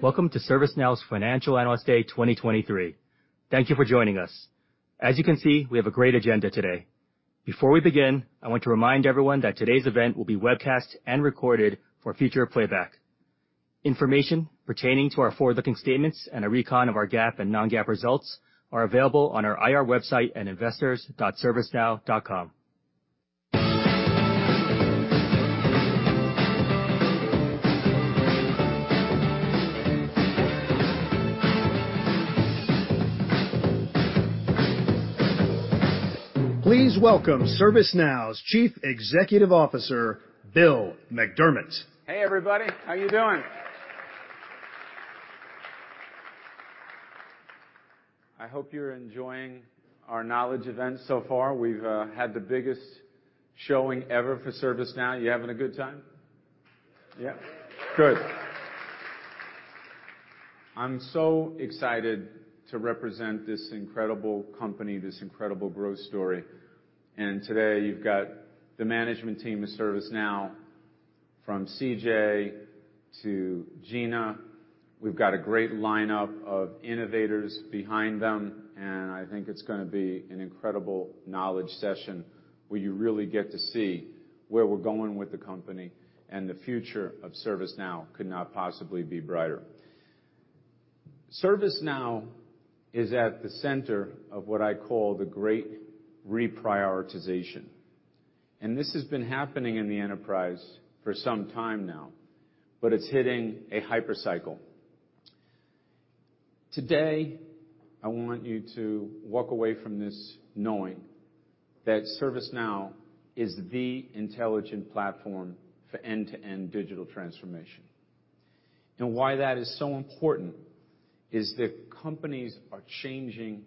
Welcome to ServiceNow's Financial Analyst Day 2023. Thank you for joining us. As you can see, we have a great agenda today. Before we begin, I want to remind everyone that today's event will be webcast and recorded for future playback. Information pertaining to our forward-looking statements and a recon of our GAAP and non-GAAP results are available on our IR website at investors.servicenow.com. Please welcome ServiceNow's Chief Executive Officer, Bill McDermott. Hey, everybody. How you doing? I hope you're enjoying our Knowledge event so far. We've had the biggest showing ever for ServiceNow. You having a good time? Yeah. Good. I'm so excited to represent this incredible company, this incredible growth story. Today you've got the management team of ServiceNow from CJ to Gina. We've got a great lineup of innovators behind them. I think it's gonna be an incredible Knowledge session where you really get to see where we're going with the company. The future of ServiceNow could not possibly be brighter. ServiceNow is at the center of what I call the great reprioritization. This has been happening in the enterprise for some time now. It's hitting a hypercycle. Today, I want you to walk away from this knowing that ServiceNow is the intelligent platform for end-to-end digital transformation. Why that is so important is that companies are changing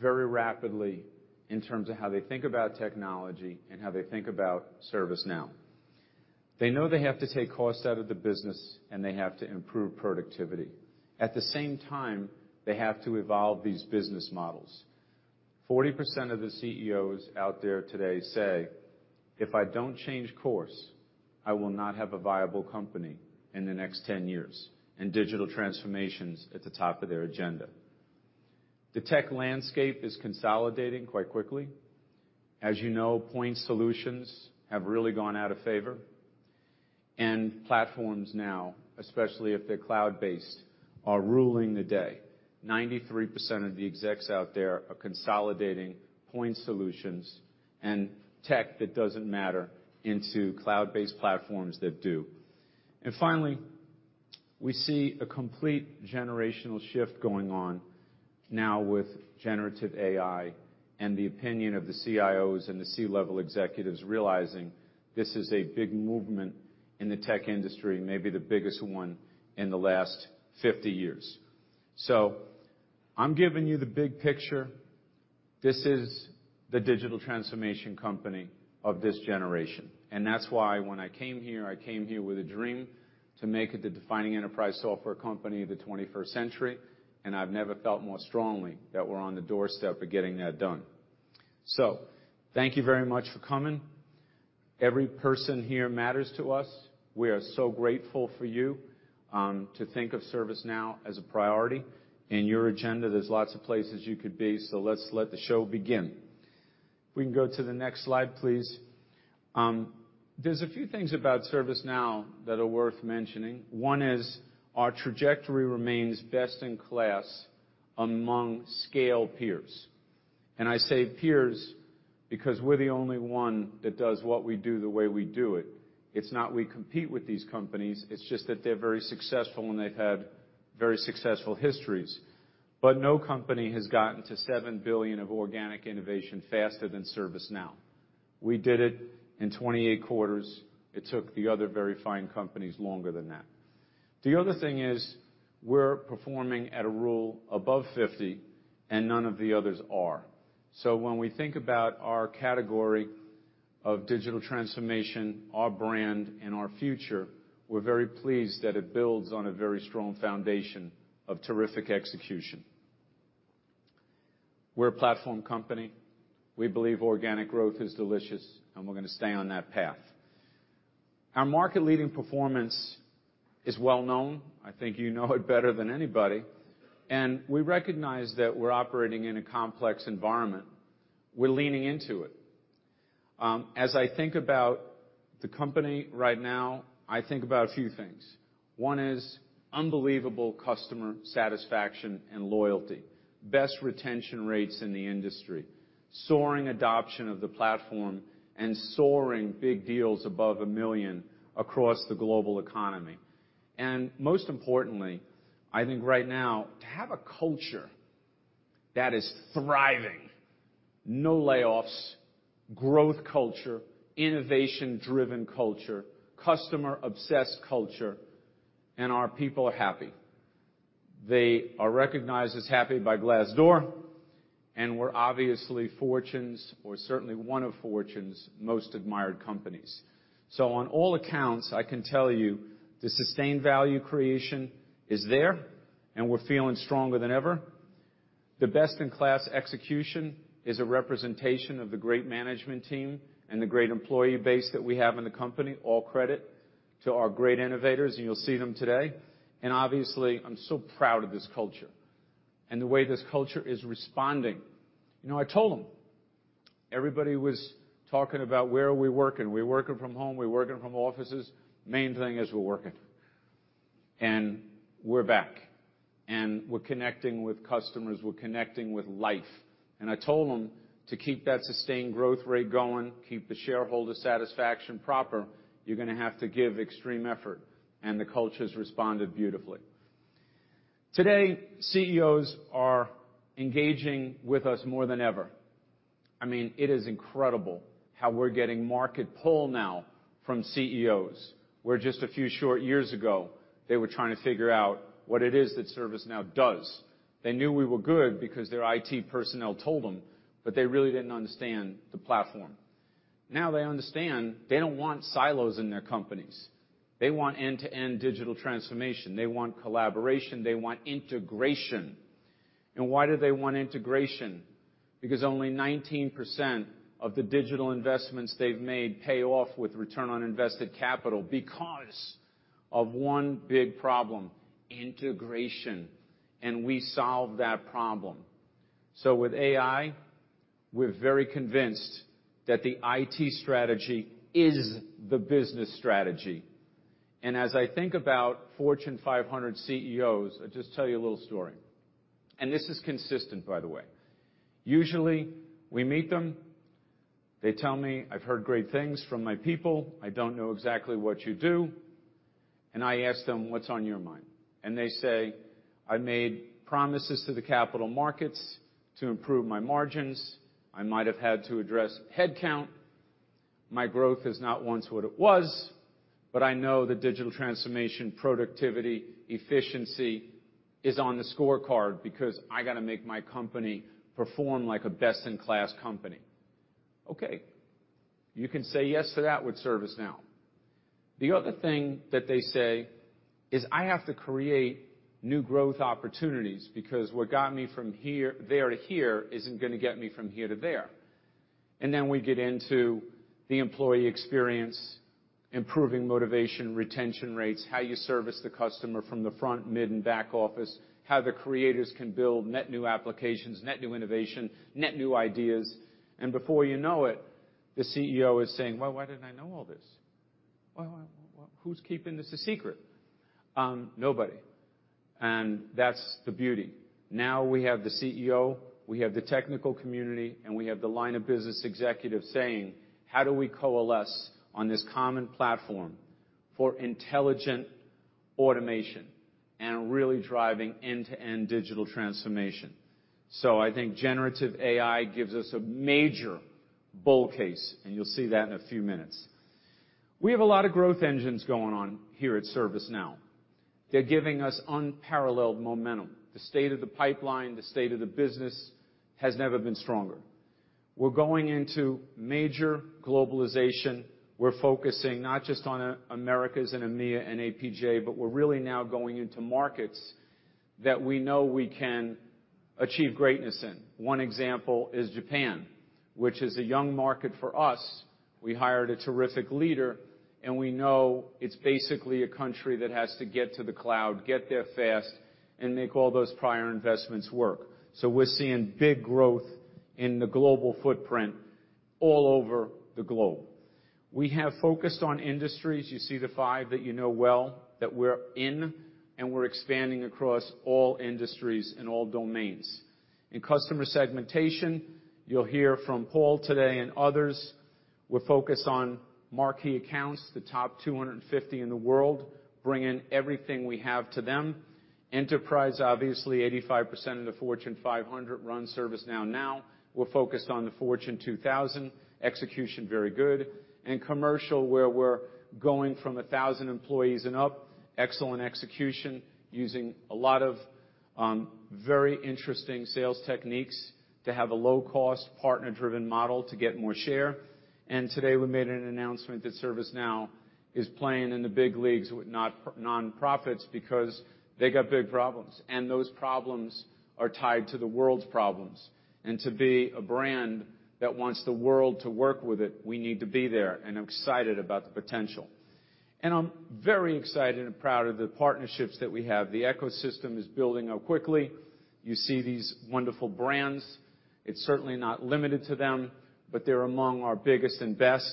very rapidly in terms of how they think about technology and how they think about ServiceNow. They know they have to take costs out of the business, and they have to improve productivity. At the same time, they have to evolve these business models. 40% of the CEOs out there today say, "If I don't change course, I will not have a viable company in the next 10 years." Digital transformation's at the top of their agenda. The tech landscape is consolidating quite quickly. As you know, point solutions have really gone out of favor. Platforms now, especially if they're cloud-based, are ruling the day. 93% of the execs out there are consolidating point solutions and tech that doesn't matter into cloud-based platforms that do. Finally, we see a complete generational shift going on now with generative AI and the opinion of the CIOs and the C-level executives realizing this is a big movement in the tech industry, maybe the biggest one in the last 50 years. I'm giving you the big picture. This is the digital transformation company of this generation. That's why when I came here, I came here with a dream to make it the defining enterprise software company of the 21st century, and I've never felt more strongly that we're on the doorstep of getting that done. Thank you very much for coming. Every person here matters to us. We are so grateful for you to think of ServiceNow as a priority in your agenda. There's lots of places you could be, so let's let the show begin. We can go to the next slide, please. There's a few things about ServiceNow that are worth mentioning. One is our trajectory remains best in class among scale peers. I say peers because we're the only one that does what we do the way we do it. It's not we compete with these companies, it's just that they're very successful, and they've had very successful histories. No company has gotten to $7 billion of organic innovation faster than ServiceNow. We did it in 28 quarters. It took the other very fine companies longer than that. The other thing is, we're performing at a rule above 50, and none of the others are. When we think about our category of digital transformation, our brand, and our future, we're very pleased that it builds on a very strong foundation of terrific execution. We're a platform company. We believe organic growth is delicious. We're gonna stay on that path. Our market leading performance is well-known. I think you know it better than anybody. We recognize that we're operating in a complex environment. We're leaning into it. As I think about the company right now, I think about a few things. One is unbelievable customer satisfaction and loyalty, best retention rates in the industry, soaring adoption of the Now Platform, and soaring big deals above $1 million across the global economy. Most importantly, I think right now to have a culture that is thriving, no layoffs, growth culture, innovation-driven culture, customer-obsessed culture, and our people are happy. They are recognized as happy by Glassdoor, and we're obviously Fortune's, or certainly one of Fortune's Most Admired Companies. On all accounts, I can tell you the sustained value creation is there, and we're feeling stronger than ever. The best-in-class execution is a representation of the great management team and the great employee base that we have in the company. All credit to our great innovators, you'll see them today. Obviously, I'm so proud of this culture and the way this culture is responding. You know, I told them, everybody was talking about where are we working? We working from home, we working from offices. Main thing is we're working. We're back, and we're connecting with customers, we're connecting with life. I told them, to keep that sustained growth rate going, keep the shareholder satisfaction proper, you're gonna have to give extreme effort, and the culture's responded beautifully. Today, CEOs are engaging with us more than ever. I mean, it is incredible how we're getting market pull now from CEOs, where just a few short years ago, they were trying to figure out what it is that ServiceNow does. They knew we were good because their IT personnel told them, they really didn't understand the platform. Now they understand they don't want silos in their companies. They want end-to-end digital transformation. They want collaboration. They want integration. Why do they want integration? Because only 19% of the digital investments they've made pay off with return on invested capital because of one big problem, integration. We solve that problem. With AI, we're very convinced that the IT strategy is the business strategy. As I think about Fortune 500 CEOs, I'll just tell you a little story. This is consistent, by the way. Usually, we meet them. They tell me, "I've heard great things from my people. I don't know exactly what you do." I ask them, "What's on your mind?" They say, "I made promises to the capital markets to improve my margins. I might have had to address headcount. My growth is not once what it was, but I know that digital transformation, productivity, efficiency is on the scorecard because I gotta make my company perform like a best-in-class company." Okay. You can say yes to that with ServiceNow. The other thing that they say is, "I have to create new growth opportunities because what got me from there to here isn't gonna get me from here to there." Then we get into the employee experience, improving motivation, retention rates, how you service the customer from the front, mid, and back office, how the creators can build net new applications, net new innovation, net new ideas. Before you know it, the CEO is saying, "Well, why didn't I know all this? Well, who's keeping this a secret?" Nobody, and that's the beauty. We have the CEO, we have the technical community, and we have the line of business executives saying, "How do we coalesce on this common platform for intelligent automation and really driving end-to-end digital transformation?" I think generative AI gives us a major bull case, and you'll see that in a few minutes. We have a lot of growth engines going on here at ServiceNow. They're giving us unparalleled momentum. The state of the pipeline, the state of the business has never been stronger. We're going into major globalization. We're focusing not just on Americas and EMEA and APJ, but we're really now going into markets that we know we can achieve greatness in. One example is Japan, which is a young market for us. We hired a terrific leader, and we know it's basically a country that has to get to the cloud, get there fast, and make all those prior investments work. We're seeing big growth in the global footprint all over the globe. We have focused on industries. You see the five that you know well that we're in, and we're expanding across all industries and all domains. In customer segmentation, you'll hear from Paul today and others, we're focused on marquee accounts, the top 250 in the world, bring in everything we have to them. Enterprise, obviously 85% of the Fortune 500 run ServiceNow now. We're focused on the Fortune 2000. Execution, very good. In commercial, where we're going from 1,000 employees and up, excellent execution using a lot of very interesting sales techniques to have a low-cost, partner-driven model to get more share. Today, we made an announcement that ServiceNow is playing in the big leagues with nonprofits because they got big problems, and those problems are tied to the world's problems. To be a brand that wants the world to work with it, we need to be there, and I'm excited about the potential. I'm very excited and proud of the partnerships that we have. The ecosystem is building out quickly. You see these wonderful brands. It's certainly not limited to them, but they're among our biggest and best,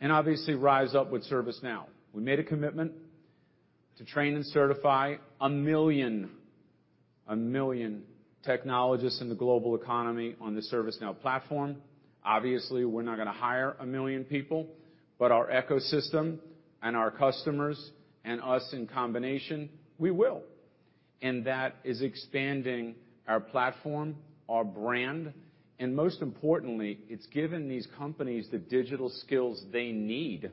and obviously, RiseUp with ServiceNow. We made a commitment to train and certify 1 million technologists in the global economy on the ServiceNow platform. We're not gonna hire 1 million people, but our ecosystem and our customers and us in combination, we will. That is expanding our platform, our brand, and most importantly, it's given these companies the digital skills they need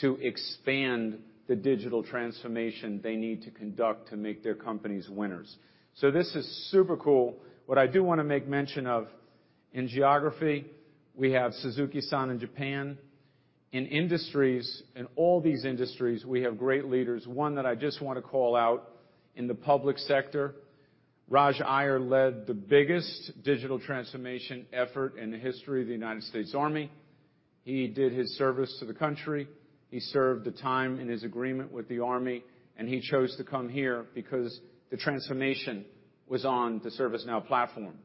to expand the digital transformation they need to conduct to make their companies winners. This is super cool. What I do wanna make mention of, in geography, we have Suzuki San in Japan. In all these industries, we have great leaders. One that I just wanna call out in the public sector, Raj Iyer led the biggest digital transformation effort in the history of the United States Army. He did his service to the country. He served the time in his agreement with the Army, and he chose to come here because the transformation was on the ServiceNow platform.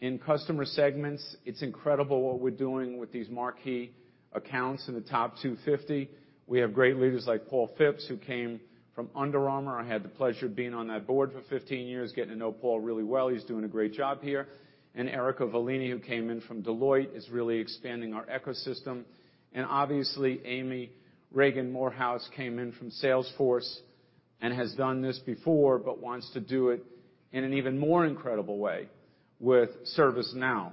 In customer segments, it's incredible what we're doing with these marquee accounts in the top 250. We have great leaders like Paul Phipps, who came from Under Armour. I had the pleasure of being on that board for 15 years, getting to know Paul really well. He's doing a great job here. Erica Volini, who came in from Deloitte, is really expanding our ecosystem. Obviously, Amy Regan Morehouse came in from Salesforce and has done this before, but wants to do it in an even more incredible way with ServiceNow.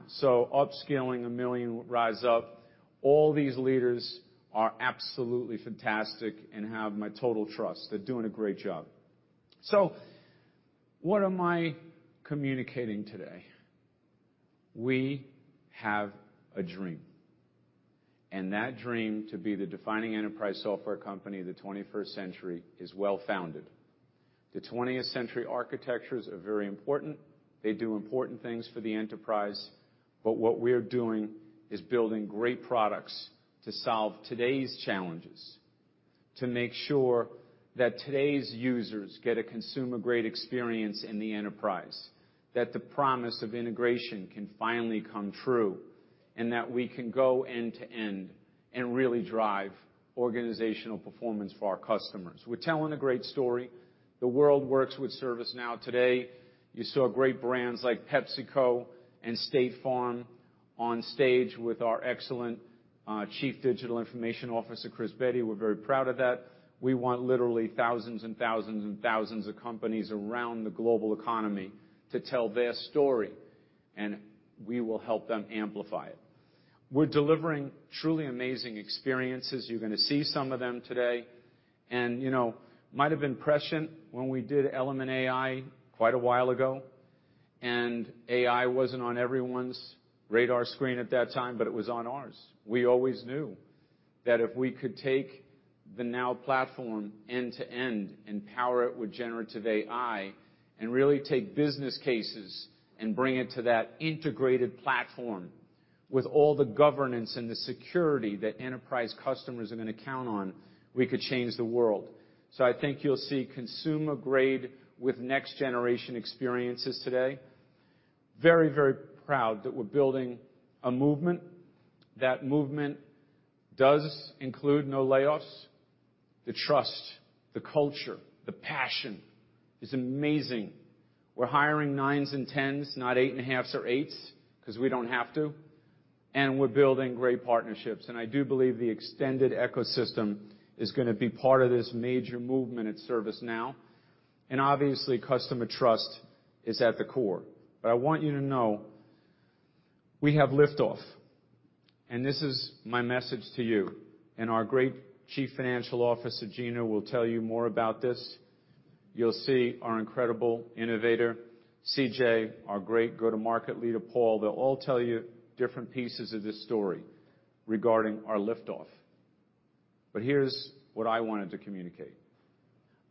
upscaling 1 million RiseUp, all these leaders are absolutely fantastic and have my total trust. They're doing a great job. What am I communicating today? We have a dream, and that dream to be the defining enterprise software company of the 21st century is well-founded. The 20th-century architectures are very important. They do important things for the enterprise. What we're doing is building great products to solve today's challenges, to make sure that today's users get a consumer-grade experience in the enterprise, that the promise of integration can finally come true, and that we can go end to end and really drive organizational performance for our customers. We're telling a great story. The world works with ServiceNow today. You saw great brands like PepsiCo and State Farm on stage with our excellent, Chief Digital Information Officer, Chris Bedi. We're very proud of that. We want literally thousands and thousands and thousands of companies around the global economy to tell their story, and we will help them amplify it. We're delivering truly amazing experiences. You're gonna see some of them today. You know, might have been prescient when we did Element AI quite a while ago, and AI wasn't on everyone's radar screen at that time, but it was on ours. We always knew that if we could take the Now Platform end to end and power it with generative AI and really take business cases and bring it to that integrated platform with all the governance and the security that enterprise customers are gonna count on, we could change the world. I think you'll see consumer-grade with next-generation experiences today. Very, very proud that we're building a movement. That movement does include no layoffs. The trust, the culture, the passion is amazing. We're hiring nines and tens, not eight and a half's or eights, 'cause we don't have to, and we're building great partnerships. I do believe the extended ecosystem is gonna be part of this major movement at ServiceNow. Obviously, customer trust is at the core. I want you to know we have liftoff, and this is my message to you and our great Chief Financial Officer, Gina, will tell you more about this. You'll see our incredible innovator, CJ, our great go-to-market leader, Paul. They'll all tell you different pieces of this story regarding our liftoff. Here's what I wanted to communicate.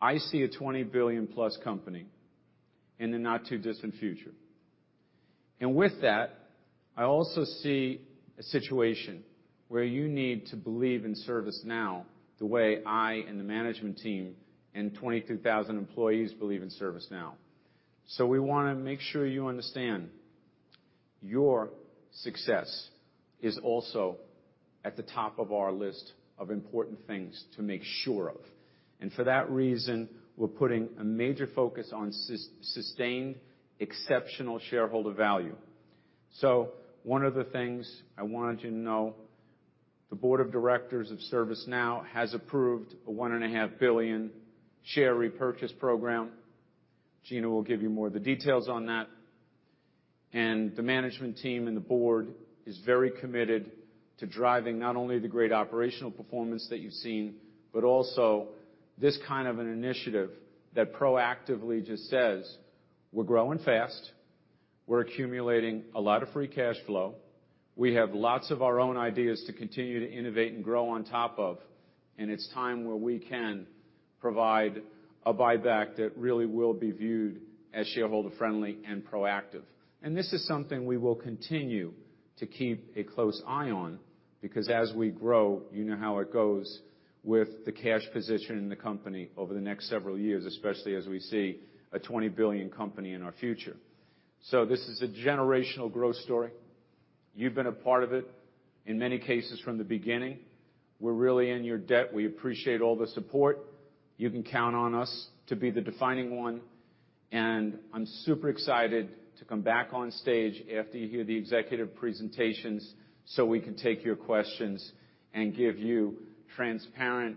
I see a $20 billion-plus company in the not-too-distant future. With that, I also see a situation where you need to believe in ServiceNow the way I and the management team and 22,000 employees believe in ServiceNow. We wanna make sure you understand your success is also at the top of our list of important things to make sure of. For that reason, we're putting a major focus on sustained, exceptional shareholder value. One of the things I wanted you to know, the board of directors of ServiceNow has approved a $1.5 billion share repurchase program. Gina will give you more of the details on that. The management team and the board is very committed to driving not only the great operational performance that you've seen, but also this kind of an initiative that proactively just says, "We're growing fast. We're accumulating a lot of free cash flow. We have lots of our own ideas to continue to innovate and grow on top of. It's time where we can provide a buyback that really will be viewed as shareholder-friendly and proactive. This is something we will continue to keep a close eye on because as we grow, you know how it goes with the cash position in the company over the next several years, especially as we see a $20 billion company in our future. This is a generational growth story. You've been a part of it, in many cases, from the beginning. We're really in your debt. We appreciate all the support. You can count on us to be the defining one. I'm super excited to come back on stage after you hear the executive presentations, so we can take your questions and give you transparent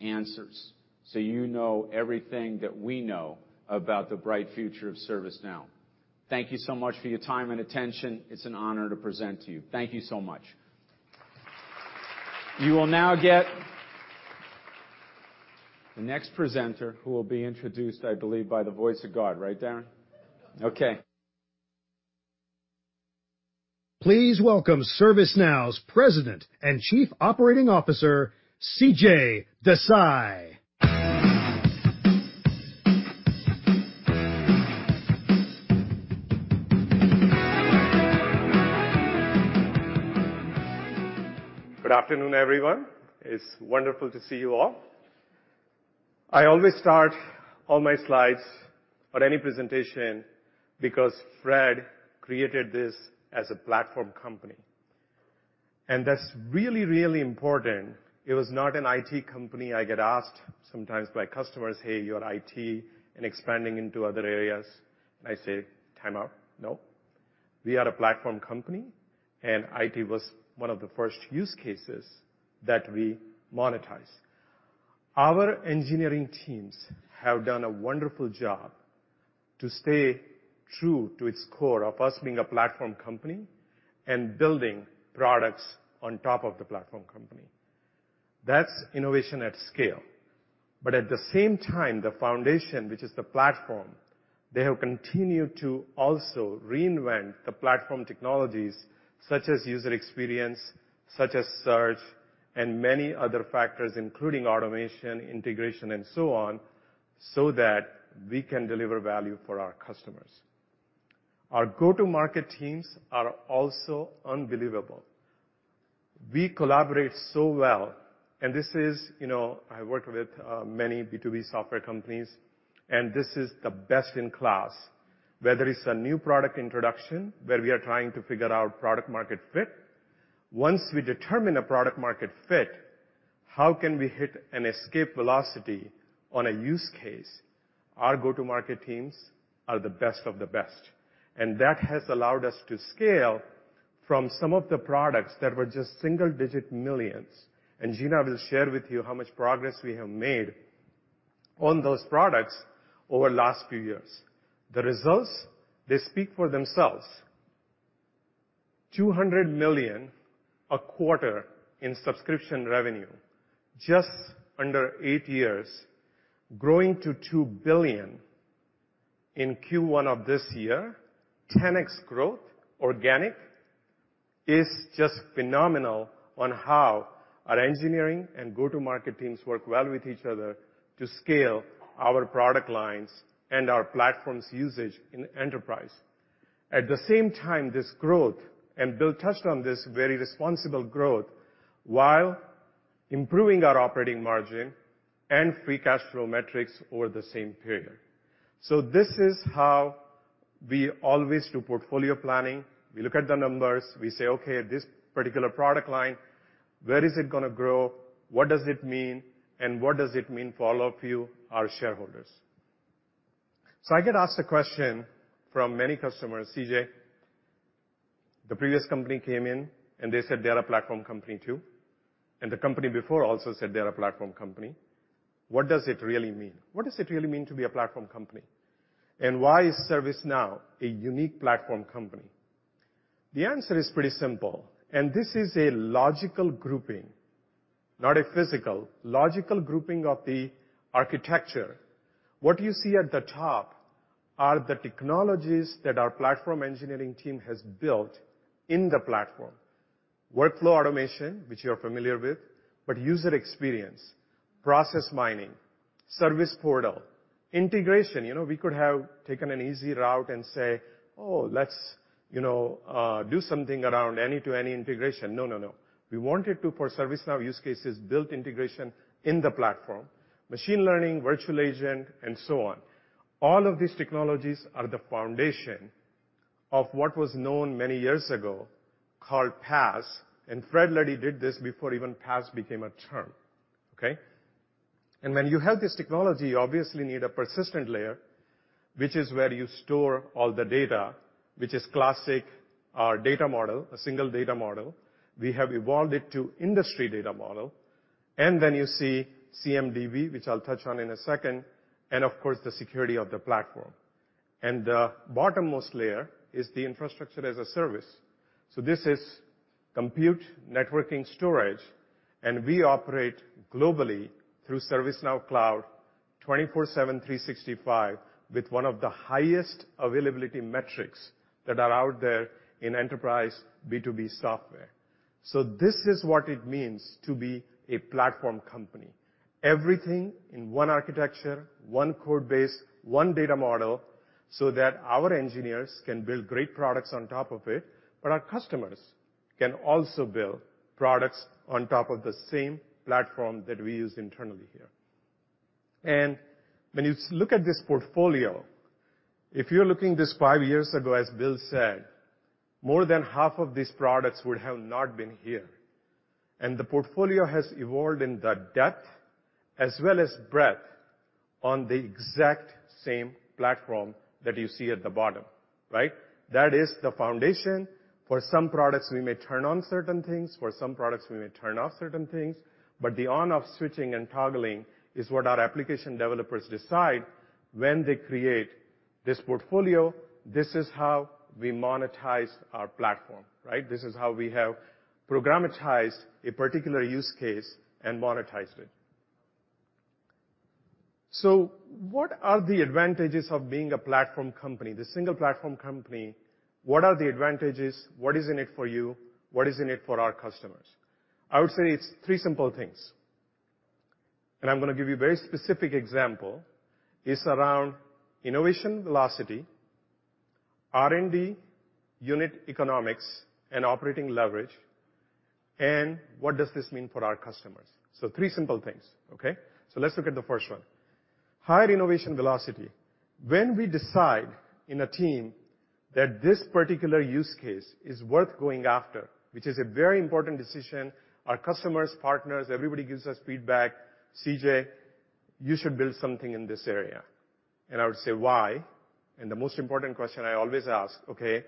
answers, so you know everything that we know about the bright future of ServiceNow. Thank you so much for your time and attention. It's an honor to present to you. Thank you so much. You will now get- The next presenter, who will be introduced, I believe, by the voice of God. Right, Darren? Okay. Please welcome ServiceNow's President and Chief Operating Officer, CJ Desai. Good afternoon, everyone. It's wonderful to see you all. I always start all my slides or any presentation because Fred created this as a platform company. That's really, really important. It was not an IT company. I get asked sometimes by customers, "Hey, you're IT and expanding into other areas." I say, "Timeout. No." We are a platform company. IT was one of the first use cases that we monetize. Our engineering teams have done a wonderful job to stay true to its core of us being a platform company and building products on top of the platform company. That's innovation at scale. At the same time, the foundation, which is the platform, they have continued to also reinvent the platform technologies such as user experience, such as search, and many other factors, including automation, integration, and so on, so that we can deliver value for our customers. Our go-to market teams are also unbelievable. We collaborate so well, and this is, you know, I worked with many B2B software companies, and this is the best in class, whether it's a new product introduction where we are trying to figure out product market fit. Once we determine a product market fit, how can we hit an escape velocity on a use case? Our go-to market teams are the best of the best. That has allowed us to scale from some of the products that were just single digit millions. Gina will share with you how much progress we have made on those products over the last few years. The results, they speak for themselves. $200 million a quarter in subscription revenue, just under eight years, growing to $2 billion in Q1 of this year. 10x growth, organic, is just phenomenal on how our engineering and go-to-market teams work well with each other to scale our product lines and our platforms usage in enterprise. At the same time, this growth, and Bill touched on this, very responsible growth while improving our operating margin and free cash flow metrics over the same period. This is how we always do portfolio planning. We look at the numbers, we say, "Okay, this particular product line, where is it gonna grow? What does it mean? What does it mean for all of you, our shareholders?" I get asked the question from many customers, "CJ, the previous company came in, and they said they're a platform company too. The company before also said they're a platform company. What does it really mean? What does it really mean to be a platform company? Why is ServiceNow a unique platform company?" The answer is pretty simple. This is a logical grouping, not a physical, logical grouping of the architecture. What you see at the top are the technologies that our platform engineering team has built in the platform. Workflow automation, which you're familiar with, but user experience, process mining, service portal, integration. You know, we could have taken an easy route and say, "Oh, let's, you know, do something around any-to-any integration." No, no. We wanted to, for ServiceNow use cases, build integration in the platform. Machine learning, virtual agent, and so on. All of these technologies are the foundation of what was known many years ago called PAS. Fred already did this before even PAS became a term. Okay? When you have this technology, you obviously need a persistent layer, which is where you store all the data, which is classic, our data model, a single data model. We have evolved it to industry data model. You see CMDB, which I'll touch on in a second, and of course, the security of the platform. The bottommost layer is the infrastructure as a service. This is compute networking storage, and we operate globally through ServiceNow Cloud 24/7, 365 with one of the highest availability metrics that are out there in enterprise B2B software. This is what it means to be a platform company. Everything in one architecture, one code base, one data model, so that our engineers can build great products on top of it, but our customers can also build products on top of the same platform that we use internally here. When you look at this portfolio, if you're looking this five years ago, as Bill said, more than half of these products would have not been here. The portfolio has evolved in the depth as well as breadth on the exact same platform that you see at the bottom. Right? That is the foundation. For some products, we may turn on certain things, for some products, we may turn off certain things, but the on-off switching and toggling is what our application developers decide when they create this portfolio. This portfolio, this is how we monetize our platform, right? This is how we have programmatized a particular use case and monetized it. What are the advantages of being a platform company, the single platform company? What are the advantages? What is in it for you? What is in it for our customers? I would say it's three simple things. I'm gonna give you a very specific example. It's around innovation velocity, R&D unit economics, and operating leverage, and what does this mean for our customers? Three simple things, okay? Let's look at the first one. Higher innovation velocity. When we decide in a team that this particular use case is worth going after, which is a very important decision, our customers, partners, everybody gives us feedback, "CJ, you should build something in this area." I would say, "Why?" The most important question I always ask, "Okay,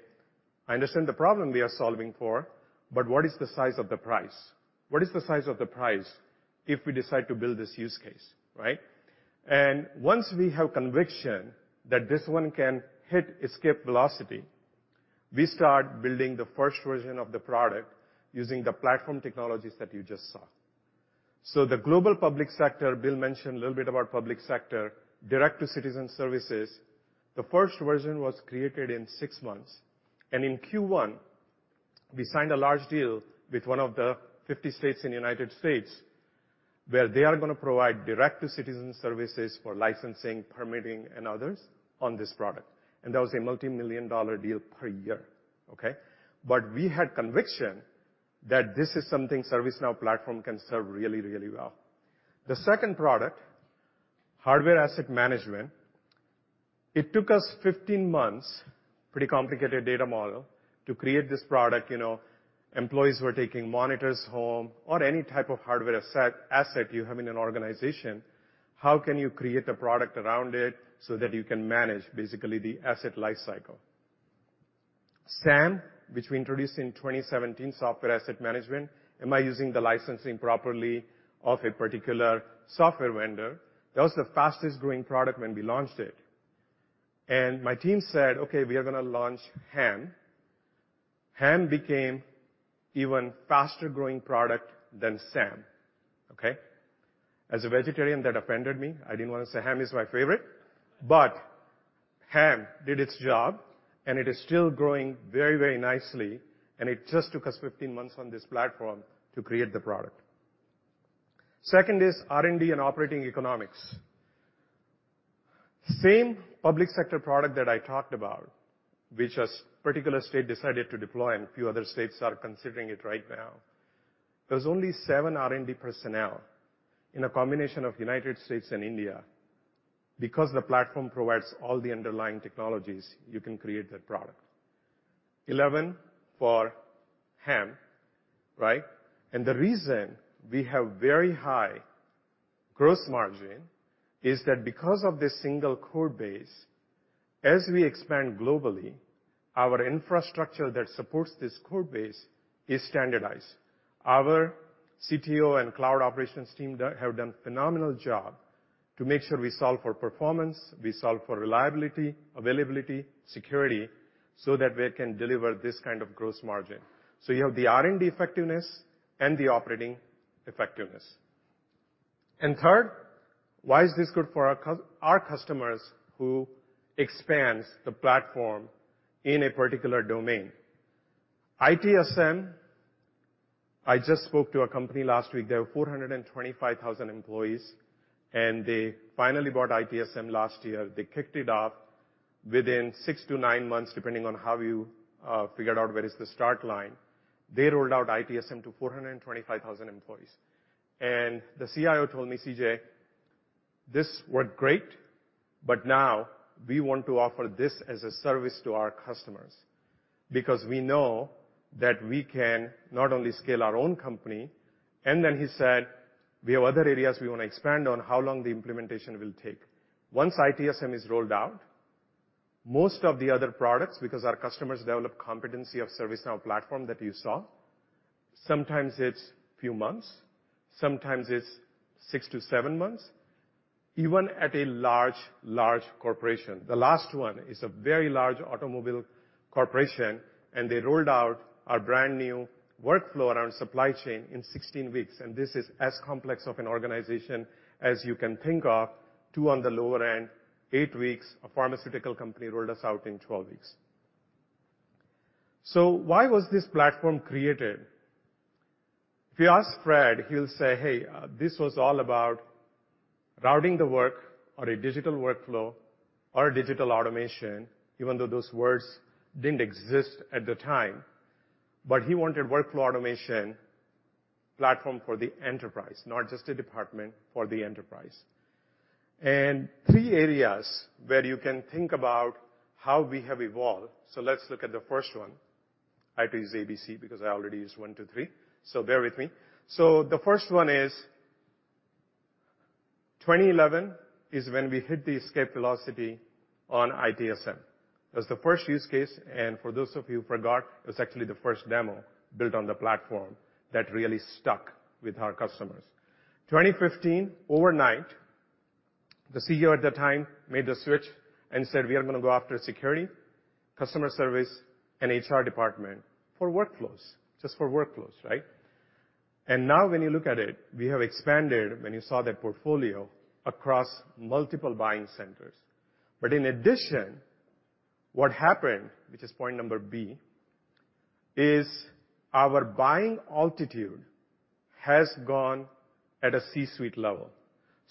I understand the problem we are solving for, but what is the size of the price? What is the size of the price if we decide to build this use case?" Right? Once we have conviction that this one can hit escape velocity, we start building the first version of the product using the platform technologies that you just saw. The global public sector, Bill mentioned a little bit about public sector, direct to citizen services. The first version was created in six months. In Q1, we signed a large deal with one of the 50 states in the United States, where they are gonna provide direct to citizen services for licensing, permitting, and others on this product. That was a multi-million dollar deal per year, okay? We had conviction that this is something Now Platform can serve really, really well. The second product, Hardware Asset Management, it took us 15 months, pretty complicated data model, to create this product. You know, employees were taking monitors home or any type of hardware asset you have in an organization, how can you create a product around it so that you can manage basically the asset life cycle? SAM, which we introduced in 2017, Software Asset Management. Am I using the licensing properly of a particular software vendor? That was the fastest-growing product when we launched it. My team said, "Okay, we are going to launch HAM." HAM became even faster-growing product than SAM, okay? As a vegetarian, that offended me. I didn't want to say HAM is my favorite, but HAM did its job, and it is still growing very, very nicely, and it just took us 15 months on this platform to create the product. Second is R&D and operating economics. Same public sector product that I talked about, which a particular state decided to deploy and a few other states are considering it right now. There's only seven R&D personnel in a combination of United States and India. The platform provides all the underlying technologies, you can create that product. 11 for HAM, right? The reason we have very high gross margin is that because of the single code base, as we expand globally, our infrastructure that supports this code base is standardized. Our CTO and cloud operations team have done a phenomenal job to make sure we solve for performance, we solve for reliability, availability, security, so that we can deliver this kind of gross margin. You have the R&D effectiveness and the operating effectiveness. Third, why is this good for our customers who expands the platform in a particular domain? ITSM, I just spoke to a company last week, they have 425,000 employees, and they finally bought ITSM last year. They kicked it off within six to nine months, depending on how you figured out where is the start line. They rolled out ITSM to 425,000 employees. The CIO told me, "CJ, this worked great, but now we want to offer this as a service to our customers because we know that we can not only scale our own company," and then he said, "We have other areas we wanna expand on." How long the implementation will take? Once ITSM is rolled out, most of the other products, because our customers develop competency of ServiceNow platform that you saw, sometimes it's few months, sometimes it's six to seven months, even at a large corporation. The last one is a very large automobile corporation, and they rolled out our brand-new workflow around supply chain in 16 weeks, and this is as complex of an organization as you can think of. Two on the lower end, eigh weeks. A pharmaceutical company rolled us out in 12 weeks. Why was this platform created? If you ask Fred, he'll say, "Hey, this was all about routing the work or a digital workflow or a digital automation," even though those words didn't exist at the time. He wanted workflow automation platform for the enterprise, not just a department, for the enterprise. Three areas where you can think about how we have evolved. Let's look at the first one. I have to use A, B, C because I already used one, two, three, bear with me. The first one is 2011 is when we hit the escape velocity on ITSM. That's the first use case, and for those of you who forgot, it's actually the first demo built on the platform that really stuck with our customers. 2015, overnight, the CEO at the time made the switch and said, "We are gonna go after security, customer service, and HR department for workflows." Just for workflows, right? Now when you look at it, we have expanded, when you saw that portfolio, across multiple buying centers. In addition, what happened, which is point number B, is our buying altitude has gone at a C-suite level.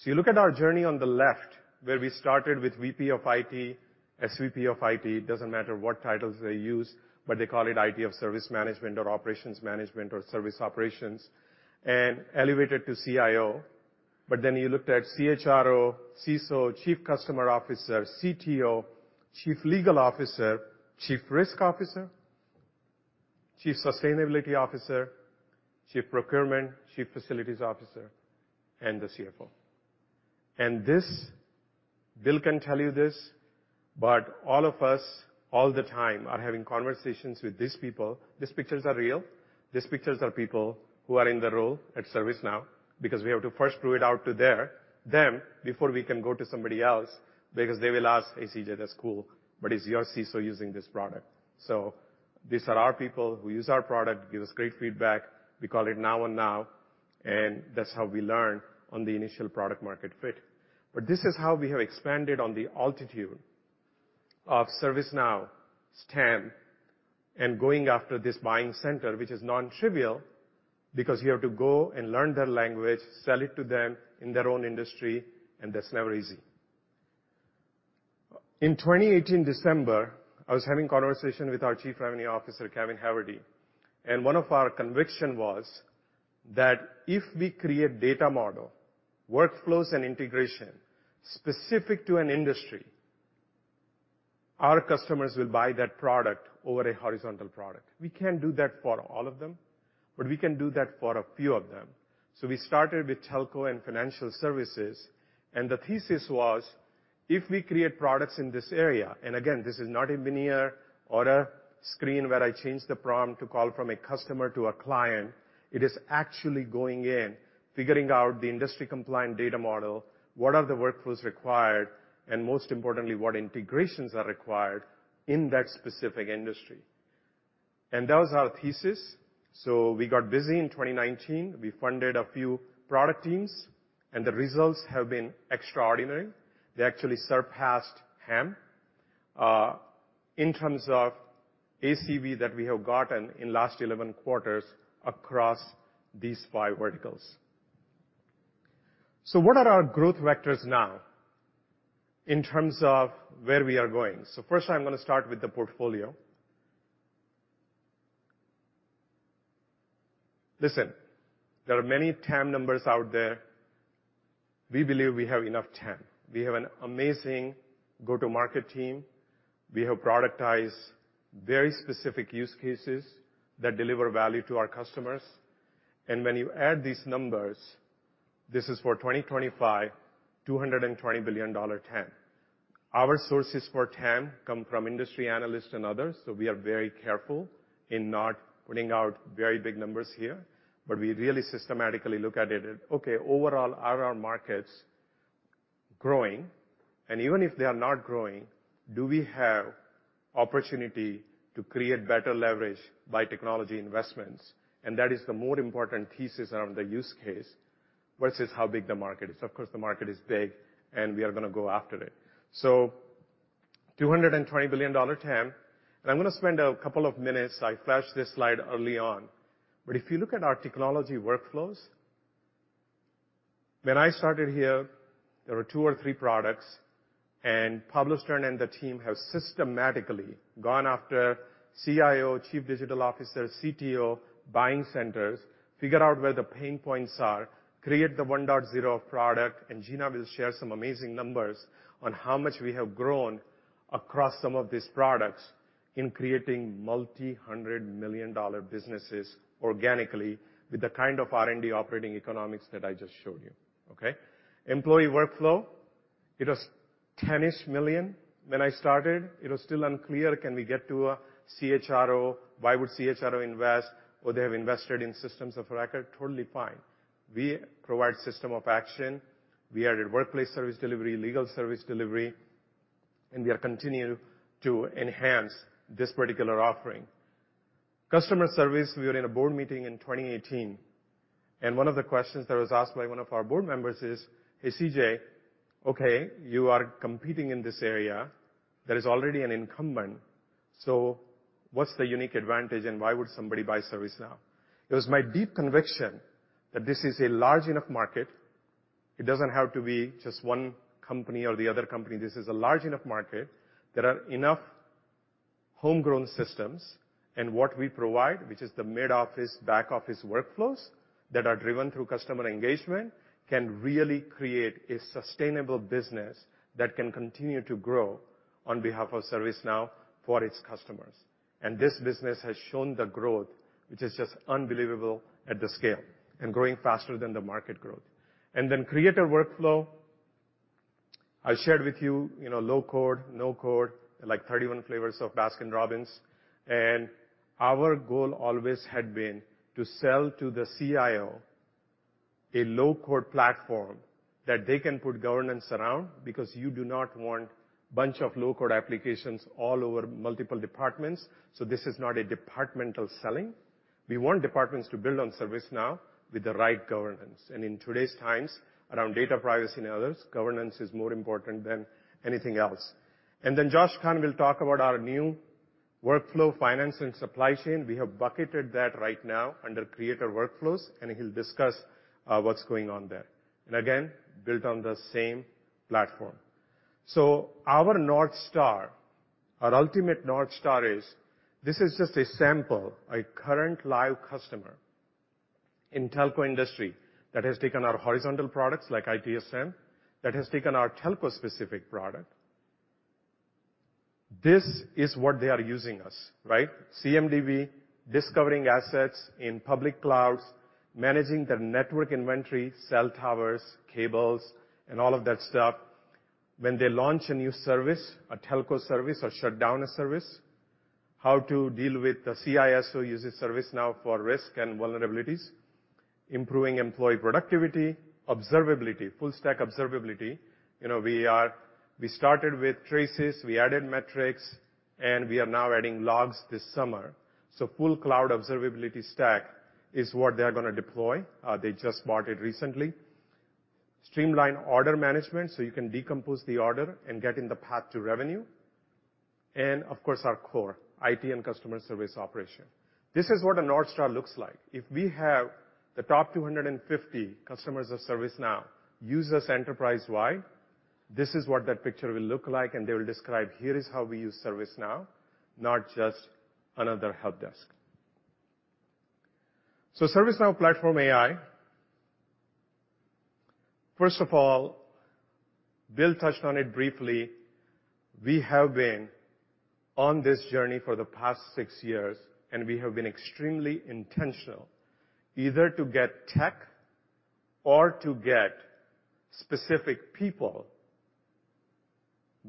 You look at our journey on the left, where we started with VP of IT, SVP of IT, doesn't matter what titles they use, but they call it IT of service management or operations management or service operations, and elevated to CIO. You looked at CHRO, CISO, chief customer officer, CTO, chief legal officer, chief risk officer, chief sustainability officer, chief procurement, chief facilities officer, and the CFO. This, Bill can tell you this, but all of us, all the time are having conversations with these people. These pictures are real. These pictures are people who are in the role at ServiceNow, because we have to first prove it out to them before we can go to somebody else, because they will ask, "Hey, CJ, that's cool, but is your CISO using this product?" These are our people who use our product, give us great feedback. We call it Now on Now, and that's how we learn on the initial product market fit. This is how we have expanded on the altitude of ServiceNow's TAM and going after this buying center, which is non-trivial, because you have to go and learn their language, sell it to them in their own industry, and that's never easy. In 2018 December, I was having conversation with our Chief Revenue Officer, Kevin Haverty. One of our conviction was that if we create data model, workflows, and integration specific to an industry, our customers will buy that product over a horizontal product. We can't do that for all of them, but we can do that for a few of them. We started with telco and financial services, the thesis was, if we create products in this area, and again, this is not a veneer or a screen where I change the prompt to call from a customer to a client. It is actually going in, figuring out the industry-compliant data model, what are the workflows required, and most importantly, what integrations are required in that specific industry. That was our thesis. We got busy in 2019. We funded a few product teams. The results have been extraordinary. They actually surpassed TAM in terms of ACV that we have gotten in last 11 quarters across these five verticals. What are our growth vectors now in terms of where we are going? First, I'm gonna start with the portfolio. Listen, there are many TAM numbers out there. We believe we have enough TAM. We have an amazing go-to-market team. We have productized very specific use cases that deliver value to our customers. When you add these numbers, this is for 2025, $220 billion TAM. Our sources for TAM come from industry analysts and others, so we are very careful in not putting out very big numbers here. We really systematically look at it, okay, overall are our markets growing? Even if they are not growing, do we have opportunity to create better leverage by technology investments? That is the more important thesis around the use case versus how big the market is. Of course, the market is big, we are gonna go after it. $220 billion TAM. I'm gonna spend a couple of minutes. I flashed this slide early on. If you look at our technology workflows, when I started here, there were two or three products. Pablo Stern and the team have systematically gone after CIO, chief digital officer, CTO, buying centers, figured out where the pain points are, create the 1.0 of product. Gina will share some amazing numbers on how much we have grown across some of these products in creating multi-hundred million dollar businesses organically with the kind of R&D operating economics that I just showed you. Okay? Employee workflow, it was $10-ish million when I started. It was still unclear, can we get to a CHRO? Why would CHRO invest? They have invested in systems of record, totally fine. We provide system of action. We added workplace service delivery, legal service delivery, and we are continue to enhance this particular offering. Customer service, we were in a board meeting in 2018, and one of the questions that was asked by one of our board members is, "Hey, CJ, okay, you are competing in this area. There is already an incumbent. what's the unique advantage and why would somebody buy ServiceNow?" It was my deep conviction that this is a large enough market. It doesn't have to be just one company or the other company. This is a large enough market. There are enough homegrown systems, and what we provide, which is the mid-office, back-office workflows that are driven through customer engagement, can really create a sustainable business that can continue to grow on behalf of ServiceNow for its customers. This business has shown the growth, which is just unbelievable at the scale and growing faster than the market growth. creator workflow. I shared with you know, low code, no code, like 31 flavors of Baskin-Robbins. Our goal always had been to sell to the CIO a low-code platform that they can put governance around because you do not want bunch of low-code applications all over multiple departments. This is not a departmental selling. We want departments to build on ServiceNow with the right governance. In today's times, around data privacy and others, governance is more important than anything else. Then Josh Kahn will talk about our new workflow finance and supply chain. We have bucketed that right now under creator workflows, and he'll discuss what's going on there. Again, built on the same platform. Our North Star, our ultimate North Star is, this is just a sample, a current live customer in telco industry that has taken our horizontal products like ITSM, that has taken our telco-specific product. This is what they are using us, right? CMDB, discovering assets in public clouds, managing the network inventory, cell towers, cables, and all of that stuff. When they launch a new service, a telco service, or shut down a service, how to deal with the CISO uses ServiceNow for risk and vulnerabilities, improving employee productivity, observability, full stack observability. You know, we started with traces, we added metrics, and we are now adding logs this summer. Full cloud observability stack is what they're gonna deploy. They just bought it recently. Streamline order management, so you can decompose the order and get in the path to revenue. Of course, our core, IT and Customer Service operation. This is what a North Star looks like. If we have the top 250 customers of ServiceNow use us enterprise-wide, this is what that picture will look like, and they will describe, "Here is how we use ServiceNow, not just another help desk." ServiceNow platform AI. First of all, Bill touched on it briefly. We have been on this journey for the past six years, and we have been extremely intentional either to get tech or to get specific people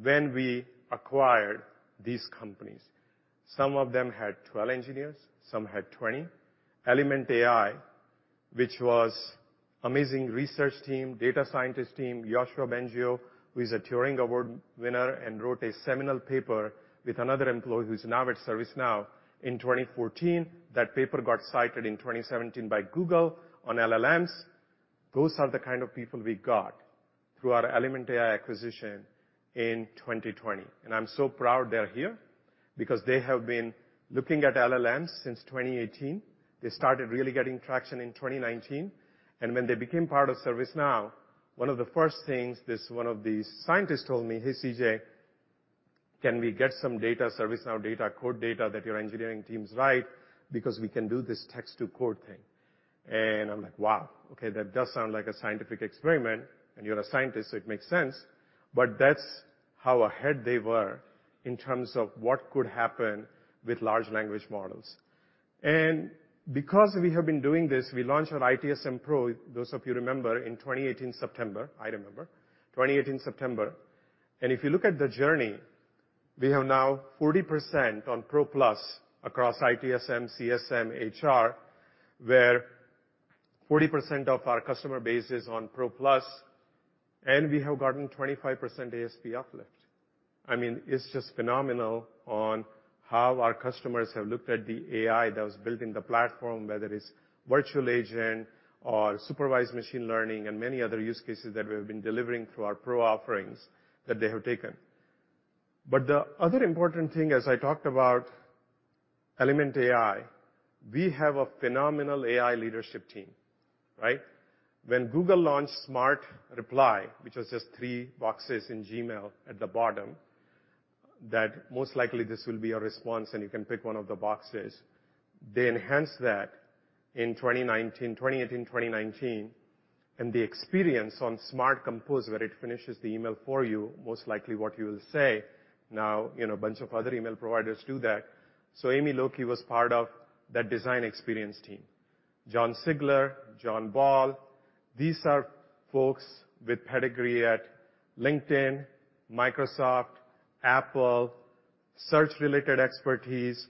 when we acquired these companies. Some of them had 12 engineers, some had 20. Element AI, which was amazing research team, data scientist team, Yoshua Bengio, who is a Turing Award winner and wrote a seminal paper with another employee who's now at ServiceNow in 2014. That paper got cited in 2017 by Google on LLMs. Those are the kind of people we got through our Element AI acquisition in 2020. I'm so proud they're here because they have been looking at LLMs since 2018. They started really getting traction in 2019. When they became part of ServiceNow, one of the first things this one of the scientists told me, "Hey, CJ, can we get some data, ServiceNow data, code data that your engineering teams write because we can do this text to code thing?" I'm like, "Wow, okay, that does sound like a scientific experiment, and you're a scientist, so it makes sense." That's how ahead they were in terms of what could happen with large language models. Because we have been doing this, we launched our ITSM Pro, those of you who remember, in 2018, September. I remember. 2018, September. If you look at the journey, we have now 40% on ProPlus across ITSM, CSM, HR, where 40% of our customer base is on ProPlus, and we have gotten 25% ASP uplift. I mean, it's just phenomenal on how our customers have looked at the AI that was built in the platform, whether it's virtual agent or supervised machine learning and many other use cases that we have been delivering through our Pro offerings that they have taken. The other important thing, as I talked about Element AI, we have a phenomenal AI leadership team, right? When Google launched Smart Reply, which was just three boxes in Gmail at the bottom, that most likely this will be a response, and you can pick one of the boxes. They enhanced that in 2019, 2018, 2019, and the experience on Smart Compose, where it finishes the email for you, most likely what you will say. You know, a bunch of other email providers do that. Amy Lokey was part of that design experience team. Jon Sigler, John Ball, these are folks with pedigree at LinkedIn, Microsoft, Apple, search-related expertise,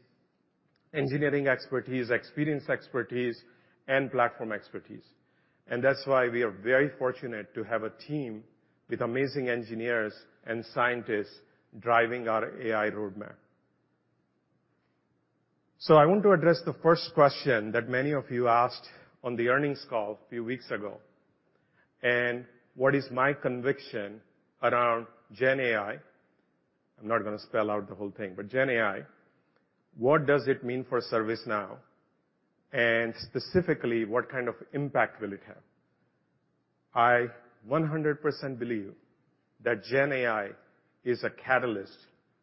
engineering expertise, experience expertise, and platform expertise. That's why we are very fortunate to have a team with amazing engineers and scientists driving our AI roadmap. I want to address the first question that many of you asked on the earnings call a few weeks ago, and what is my conviction around gen AI. I'm not gonna spell out the whole thing, but gen AI. What does it mean for ServiceNow? Specifically, what kind of impact will it have? I 100% believe that Gen AI is a catalyst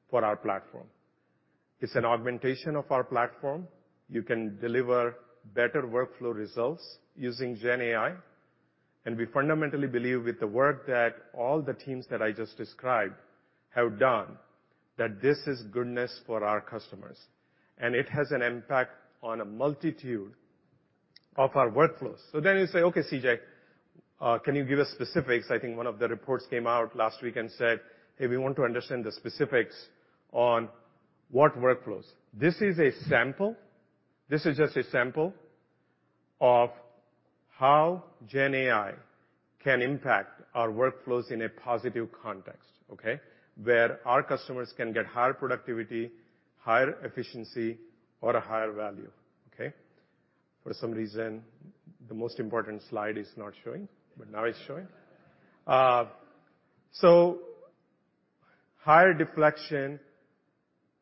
for our Now Platform. It's an augmentation of our Now Platform. You can deliver better workflow results using Gen AI. We fundamentally believe with the work that all the teams that I just described have done, that this is goodness for our customers. It has an impact on a multitude of our workflows. You say, "Okay, CJ, can you give us specifics?" I think one of the reports came out last week and said, "Hey, we want to understand the specifics on what workflows." This is a sample. This is just a sample of how Gen AI can impact our workflows in a positive context, okay? Where our customers can get higher productivity, higher efficiency or a higher value. Okay? For some reason, the most important slide is not showing, but now it's showing. Higher deflection,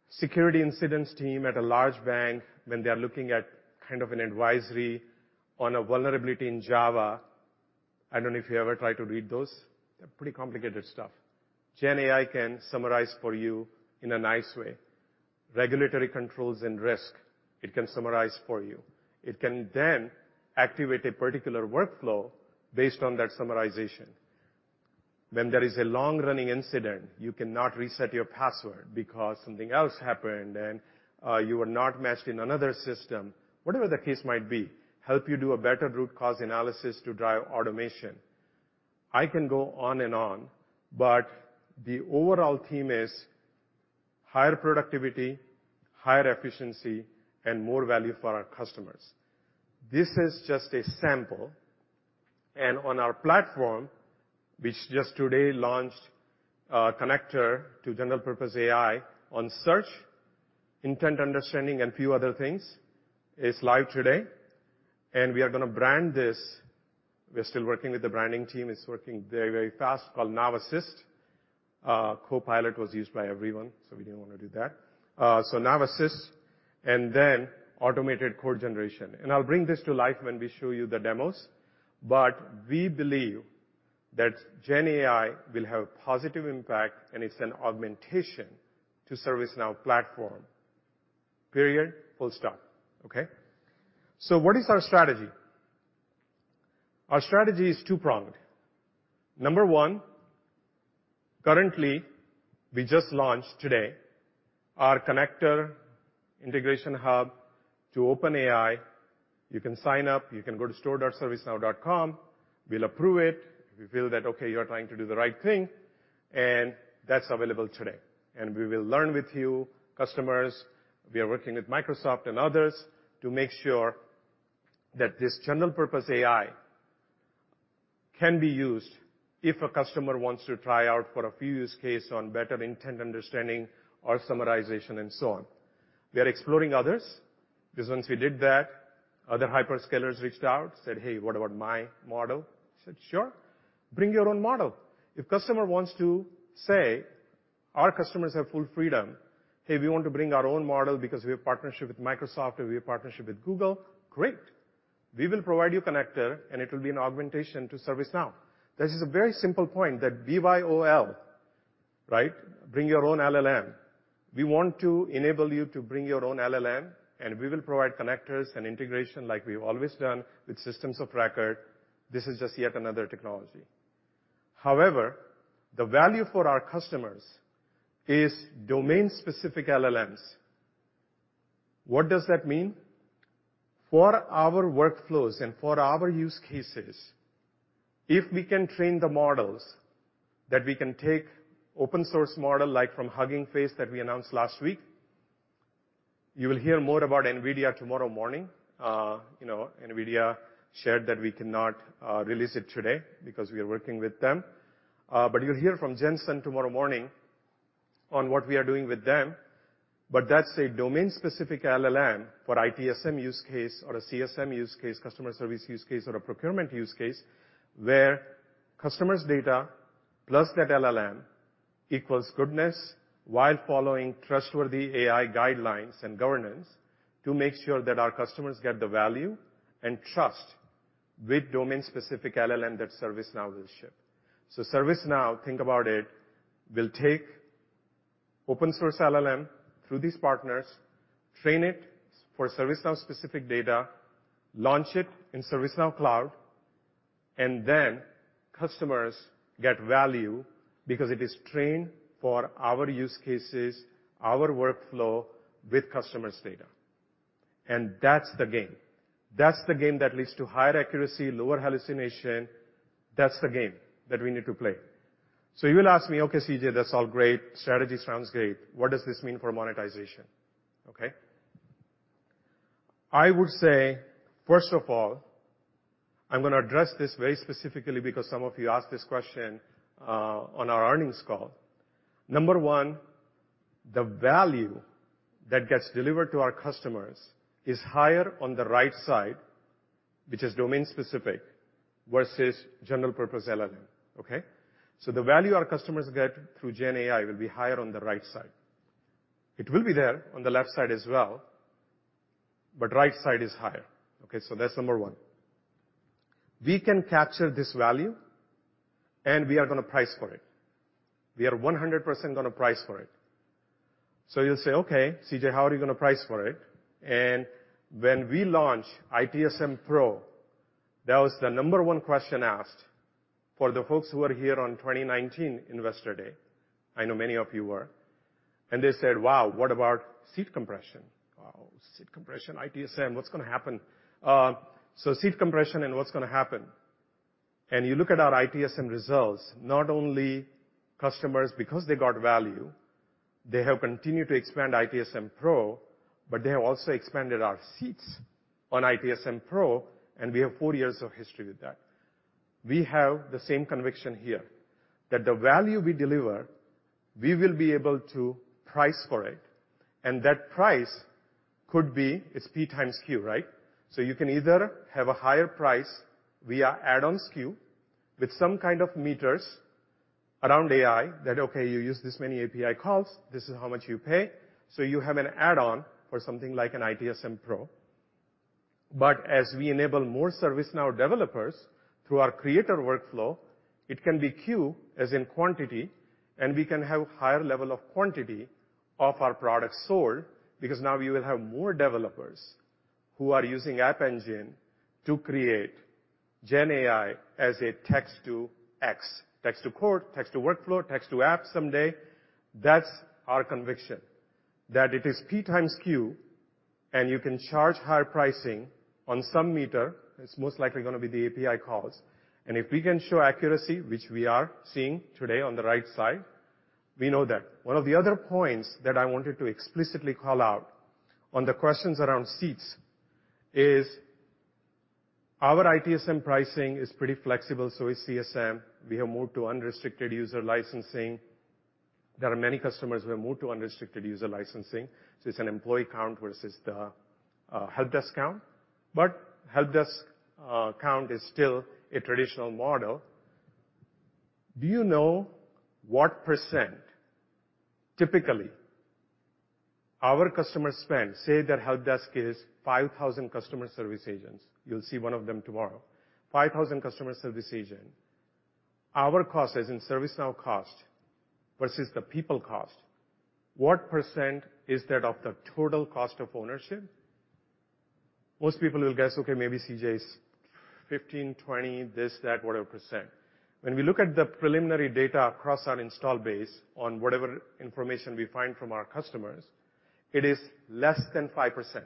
security incidents team at a large bank, when they are looking at kind of an advisory on a vulnerability in Java. I don't know if you ever try to read those. They're pretty complicated stuff. Gen AI can summarize for you in a nice way. Regulatory controls and risk, it can summarize for you. It can then activate a particular workflow based on that summarization. When there is a long-running incident, you cannot reset your password because something else happened and you are not matched in another system, whatever the case might be, help you do a better root cause analysis to drive automation. I can go on and on, but the overall theme is higher productivity, higher efficiency and more value for our customers. This is just a sample. On our platform, which just today launched a connector to general purpose AI on search, intent understanding and a few other things, is live today. We are going to brand this. We're still working with the branding team. It's working very, very fast, called NowAssist. Copilot was used by everyone, so we didn't want to do that. NowAssist and then automated code generation. I'll bring this to life when we show you the demos. We believe that gen AI will have positive impact, and it's an augmentation to ServiceNow Platform. Period. Full stop. Okay? What is our strategy? Our strategy is two-pronged. Number one, currently we just launched today our connector Integration Hub to OpenAI. You can sign up, you can go to store.servicenow.com. We'll approve it. We feel that, okay, you're trying to do the right thing, and that's available today. We will learn with you, customers. We are working with Microsoft and others to make sure that this general purpose AI can be used if a customer wants to try out for a few use case on better intent understanding or summarization and so on. We are exploring others, because once we did that, other hyperscalers reached out, said, "Hey, what about my model?" I said, "Sure, bring your own model." If customer wants to say, our customers have full freedom, "Hey, we want to bring our own model because we have partnership with Microsoft or we have partnership with Google," great. We will provide you connector and it will be an augmentation to ServiceNow. This is a very simple point that BYOL, right? Bring your own LLM. We want to enable you to bring your own LLM, and we will provide connectors and integration like we've always done with systems of record. This is just yet another technology. However, the value for our customers is domain-specific LLMs. What does that mean? For our workflows and for our use cases, if we can train the models that we can take open source model like from Hugging Face that we announced last week. You will hear more about NVIDIA tomorrow morning. You know, NVIDIA shared that we cannot release it today because we are working with them. You'll hear from Jensen tomorrow morning on what we are doing with them. That's a domain-specific LLM for ITSM use case or a CSM use case, customer service use case, or a procurement use case, where customer's data plus that LLM equals goodness while following trustworthy AI guidelines and governance to make sure that our customers get the value and trust with domain-specific LLM that ServiceNow will ship. ServiceNow, think about it, will take open source LLM through these partners, train it for ServiceNow specific data, launch it in ServiceNow cloud, and then customers get value because it is trained for our use cases, our workflow with customers' data. That's the game. That's the game that leads to higher accuracy, lower hallucination. That's the game that we need to play. You'll ask me, "Okay, CJ, that's all great. Strategy sounds great. What does this mean for monetization?" Okay. I would say, first of all, I'm gonna address this very specifically because some of you asked this question on our earnings call. Number one, the value that gets delivered to our customers is higher on the right side, which is domain-specific versus general purpose LLM. Okay? The value our customers get through gen AI will be higher on the right side. It will be there on the left side as well, but right side is higher. That's number one. We can capture this value, and we are gonna price for it. We are 100% gonna price for it. You'll say, "Okay, CJ, how are you gonna price for it?" When we launch ITSM Pro. That was the number one question asked for the folks who were here on 2019 Investor Day. I know many of you were. They said, "Wow, what about seat compression? Wow, seat compression, ITSM, what's gonna happen?" Seat compression and what's gonna happen. You look at our ITSM results, not only customers because they got value, they have continued to expand ITSM Pro, but they have also expanded our seats on ITSM Pro, and we have four years of history with that. We have the same conviction here, that the value we deliver, we will be able to price for it, and that price could be it's P times Q, right? You can either have a higher price via add-on SKU with some kind of meters around AI that, okay, you use this many API calls, this is how much you pay. You have an add-on for something like an ITSM Pro. As we enable more ServiceNow developers through our creator workflow, it can be Q, as in quantity, and we can have higher level of quantity of our products sold because now we will have more developers who are using App Engine to create gen AI as a text to X, text to code, text to workflow, text to app someday. That's our conviction, that it is P times Q, and you can charge higher pricing on some meter. It's most likely gonna be the API calls. If we can show accuracy, which we are seeing today on the right side, we know that. One of the other points that I wanted to explicitly call out on the questions around seats is our ITSM pricing is pretty flexible, so is CSM. We have moved to unrestricted user licensing. There are many customers who have moved to unrestricted user licensing, so it's an employee count versus the help desk count. Help desk count is still a traditional model. Do you know what % typically our customers spend? Say that help desk is 5,000 customer service agents. You'll see one of them tomorrow. 5,000 customer service agent. Our cost, as in ServiceNow cost versus the people cost, what % is that of the total cost of ownership? Most people will guess, "Okay, maybe CJ, it's 15, 20, this, that, whatever %." When we look at the preliminary data across our install base on whatever information we find from our customers, it is less than 5%,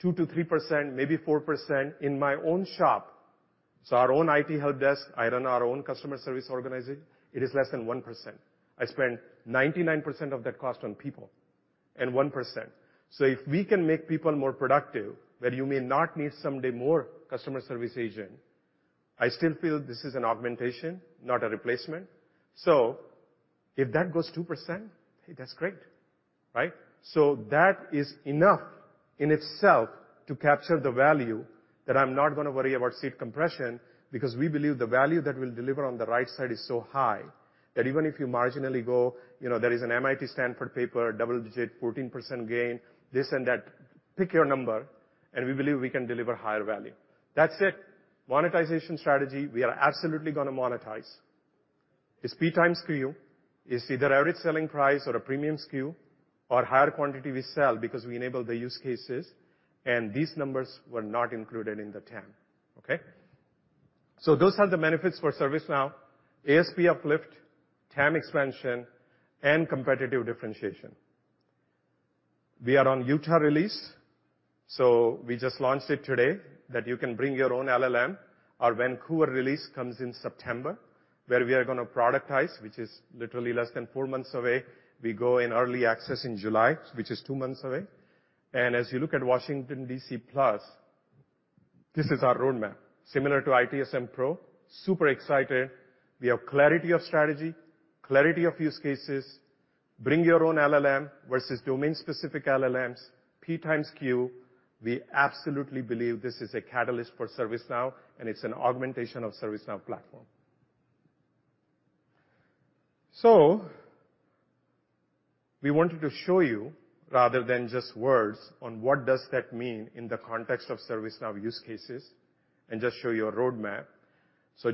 2-3%, maybe 4%. In my own shop, so our own IT help desk, I run our own customer service organization, it is less than 1%. I spend 99% of that cost on people and 1%. If we can make people more productive, where you may not need someday more customer service agent, I still feel this is an augmentation, not a replacement. If that goes 2%, hey, that's great, right? That is enough in itself to capture the value that I'm not gonna worry about seat compression because we believe the value that we'll deliver on the right side is so high that even if you marginally go, you know, there is an MIT Stanford paper, double-digit, 14% gain, this and that, pick your number, and we believe we can deliver higher value. That's it. Monetization strategy, we are absolutely gonna monetize. It's P times Q. It's either average selling price or a premium SKU or higher quantity we sell because we enable the use cases, and these numbers were not included in the TAM, okay? Those are the benefits for ServiceNow: ASP uplift, TAM expansion, and competitive differentiation. We are on Utah release, so we just launched it today that you can bring your own LLM. Our Vancouver release comes in September, where we are going to productize, which is literally less than four months away. We go in early access in July, which is two months away. As you look at Washington, D.C. plus, this is our roadmap, similar to ITSM Pro. Super excited. We have clarity of strategy, clarity of use cases. Bring your own LLM versus domain-specific LLMs. P times Q. We absolutely believe this is a catalyst for ServiceNow, and it's an augmentation of ServiceNow platform. We wanted to show you, rather than just words, on what does that mean in the context of ServiceNow use cases, and just show you a roadmap.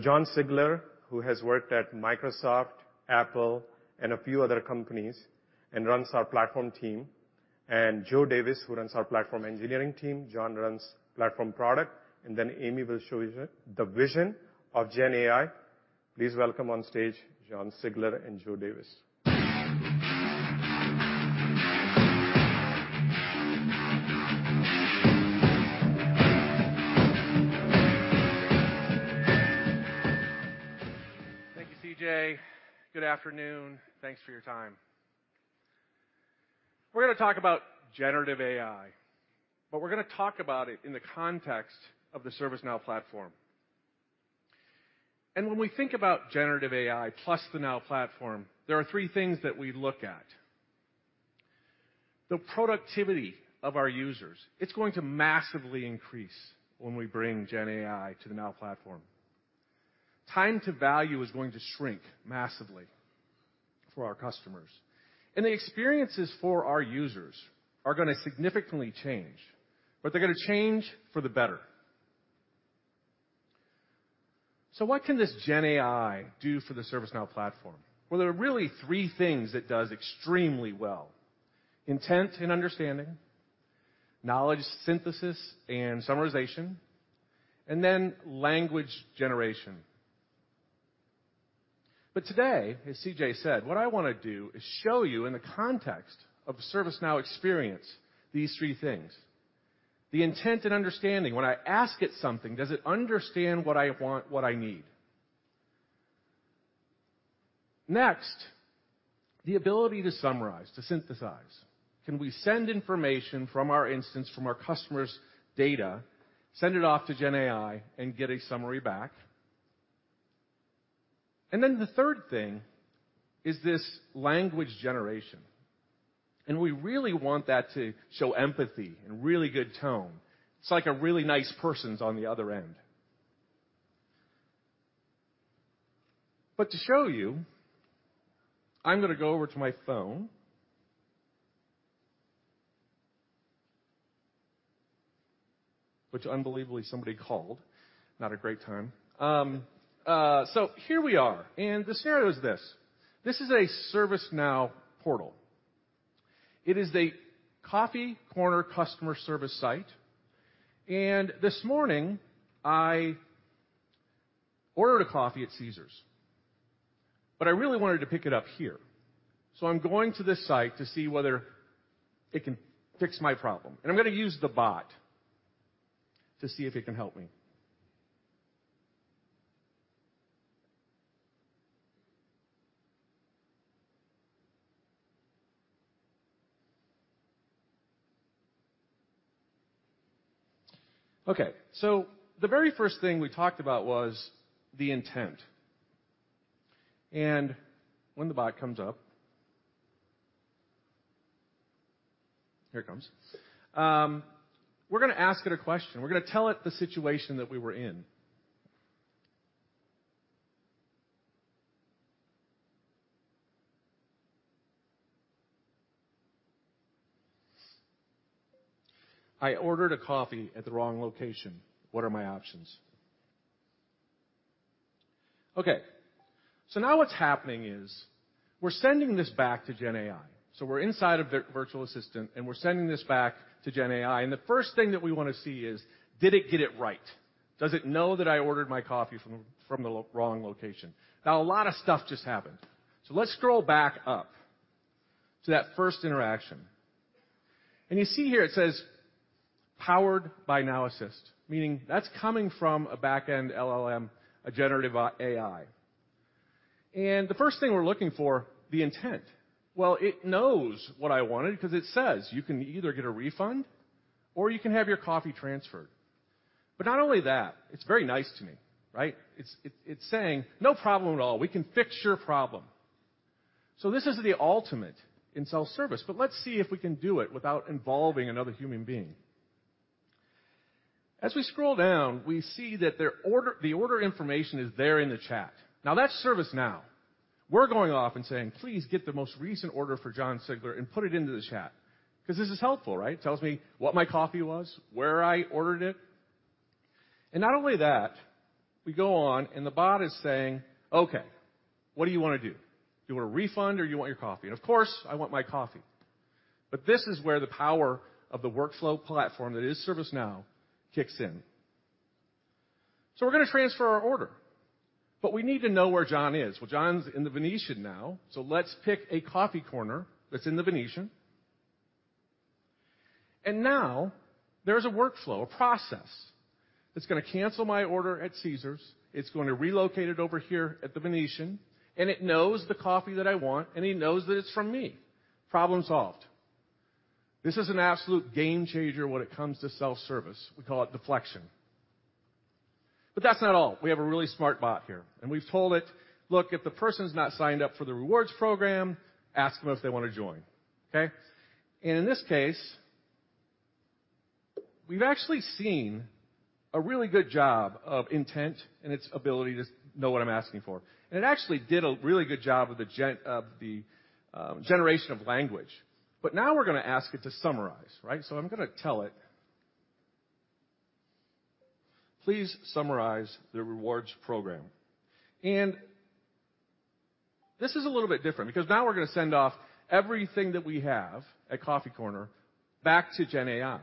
John Sigler, who has worked at Microsoft, Apple, and a few other companies, and runs our platform team, and Joe Davis, who runs our platform engineering team. John runs platform product, and then Amy will show you the vision of gen AI. Please welcome on stage Jon Sigler and Joe Davis. Thank you, CJ. Good afternoon. Thanks for your time. We're gonna talk about generative AI, but we're gonna talk about it in the context of the ServiceNow Platform. When we think about generative AI plus the Now Platform, there are three things that we look at. The productivity of our users, it's going to massively increase when we bring GenAI to the Now Platform. Time to value is going to shrink massively for our customers. The experiences for our users are gonna significantly change, but they're gonna change for the better. What can this GenAI do for the ServiceNow Platform? Well, there are really three things it does extremely well. Intent and understanding, knowledge synthesis and summarization, and then language generation. Today, as CJ said, what I wanna do is show you in the context of ServiceNow experience these three things. The intent and understanding. When I ask it something, does it understand what I want, what I need? Next, the ability to summarize, to synthesize. Can we send information from our instance, from our customer's data, send it off to GenAI and get a summary back? Then the third thing is this language generation. We really want that to show empathy and really good tone. It's like a really nice person's on the other end. To show you, I'm gonna go over to my phone. Which unbelievably somebody called, not a great time. Here we are, and the scenario is this: this is a ServiceNow portal. It is a Coffee Corner customer service site. This morning, I ordered a coffee at Caesars, but I really wanted to pick it up here. I'm going to this site to see whether it can fix my problem, and I'm gonna use the bot to see if it can help me. Okay. The very first thing we talked about was the intent. When the bot comes up, here it comes. We're gonna ask it a question. We're gonna tell it the situation that we were in. I ordered a coffee at the wrong location. What are my options? Okay. Now what's happening is we're sending this back to GenAI. We're inside of the virtual assistant, and we're sending this back to GenAI, and the first thing that we wanna see is, did it get it right? Does it know that I ordered my coffee from the wrong location? A lot of stuff just happened. Let's scroll back up to that first interaction. You see here it says, "Powered by Now Assist," meaning that's coming from a back-end LLM, a generative AI. The first thing we're looking for, the intent. Well, it knows what I wanted 'cause it says, "You can either get a refund or you can have your coffee transferred." Not only that, it's very nice to me, right? It's saying, "No problem at all. We can fix your problem." This is the ultimate in self-service, but let's see if we can do it without involving another human being. As we scroll down, we see that the order information is there in the chat. Now, that's ServiceNow. We're going off and saying, "Please get the most recent order for John Sigler and put it into the chat." 'Cause this is helpful, right? Tells me what my coffee was, where I ordered it. Not only that, we go on and the bot is saying, "Okay, what do you wanna do? Do you want a refund or you want your coffee?" Of course, I want my coffee. This is where the power of the workflow platform that is ServiceNow kicks in. We're gonna transfer our order, but we need to know where John is. Well, John's in The Venetian now, so let's pick a Coffee Corner that's in The Venetian. Now there's a workflow, a process, that's gonna cancel my order at Caesars, it's gonna relocate it over here at The Venetian, and it knows the coffee that I want, and he knows that it's from me. Problem solved. This is an absolute game changer when it comes to self-service. We call it deflection. That's not all. We have a really smart bot here. We've told it, "Look, if the person's not signed up for the rewards program, ask them if they wanna join." Okay? In this case, we've actually seen a really good job of intent and its ability to know what I'm asking for. It actually did a really good job with the generation of language. Now we're gonna ask it to summarize, right? I'm gonna tell it, "Please summarize the rewards program." This is a little bit different because now we're gonna send off everything that we have at Coffee Corner back to GenAI,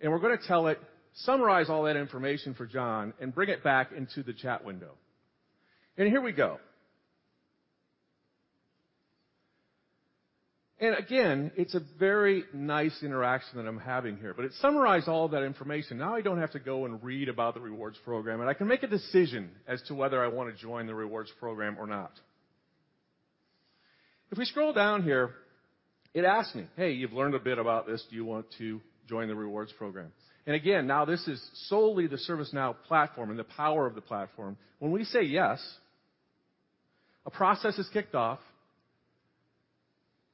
and we're gonna tell it, "Summarize all that information for John and bring it back into the chat window." Here we go. Again, it's a very nice interaction that I'm having here, it summarized all that information. I don't have to go and read about the rewards program, and I can make a decision as to whether I wanna join the rewards program or not. If we scroll down here, it asks me, "Hey, you've learned a bit about this. Do you want to join the rewards program?" Again, now this is solely the ServiceNow Platform and the power of the Platform. When we say yes, a process is kicked off.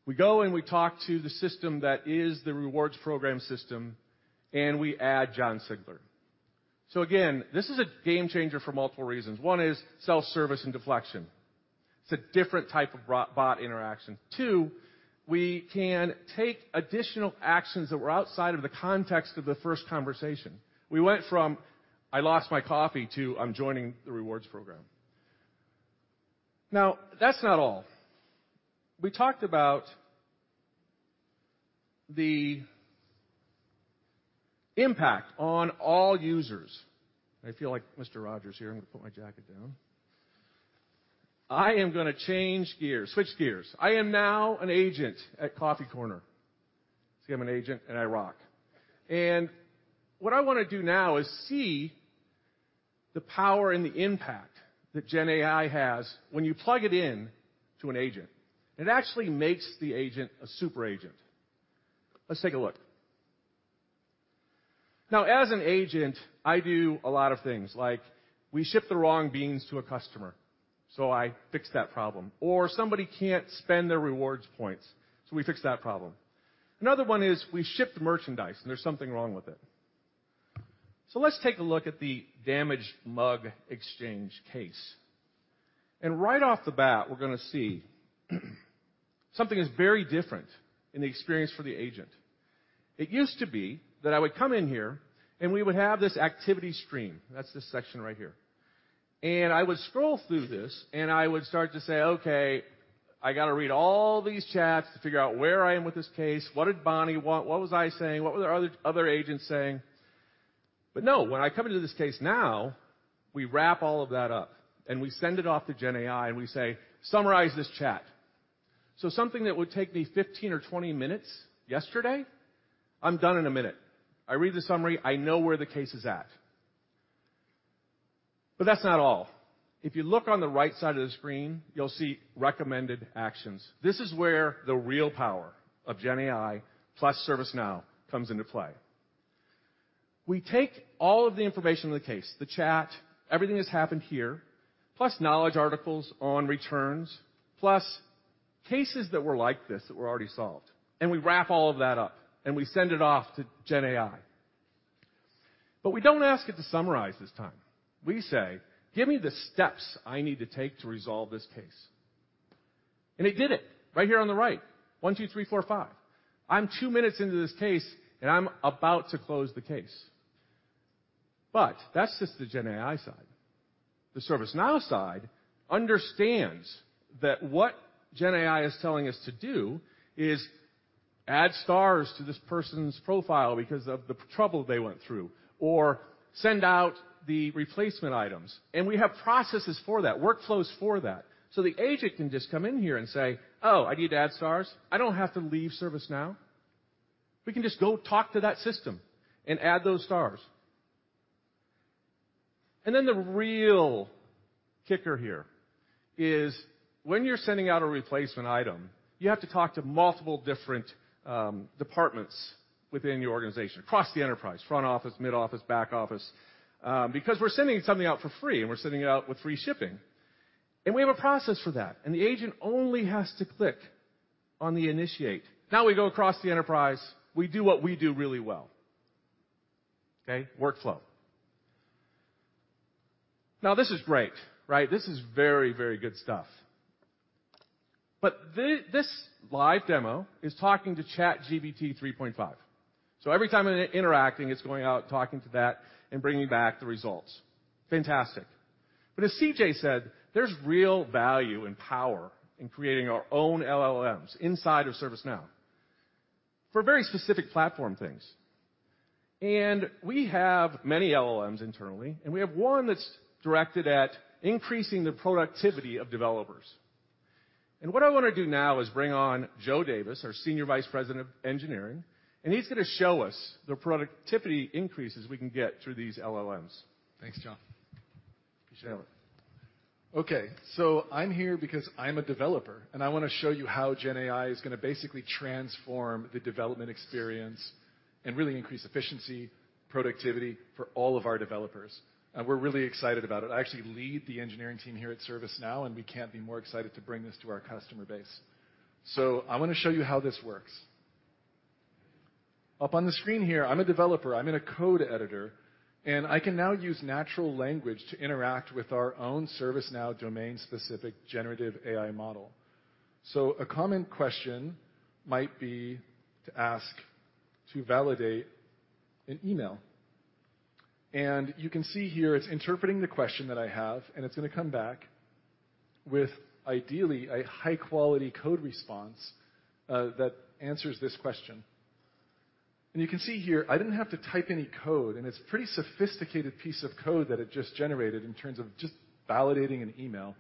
We go and we talk to the system that is the rewards program system, and we add Jon Sigler. Again, this is a game changer for multiple reasons. One is self-service and deflection. It's a different type of robot interaction. Two, we can take additional actions that were outside of the context of the first conversation. We went from, "I lost my coffee," to, "I'm joining the rewards program." That's not all. We talked about the impact on all users. I feel like Mr. Rogers here. I'm gonna put my jacket down. I am gonna change gears, switch gears. I am now an agent at Coffee Corner. See, I'm an agent, and I rock. What I wanna do now is see the power and the impact that gen AI has when you plug it in to an agent. It actually makes the agent a super agent. Let's take a look. Now, as an agent, I do a lot of things, like we ship the wrong beans to a customer, so I fix that problem. Somebody can't spend their rewards points, so we fix that problem. Another one is we ship the merchandise, and there's something wrong with it. Let's take a look at the damaged mug exchange case. Right off the bat, we're gonna see something is very different in the experience for the agent. It used to be that I would come in here, and we would have this activity stream. That's this section right here. I would scroll through this, and I would start to say, "Okay, I gotta read all these chats to figure out where I am with this case. What did Bonnie want? What was I saying? What were the other agents saying?" No, when I come into this case now, we wrap all of that up, and we send it off to gen AI, and we say, "Summarize this chat." Something that would take me 15 or 20 minutes yesterday, I'm done in 1 minute. I read the summary. I know where the case is at. That's not all. If you look on the right side of the screen, you'll see recommended actions. This is where the real power of gen AI plus ServiceNow comes into play. We take all of the information in the case, the chat, everything that's happened here, plus knowledge articles on returns, plus cases that were like this that were already solved, and we wrap all of that up, and we send it off to gen AI. We don't ask it to summarize this time. We say, "Give me the steps I need to take to resolve this case." It did it right here on the right. One, two, three, four, five. I'm two minutes into this case, and I'm about to close the case. That's just the gen AI side. The ServiceNow side understands that what gen AI is telling us to do is add stars to this person's profile because of the trouble they went through or send out the replacement items. We have processes for that, workflows for that. The agent can just come in here and say, "Oh, I need to add stars." I don't have to leave ServiceNow. We can just go talk to that system and add those stars. The real kicker here is when you're sending out a replacement item, you have to talk to multiple different departments within your organization, across the enterprise, front office, mid-office, back office, because we're sending something out for free, and we're sending it out with free shipping. We have a process for that, and the agent only has to click on the initiate. Now we go across the enterprise. We do what we do really well. Okay. Workflow. This is great, right? This is very, very good stuff. This live demo is talking to ChatGPT-3.5. Every time I'm interacting, it's going out, talking to that, and bringing back the results. Fantastic. As CJ said, there's real value and power in creating our own LLMs inside of ServiceNow for very specific platform things. We have many LLMs internally, and we have one that's directed at increasing the productivity of developers. What I wanna do now is bring on Joe Davis, our Senior Vice President of Engineering, and he's gonna show us the productivity increases we can get through these LLMs. Thanks, John. Appreciate it. Okay, I'm here because I'm a developer, and I wanna show you how gen AI is gonna basically transform the development experience and really increase efficiency, productivity for all of our developers. We're really excited about it. I actually lead the engineering team here at ServiceNow, we can't be more excited to bring this to our customer base. I wanna show you how this works. Up on the screen here, I'm a developer. I'm in a code editor, I can now use natural language to interact with our own ServiceNow domain-specific generative AI model. A common question might be to ask to validate an email. You can see here it's interpreting the question that I have, and it's gonna come back with, ideally, a high-quality code response that answers this question. You can see here, I didn't have to type any code, and it's a pretty sophisticated piece of code that it just generated in terms of just validating an email.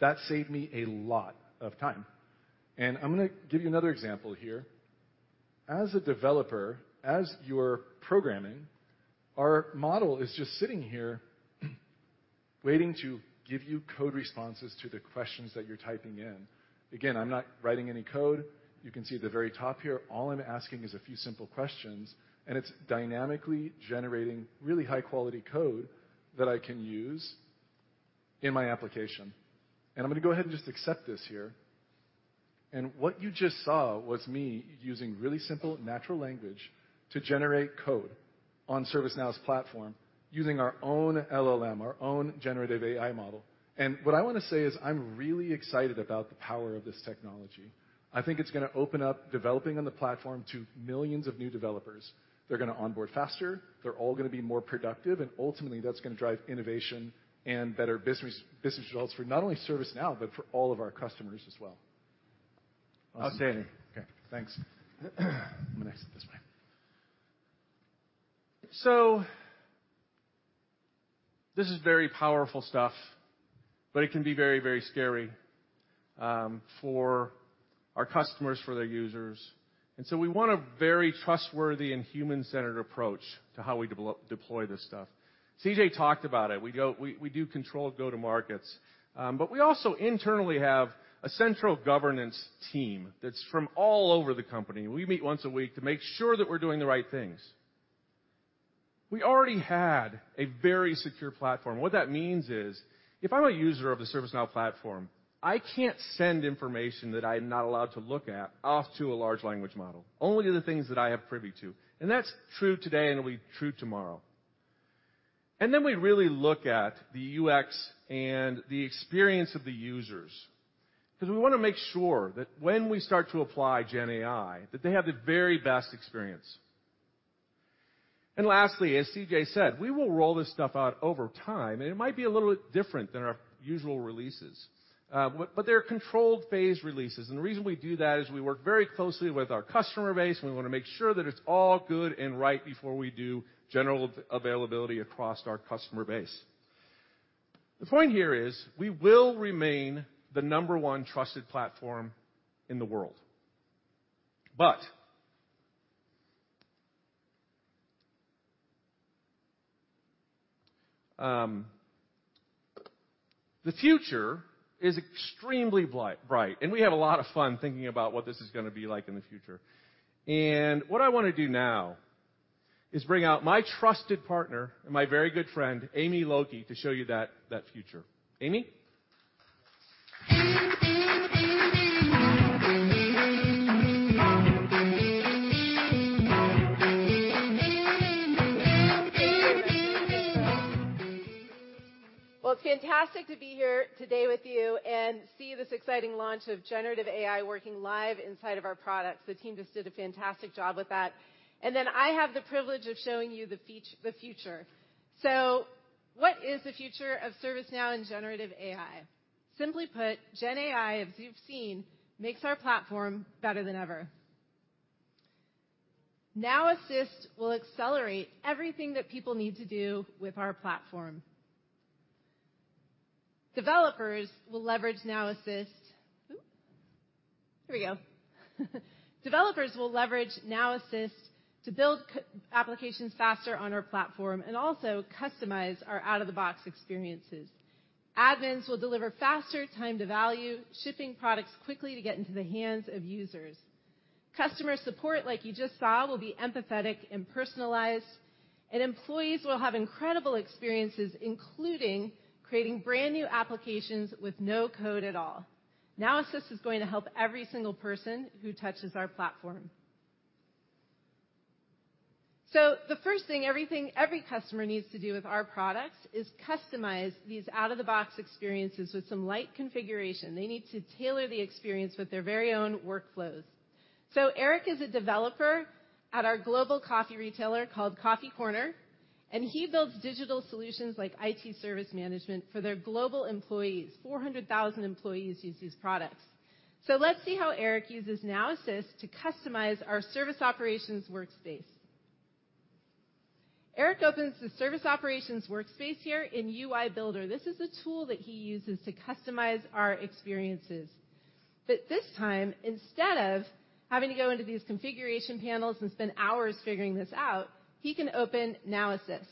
That saved me a lot of time. I'm gonna give you another example here. As a developer, as you're programming, our model is just sitting here waiting to give you code responses to the questions that you're typing in. Again, I'm not writing any code. You can see at the very top here, all I'm asking is a few simple questions, and it's dynamically generating really high-quality code that I can use in my application. I'm gonna go ahead and just accept this here. What you just saw was me using really simple natural language to generate code on ServiceNow's platform using our own LLM, our own generative AI model. What I wanna say is I'm really excited about the power of this technology. I think it's gonna open up developing on the platform to millions of new developers. They're gonna onboard faster, they're all gonna be more productive, and ultimately that's gonna drive innovation and better business results for not only ServiceNow, but for all of our customers as well. Awesome. Okay, thanks. I'm gonna exit this way. This is very powerful stuff, but it can be very, very scary for our customers, for their users. We want a very trustworthy and human-centered approach to how we deploy this stuff. CJ talked about it. We do controlled go-to-markets, but we also internally have a central governance team that's from all over the company. We meet once a week to make sure that we're doing the right things. We already had a very secure platform. What that means is, if I'm a user of the ServiceNow Platform, I can't send information that I'm not allowed to look at off to a large language model, only the things that I have privy to. That's true today, and it'll be true tomorrow. We really look at the UX and the experience of the users, 'cause we wanna make sure that when we start to apply gen AI, that they have the very best experience. Lastly, as CJ said, we will roll this stuff out over time, and it might be a little different than our usual releases. They're controlled phase releases. The reason we do that is we work very closely with our customer base, and we wanna make sure that it's all good and right before we do general availability across our customer base. The point here is we will remain the number one trusted platform in the world. The future is extremely bright, and we have a lot of fun thinking about what this is gonna be like in the future. What I wanna do now is bring out my trusted partner and my very good friend, Amy Lokey, to show you that future. Amy? It's fantastic to be here today with you and see this exciting launch of generative AI working live inside of our products. The team just did a fantastic job with that. I have the privilege of showing you the future. What is the future of ServiceNow and generative AI? Simply put, gen AI, as you've seen, makes our platform better than ever. Now Assist will accelerate everything that people need to do with our platform. Developers will leverage Now Assist to build applications faster on our platform and also customize our out-of-the-box experiences. Admins will deliver faster time to value, shipping products quickly to get into the hands of users. Customer support, like you just saw, will be empathetic and personalized, and employees will have incredible experiences, including creating brand-new applications with no code at all. Now Assist is going to help every single person who touches our platform. The first thing every customer needs to do with our products is customize these out-of-the-box experiences with some light configuration. They need to tailor the experience with their very own workflows. Eric is a developer at our global coffee retailer called Coffee Corner, and he builds digital solutions like IT Service Management for their global employees. 400,000 employees use these products. Let's see how Eric uses Now Assist to customize our Service Operations Workspace. Eric opens the Service Operations Workspace here in UI Builder. This is a tool that he uses to customize our experiences. This time, instead of having to go into these configuration panels and spend hours figuring this out, he can open Now Assist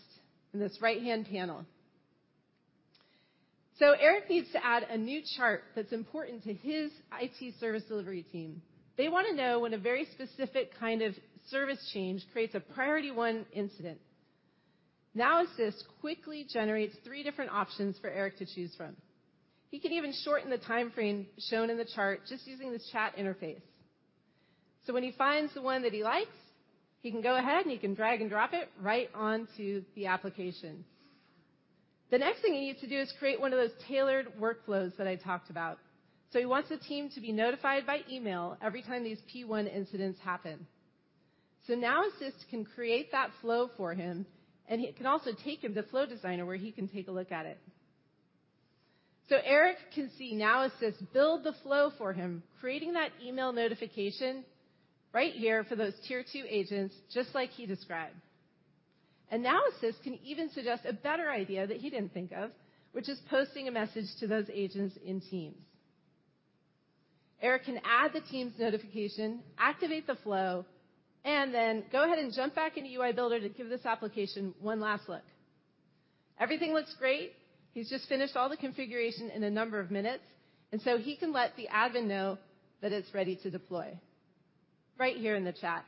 in this right-hand panel. Eric needs to add a new chart that's important to his IT service delivery team. They wanna know when a very specific kind of service change creates a priority one incident. Now Assist quickly generates three different options for Eric to choose from. He can even shorten the timeframe shown in the chart just using the chat interface. When he finds the one that he likes, he can go ahead, and he can drag and drop it right on to the application. The next thing he needs to do is create one of those tailored workflows that I talked about. He wants the team to be notified by email every time these P one incidents happen. Now Assist can create that flow for him, and it can also take him to Flow Designer, where he can take a look at it. Eric can see Now Assist build the flow for him, creating that email notification right here for those tier two agents, just like he described. Now Assist can even suggest a better idea that he didn't think of, which is posting a message to those agents in Teams. Eric can add the Teams notification, activate the flow, and then go ahead and jump back into UI Builder to give this application one last look. Everything looks great. He's just finished all the configuration in a number of minutes, and so he can let the admin know that it's ready to deploy. Right here in the chat.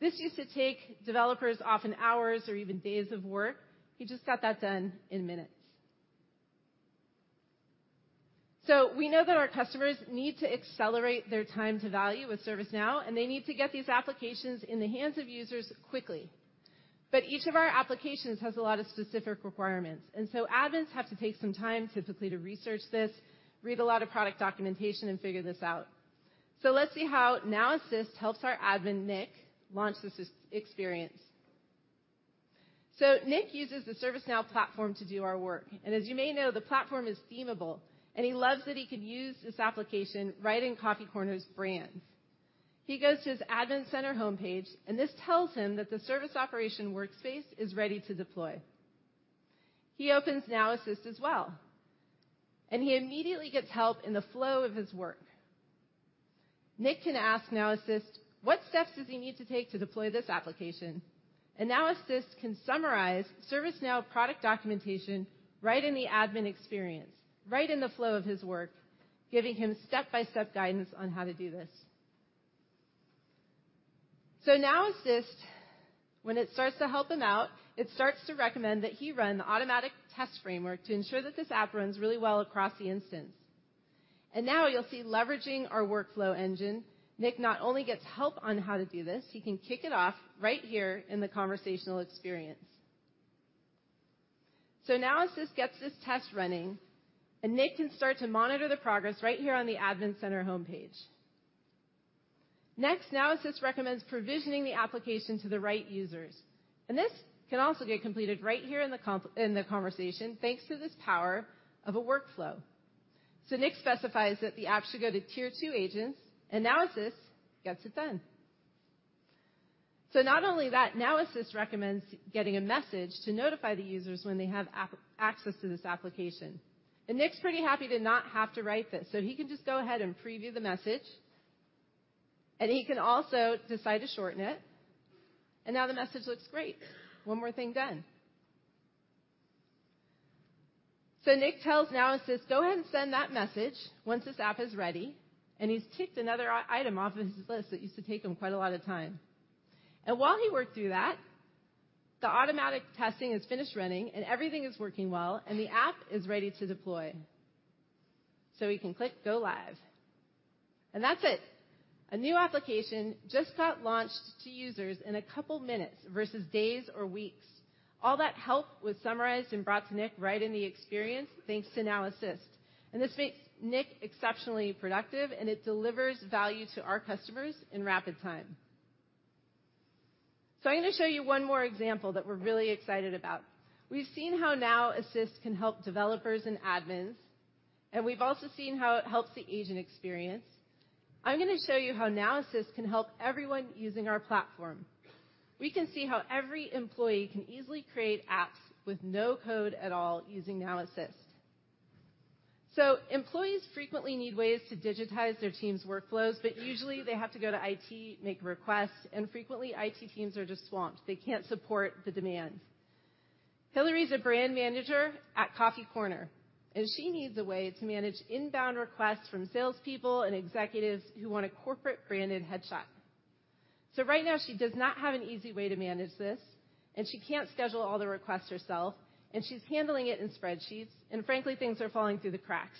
This used to take developers often hours or even days of work. He just got that done in minutes. We know that our customers need to accelerate their time to value with ServiceNow, and they need to get these applications in the hands of users quickly. Each of our applications has a lot of specific requirements, and so admins have to take some time, typically, to research this, read a lot of product documentation, and figure this out. Let's see how Now Assist helps our admin, Nick, launch this experience. Nick uses the ServiceNow platform to do our work, and as you may know, the platform is themeable and he loves that he could use this application right in Coffee Corner's brands. He goes to his admin center homepage, and this tells him that the service operation workspace is ready to deploy. He opens Now Assist as well. He immediately gets help in the flow of his work. Nick can ask Now Assist what steps does he need to take to deploy this application. Now Assist can summarize ServiceNow product documentation right in the admin experience, right in the flow of his work, giving him step-by-step guidance on how to do this. Now Assist, when it starts to help him out, it starts to recommend that he run the automatic test framework to ensure that this app runs really well across the instance. Now you'll see leveraging our workflow engine, Nick not only gets help on how to do this, he can kick it off right here in the conversational experience. Now Assist gets this test running. Nick can start to monitor the progress right here on the admin center homepage. Next, Now Assist recommends provisioning the application to the right users. This can also get completed right here in the conversation, thanks to this power of a workflow. Nick specifies that the app should go to tier two agents, and Now Assist gets it done. Not only that, Now Assist recommends getting a message to notify the users when they have access to this application. Nick's pretty happy to not have to write this, so he can just go ahead and preview the message, and he can also decide to shorten it. Now the message looks great. One more thing done. Nick tells Now Assist, "Go ahead and send that message once this app is ready." He's ticked another item off of his list that used to take him quite a lot of time. While he worked through that, the automatic testing is finished running and everything is working well, and the app is ready to deploy. He can click Go Live. That's it. A new application just got launched to users in a couple minutes versus days or weeks. All that help was summarized and brought to Nick right in the experience, thanks to Now Assist. This makes Nick exceptionally productive, and it delivers value to our customers in rapid time. I'm gonna show you one more example that we're really excited about. We've seen how Now Assist can help developers and admins, and we've also seen how it helps the agent experience. I'm gonna show you how Now Assist can help everyone using our platform. We can see how every employee can easily create apps with no code at all using Now Assist. Employees frequently need ways to digitize their team's workflows, but usually, they have to go to IT, make a request. Frequently, IT teams are just swamped. They can't support the demands. Hillary is a brand manager at Coffee Corner, and she needs a way to manage inbound requests from salespeople and executives who want a corporate branded headshot. Right now, she does not have an easy way to manage this, and she can't schedule all the requests herself, and she's handling it in spreadsheets, and frankly, things are falling through the cracks.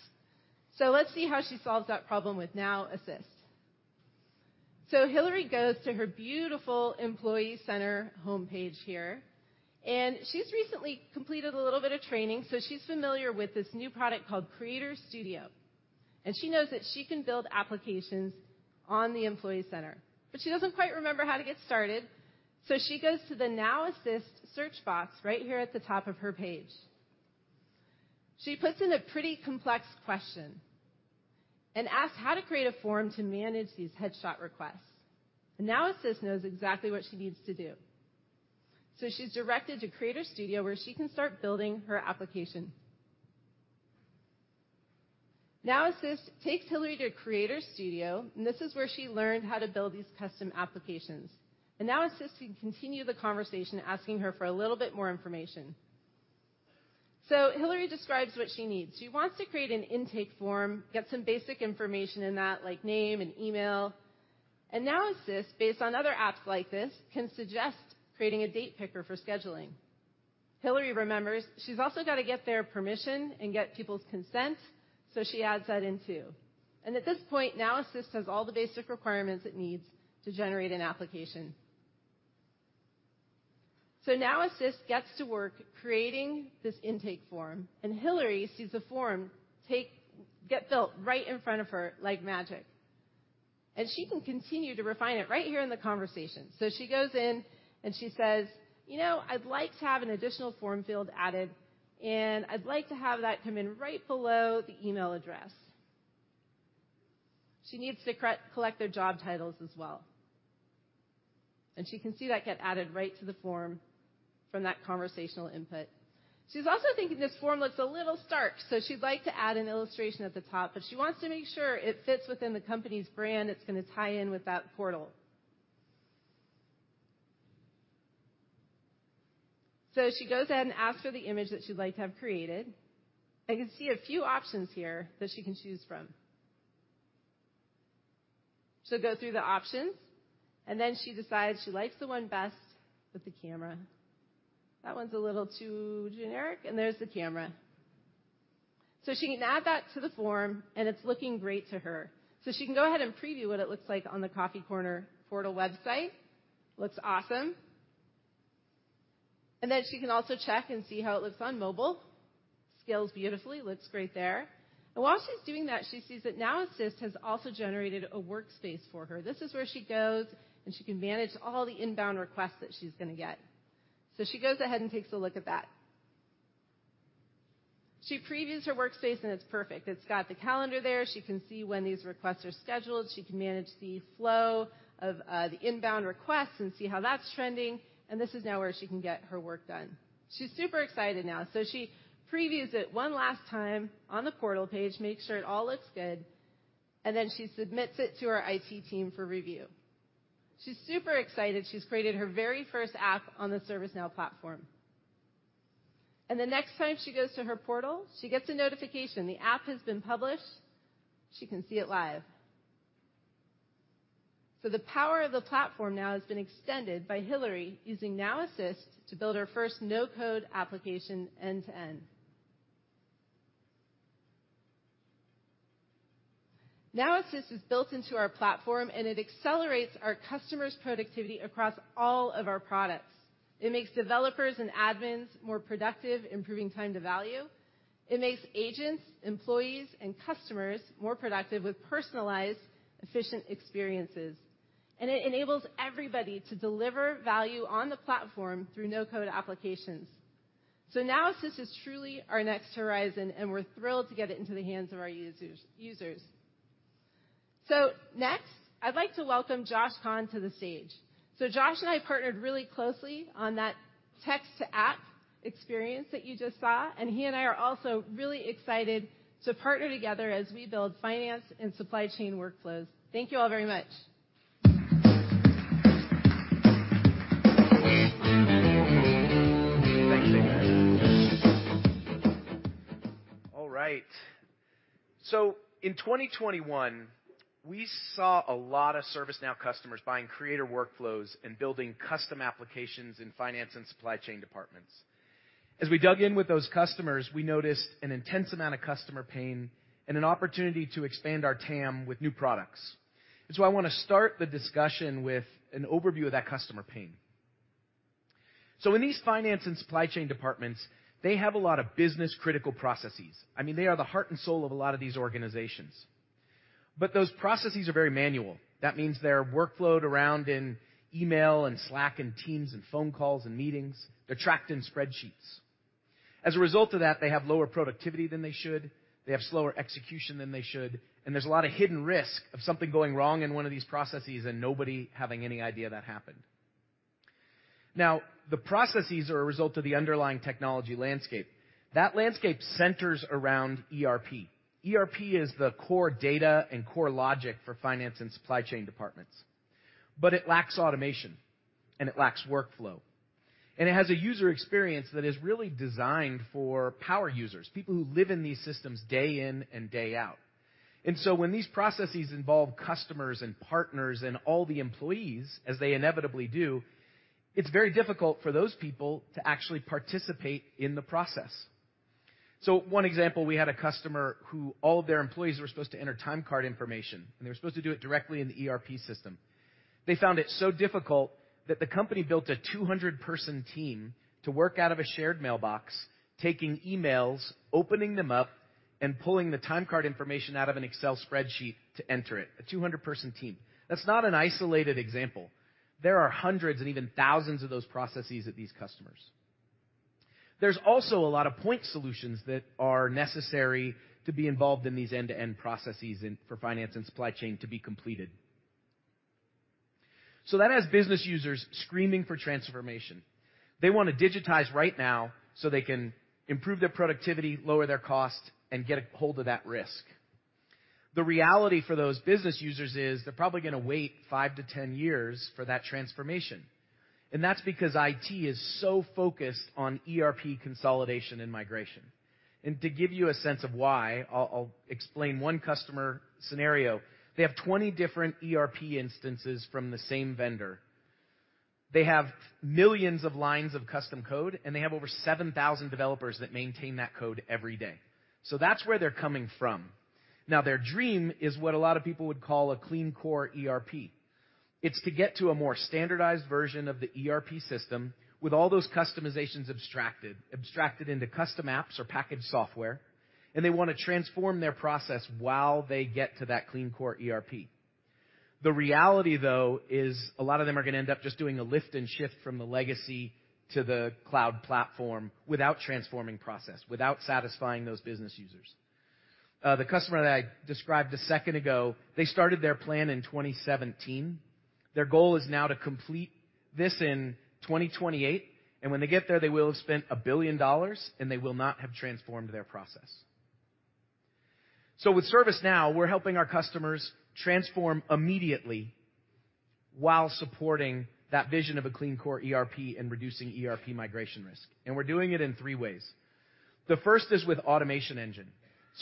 Let's see how she solves that problem with Now Assist. Hillary goes to her beautiful Employee Center homepage here, and she's recently completed a little bit of training, so she's familiar with this new product called Creator Studio. She knows that she can build applications on the Employee Center. She doesn't quite remember how to get started, so she goes to the Now Assist search box right here at the top of her page. She puts in a pretty complex question and asks how to create a form to manage these headshot requests. Now Assist knows exactly what she needs to do. She's directed to Creator Studio, where she can start building her application. Now Assist takes Hillary to Creator Studio, and this is where she learned how to build these custom applications. Now Assist can continue the conversation, asking her for a little bit more information. Hillary describes what she needs. She wants to create an intake form, get some basic information in that like name and email. Now Assist, based on other apps like this, can suggest creating a date picker for scheduling. Hillary remembers she's also gotta get their permission and get people's consent, she adds that in too. At this point, Now Assist has all the basic requirements it needs to generate an application. Now Assist gets to work creating this intake form, and Hillary sees the form get built right in front of her like magic. She can continue to refine it right here in the conversation. She goes in and she says, "You know, I'd like to have an additional form field added, and I'd like to have that come in right below the email address." She needs to collect their job titles as well. She can see that get added right to the form from that conversational input. She's also thinking this form looks a little stark. She'd like to add an illustration at the top, but she wants to make sure it fits within the company's brand. It's gonna tie in with that portal. She goes ahead and asks for the image that she'd like to have created. I can see a few options here that she can choose from. She'll go through the options. Then she decides she likes the one best with the camera. That one's a little too generic. There's the camera. She can add that to the form. It's looking great to her. She can go ahead and preview what it looks like on the Coffee Corner portal website. Looks awesome. Then she can also check and see how it looks on mobile. Scales beautifully. Looks great there. While she's doing that, she sees that Now Assist has also generated a workspace for her. This is where she goes, and she can manage all the inbound requests that she's gonna get. She goes ahead and takes a look at that. She previews her workspace, and it's perfect. It's got the calendar there. She can see when these requests are scheduled. She can manage the flow of the inbound requests and see how that's trending. This is now where she can get her work done. She's super excited now, so she previews it one last time on the portal page, makes sure it all looks good, and then she submits it to her IT team for review. She's super excited. She's created her very first app on the Now Platform. The next time she goes to her portal, she gets a notification. The app has been published. She can see it live. The power of the platform now has been extended by Hillary using Now Assist to build her first no-code application end-to-end. Now Assist is built into our platform, and it accelerates our customers' productivity across all of our products. It makes developers and admins more productive, improving time to value. It makes agents, employees, and customers more productive with personalized, efficient experiences. It enables everybody to deliver value on the platform through no-code applications. Now Assist is truly our next horizon, and we're thrilled to get it into the hands of our users. Next, I'd like to welcome Josh Kahn to the stage. Josh and I partnered really closely on that text-to-app experience that you just saw, and he and I are also really excited to partner together as we build finance and supply chain workflows. Thank you all very much. Thanks, Ingrid. All right. In 2021, we saw a lot of ServiceNow customers buying creator workflows and building custom applications in finance and supply chain departments. As we dug in with those customers, we noticed an intense amount of customer pain and an opportunity to expand our TAM with new products. I wanna start the discussion with an overview of that customer pain. In these finance and supply chain departments, they have a lot of business-critical processes. I mean, they are the heart and soul of a lot of these organizations. Those processes are very manual. That means they're workflowed around in email and Slack and Teams and phone calls and meetings. They're tracked in spreadsheets. As a result of that, they have lower productivity than they should. They have slower execution than they should, and there's a lot of hidden risk of something going wrong in one of these processes and nobody having any idea that happened. The processes are a result of the underlying technology landscape. That landscape centers around ERP. ERP is the core data and core logic for finance and supply chain departments. It lacks automation, and it lacks workflow. It has a user experience that is really designed for power users, people who live in these systems day in and day out. When these processes involve customers and partners and all the employees, as they inevitably do, it's very difficult for those people to actually participate in the process. One example, we had a customer who all of their employees were supposed to enter timecard information, and they were supposed to do it directly in the ERP system. They found it so difficult that the company built a 200 person team to work out of a shared mailbox, taking emails, opening them up, and pulling the timecard information out of an Excel spreadsheet to enter it. A 200 person team. That's not an isolated example. There are hundreds and even thousands of those processes at these customers. There's also a lot of point solutions that are necessary to be involved in these end-to-end processes and for finance and supply chain to be completed. That has business users screaming for transformation. They wanna digitize right now so they can improve their productivity, lower their cost, and get a hold of that risk. The reality for those business users is they're probably gonna wait 5-10 years for that transformation. That's because IT is so focused on ERP consolidation and migration. To give you a sense of why, I'll explain one customer scenario. They have 20 different ERP instances from the same vendor. They have millions of lines of custom code. They have over 7,000 developers that maintain that code every day. That's where they're coming from. Now, their dream is what a lot of people would call a clean core ERP. It's to get to a more standardized version of the ERP system with all those customizations abstracted into custom apps or packaged software. They wanna transform their process while they get to that clean core ERP. The reality, though, is a lot of them are gonna end up just doing a lift and shift from the legacy to the cloud platform without transforming process, without satisfying those business users. The customer that I described a second ago, they started their plan in 2017. Their goal is now to complete this in 2028, and when they get there, they will have spent $1 billion, and they will not have transformed their process. With ServiceNow, we're helping our customers transform immediately while supporting that vision of a clean core ERP and reducing ERP migration risk. We're doing it in three ways. The first is with Automation Engine.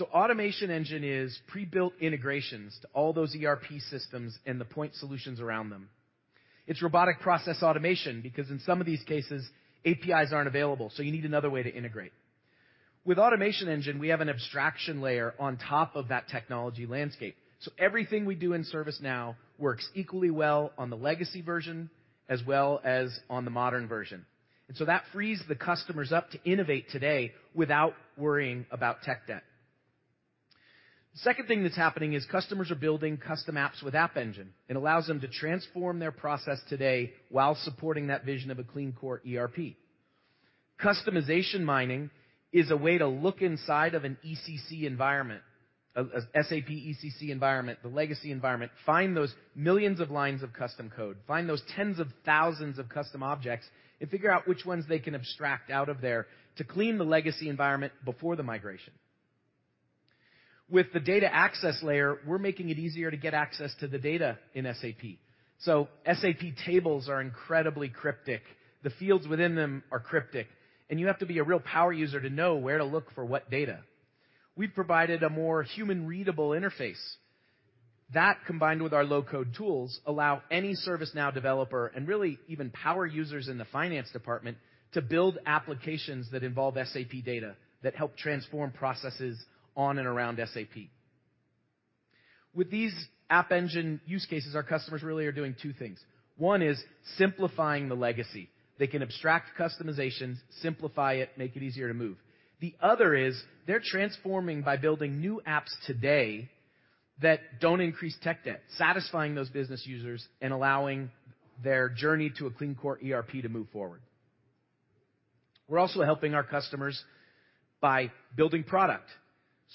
Automation Engine is pre-built integrations to all those ERP systems and the point solutions around them. It's robotic process automation because in some of these cases, APIs aren't available, so you need another way to integrate. With Automation Engine, we have an abstraction layer on top of that technology landscape. Everything we do in ServiceNow works equally well on the legacy version as well as on the modern version. That frees the customers up to innovate today without worrying about tech debt. The second thing that's happening is customers are building custom apps with App Engine. It allows them to transform their process today while supporting that vision of a clean core ERP. Customization mining is a way to look inside of an ECC environment, a SAP ECC environment, the legacy environment, find those millions of lines of custom code, find those tens of thousands of custom objects, and figure out which ones they can abstract out of there to clean the legacy environment before the migration. With the data access layer, we're making it easier to get access to the data in SAP. SAP tables are incredibly cryptic. The fields within them are cryptic, and you have to be a real power user to know where to look for what data. We've provided a more human readable interface. That, combined with our low-code tools, allow any ServiceNow developer and really even power users in the finance department to build applications that involve SAP data that help transform processes on and around SAP. With these App Engine use cases, our customers really are doing two things. One is simplifying the legacy. They can abstract customizations, simplify it, make it easier to move. The other is they're transforming by building new apps today that don't increase tech debt, satisfying those business users and allowing their journey to a clean core ERP to move forward. We're also helping our customers by building product.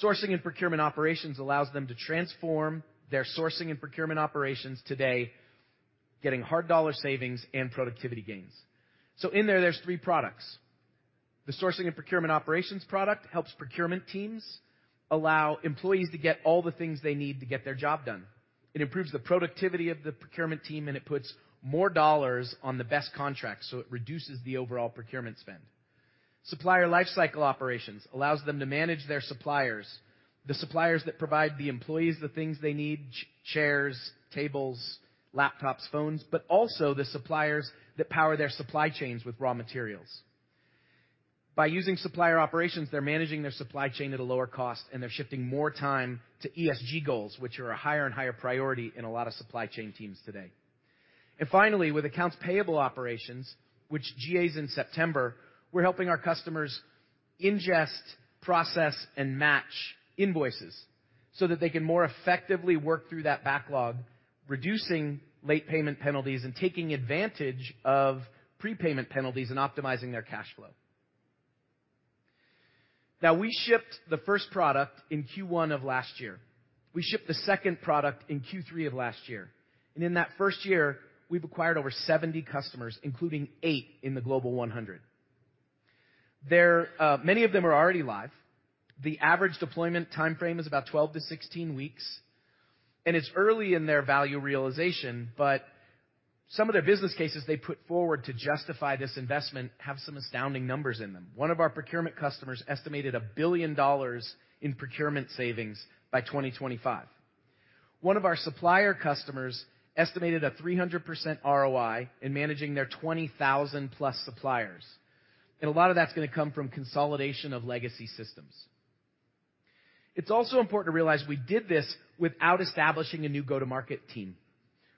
Sourcing and Procurement Operations allows them to transform their sourcing and procurement operations today, getting hard dollar savings and productivity gains. In there's three products. The Sourcing and Procurement Operations product helps procurement teams allow employees to get all the things they need to get their job done. It improves the productivity of the procurement team, and it puts more dollars on the best contract, so it reduces the overall procurement spend. Supplier lifecycle operations allows them to manage their suppliers, the suppliers that provide the employees the things they need, chairs, tables, laptops, phones, also the suppliers that power their supply chains with raw materials. By using supplier operations, they're managing their supply chain at a lower cost, they're shifting more time to ESG goals, which are a higher and higher priority in a lot of supply chain teams today. Finally, with accounts payable operations, which GAs in September, we're helping our customers ingest, process, and match invoices so that they can more effectively work through that backlog, reducing late payment penalties and taking advantage of prepayment penalties and optimizing their cash flow. We shipped the first product in Q1 of last year. We shipped the second product in Q3 of last year. In that first year, we've acquired over 70 customers, including eight in the Global 100. Many of them are already live. The average deployment timeframe is about 12-16 weeks, and it's early in their value realization, but some of their business cases they put forward to justify this investment have some astounding numbers in them. One of our procurement customers estimated a $1 billion in procurement savings by 2025. One of our supplier customers estimated a 300% ROI in managing their 20,000+ suppliers, and a lot of that's gonna come from consolidation of legacy systems. It's also important to realize we did this without establishing a new go-to-market team.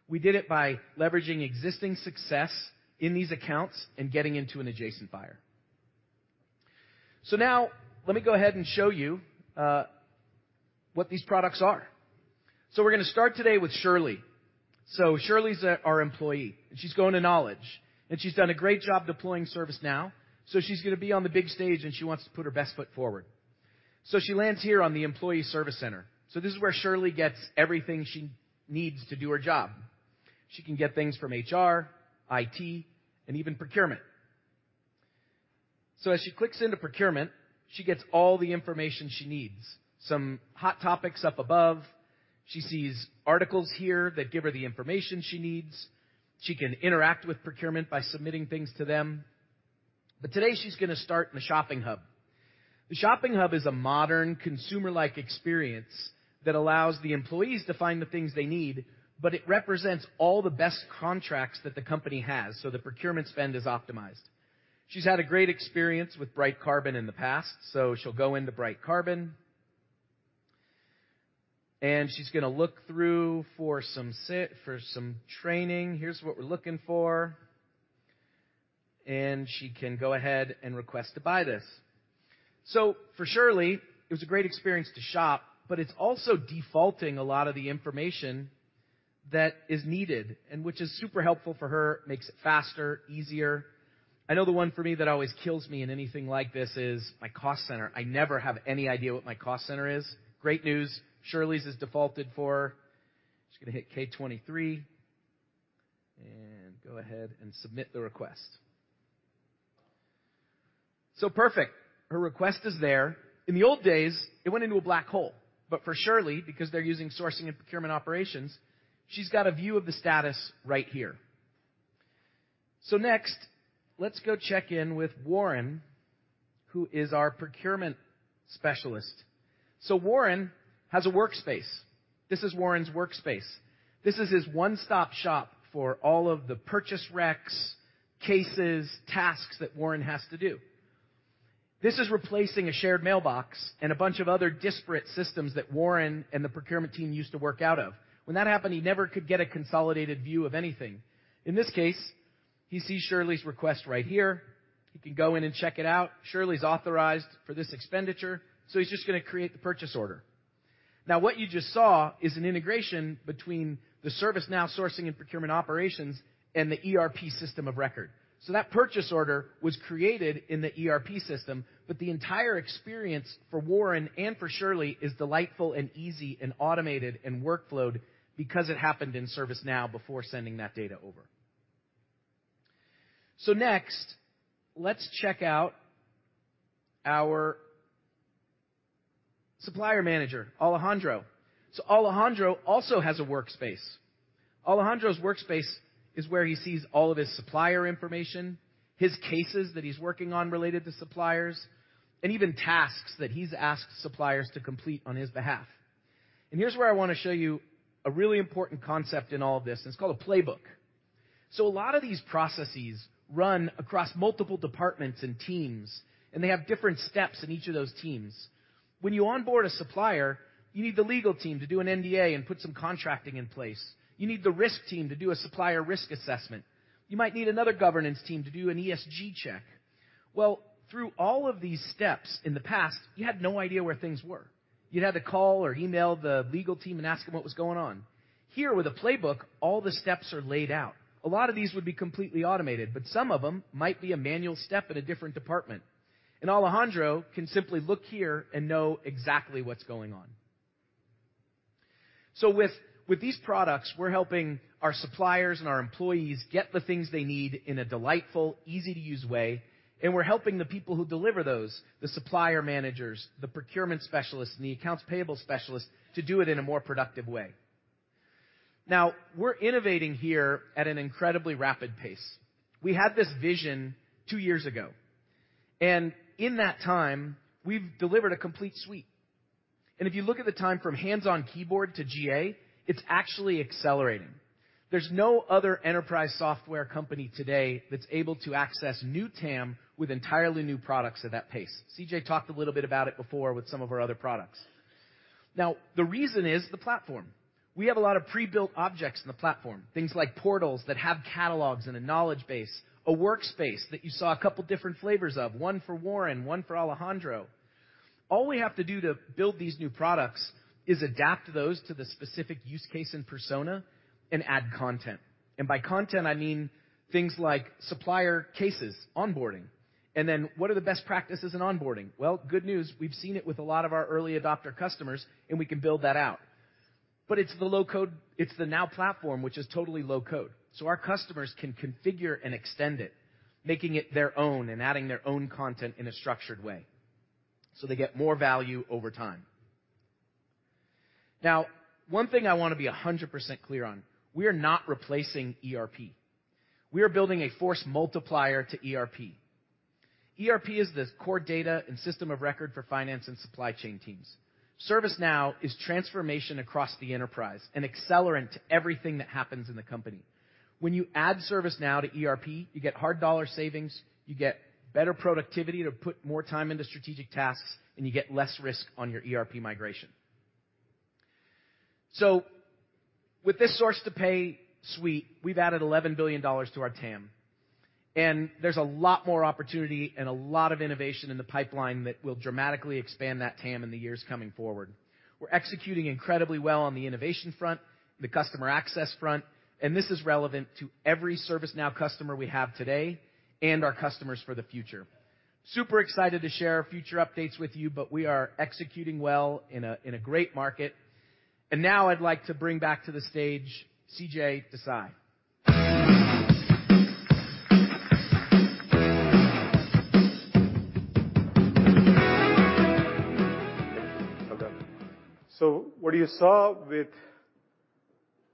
We did it by leveraging existing success in these accounts and getting into an adjacent buyer. Now let me go ahead and show you what these products are. We're gonna start today with Shirley. Shirley's our employee, and she's going to Knowledge, and she's done a great job deploying ServiceNow. She's gonna be on the big stage, and she wants to put her best foot forward. She lands here on the employee service center. This is where Shirley gets everything she needs to do her job. She can get things from HR, IT, and even procurement. As she clicks into procurement, she gets all the information she needs. Some hot topics up above. She sees articles here that give her the information she needs. She can interact with procurement by submitting things to them. Today, she's gonna start in the shopping hub. The shopping hub is a modern consumer-like experience that allows the employees to find the things they need, it represents all the best contracts that the company has, the procurement spend is optimized. She's had a great experience with BrightCarbon in the past, she'll go into BrightCarbon. She's gonna look through for some training. Here's what we're looking for. She can go ahead and request to buy this. For Shirley, it was a great experience to shop, it's also defaulting a lot of the information that is needed and which is super helpful for her, makes it faster, easier. I know the one for me that always kills me in anything like this is my cost center. I never have any idea what my cost center is. Great news. Shirley's is defaulted for. She's gonna hit K23 and go ahead and submit the request. Perfect. Her request is there. In the old days, it went into a black hole. For Shirley, because they're using sourcing and procurement operations, she's got a view of the status right here. Next, let's go check in with Warren, who is our procurement specialist. Warren has a workspace. This is Warren's workspace. This is his one-stop shop for all of the purchase reqs, cases, tasks that Warren has to do. This is replacing a shared mailbox and a bunch of other disparate systems that Warren and the procurement team used to work out of. When that happened, he never could get a consolidated view of anything. In this case, he sees Shirley's request right here. He can go in and check it out. Shirley's authorized for this expenditure, so he's just gonna create the purchase order. What you just saw is an integration between the ServiceNow sourcing and procurement operations and the ERP system of record. That purchase order was created in the ERP system, but the entire experience for Warren and for Shirley is delightful and easy and automated and workflowed because it happened in ServiceNow before sending that data over. Next, let's check out our supplier manager, Alejandro. Alejandro also has a workspace. Alejandro's workspace is where he sees all of his supplier information, his cases that he's working on related to suppliers, and even tasks that he's asked suppliers to complete on his behalf. Here's where I wanna show you a really important concept in all of this, and it's called a playbook. A lot of these processes run across multiple departments and teams, and they have different steps in each of those teams. When you onboard a supplier, you need the legal team to do an NDA and put some contracting in place. You need the risk team to do a supplier risk assessment. You might need another governance team to do an ESG check. Through all of these steps in the past, you'd had no idea where things were. You'd had to call or email the legal team and ask them what was going on. Here, with a playbook, all the steps are laid out. A lot of these would be completely automated, but some of them might be a manual step in a different department. Alejandro can simply look here and know exactly what's going on. With these products, we're helping our suppliers and our employees get the things they need in a delightful, easy-to-use way, and we're helping the people who deliver those, the supplier managers, the procurement specialists, and the accounts payable specialists to do it in a more productive way. We're innovating here at an incredibly rapid pace. We had this vision two years ago, and in that time, we've delivered a complete suite. If you look at the time from hands-on keyboard to GA, it's actually accelerating. There's no other enterprise software company today that's able to access new TAM with entirely new products at that pace. CJ talked a little bit about it before with some of our other products. The reason is the platform. We have a lot of pre-built objects in the platform, things like portals that have catalogs and a knowledge base, a workspace that you saw a couple different flavors of, one for Warren, one for Alejandro. All we have to do to build these new products is adapt those to the specific use case and persona and add content. By content, I mean things like supplier cases, onboarding. What are the best practices in onboarding? Well, good news. We've seen it with a lot of our early adopter customers, and we can build that out. it's the Now Platform, which is totally low code. Our customers can configure and extend it, making it their own and adding their own content in a structured way, so they get more value over time. One thing I wanna be 100% clear on, we are not replacing ERP. We are building a force multiplier to ERP. ERP is the core data and system of record for finance and supply chain teams. ServiceNow is transformation across the enterprise, an accelerant to everything that happens in the company. When you add ServiceNow to ERP, you get hard dollar savings, you get better productivity to put more time into strategic tasks, and you get less risk on your ERP migration. With this source-to-pay suite, we've added $11 billion to our TAM. There's a lot more opportunity and a lot of innovation in the pipeline that will dramatically expand that TAM in the years coming forward. We're executing incredibly well on the innovation front, the customer access front. This is relevant to every ServiceNow customer we have today and our customers for the future. Super excited to share future updates with you. We are executing well in a great market. Now I'd like to bring back to the stage CJ Desai. What you saw with...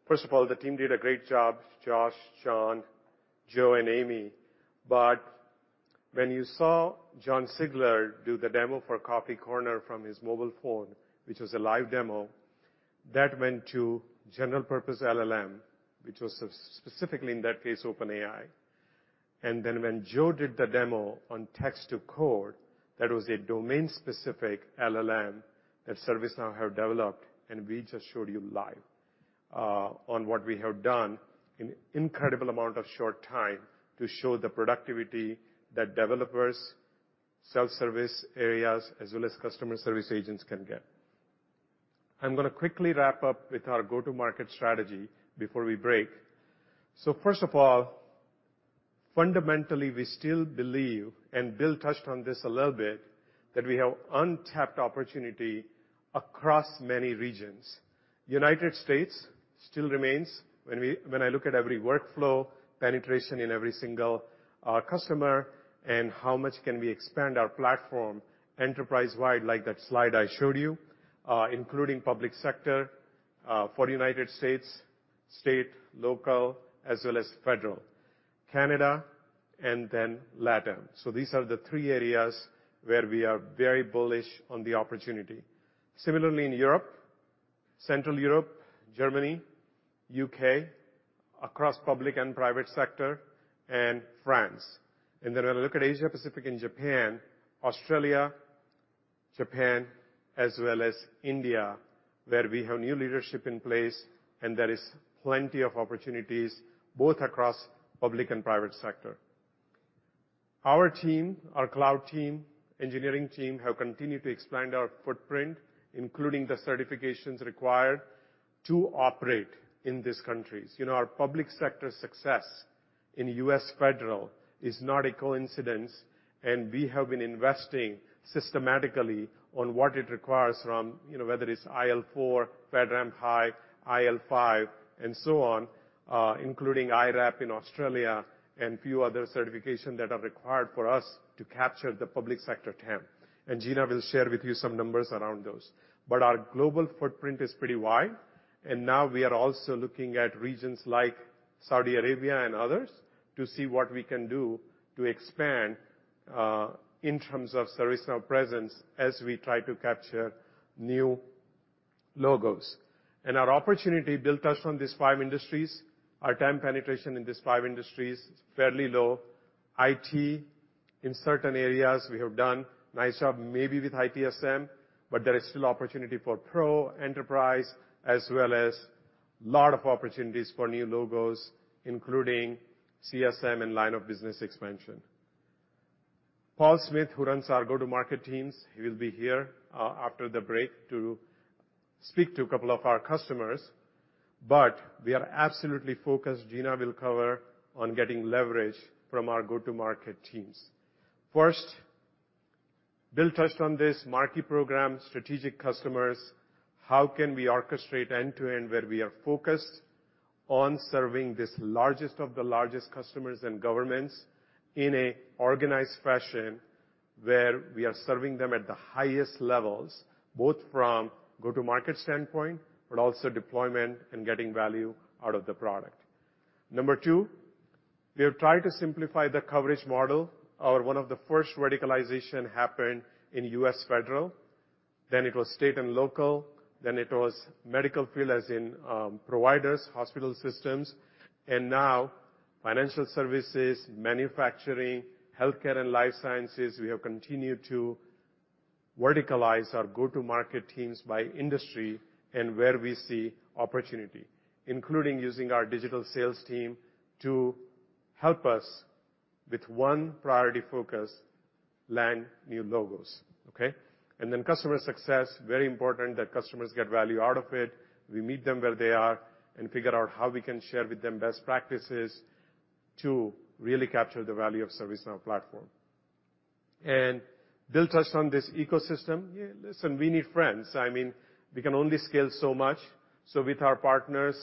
First of all, the team did a great job, Josh, Sean, Joe, and Amy. When you saw Jon Sigler do the demo for Coffee Corner from his mobile phone, which was a live demo, that went to general purpose LLM, which was specifically, in that case, OpenAI. Then when Joe did the demo on text to code, that was a domain-specific LLM that ServiceNow have developed, and we just showed you live on what we have done in incredible amount of short time to show the productivity that developers, self-service areas, as well as customer service agents can get. I'm gonna quickly wrap up with our go-to-market strategy before we break. First of all, fundamentally, we still believe, and Bill touched on this a little bit. That we have untapped opportunity across many regions. United States still remains when I look at every workflow, penetration in every single customer, and how much can we expand our platform enterprise-wide, like that slide I showed you, including public sector, for United States, state, local, as well as federal. Canada and then LatAm. These are the three areas where we are very bullish on the opportunity. Similarly in Europe, Central Europe, Germany, UK, across public and private sector, and France. I look at Asia Pacific and Japan, Australia, Japan, as well as India, where we have new leadership in place, and there is plenty of opportunities, both across public and private sector. Our team, our cloud team, engineering team, have continued to expand our footprint, including the certifications required to operate in these countries. You know, our public sector success in U.S. Federal is not a coincidence. We have been investing systematically on what it requires from, you know, whether it's IL4, FedRAMP High, IL5, and so on, including IRAP in Australia, and few other certification that are required for us to capture the public sector TAM. Gina will share with you some numbers around those. Our global footprint is pretty wide, and now we are also looking at regions like Saudi Arabia and others to see what we can do to expand in terms of ServiceNow presence as we try to capture new logos. Our opportunity Bill touched on these five industries. Our TAM penetration in these five industries is fairly low. IT in certain areas we have done. Nice job maybe with ITSM, there is still opportunity for Pro, Enterprise, as well as lot of opportunities for new logos, including CSM and line of business expansion. Paul Smith, who runs our go-to-market teams, he will be here after the break to speak to a couple of our customers. We are absolutely focused, Gina will cover, on getting leverage from our go-to-market teams. First, Bill touched on this, marquee program, strategic customers, how can we orchestrate end-to-end where we are focused on serving this largest of the largest customers and governments in a organized fashion, where we are serving them at the highest levels, both from go-to-market standpoint, but also deployment and getting value out of the product. Number two, we have tried to simplify the coverage model. Our one of the first verticalization happened in U.S. Federal, then it was state and local, then it was medical field, as in providers, hospital systems, and now financial services, manufacturing, healthcare and life sciences. We have continued to verticalize our go-to-market teams by industry and where we see opportunity, including using our digital sales team to help us with one priority focus, land new logos. Okay? Customer success, very important that customers get value out of it. We meet them where they are and figure out how we can share with them best practices to really capture the value of ServiceNow Platform. Bill touched on this ecosystem. Listen, we need friends. I mean, we can only scale so much. With our partners,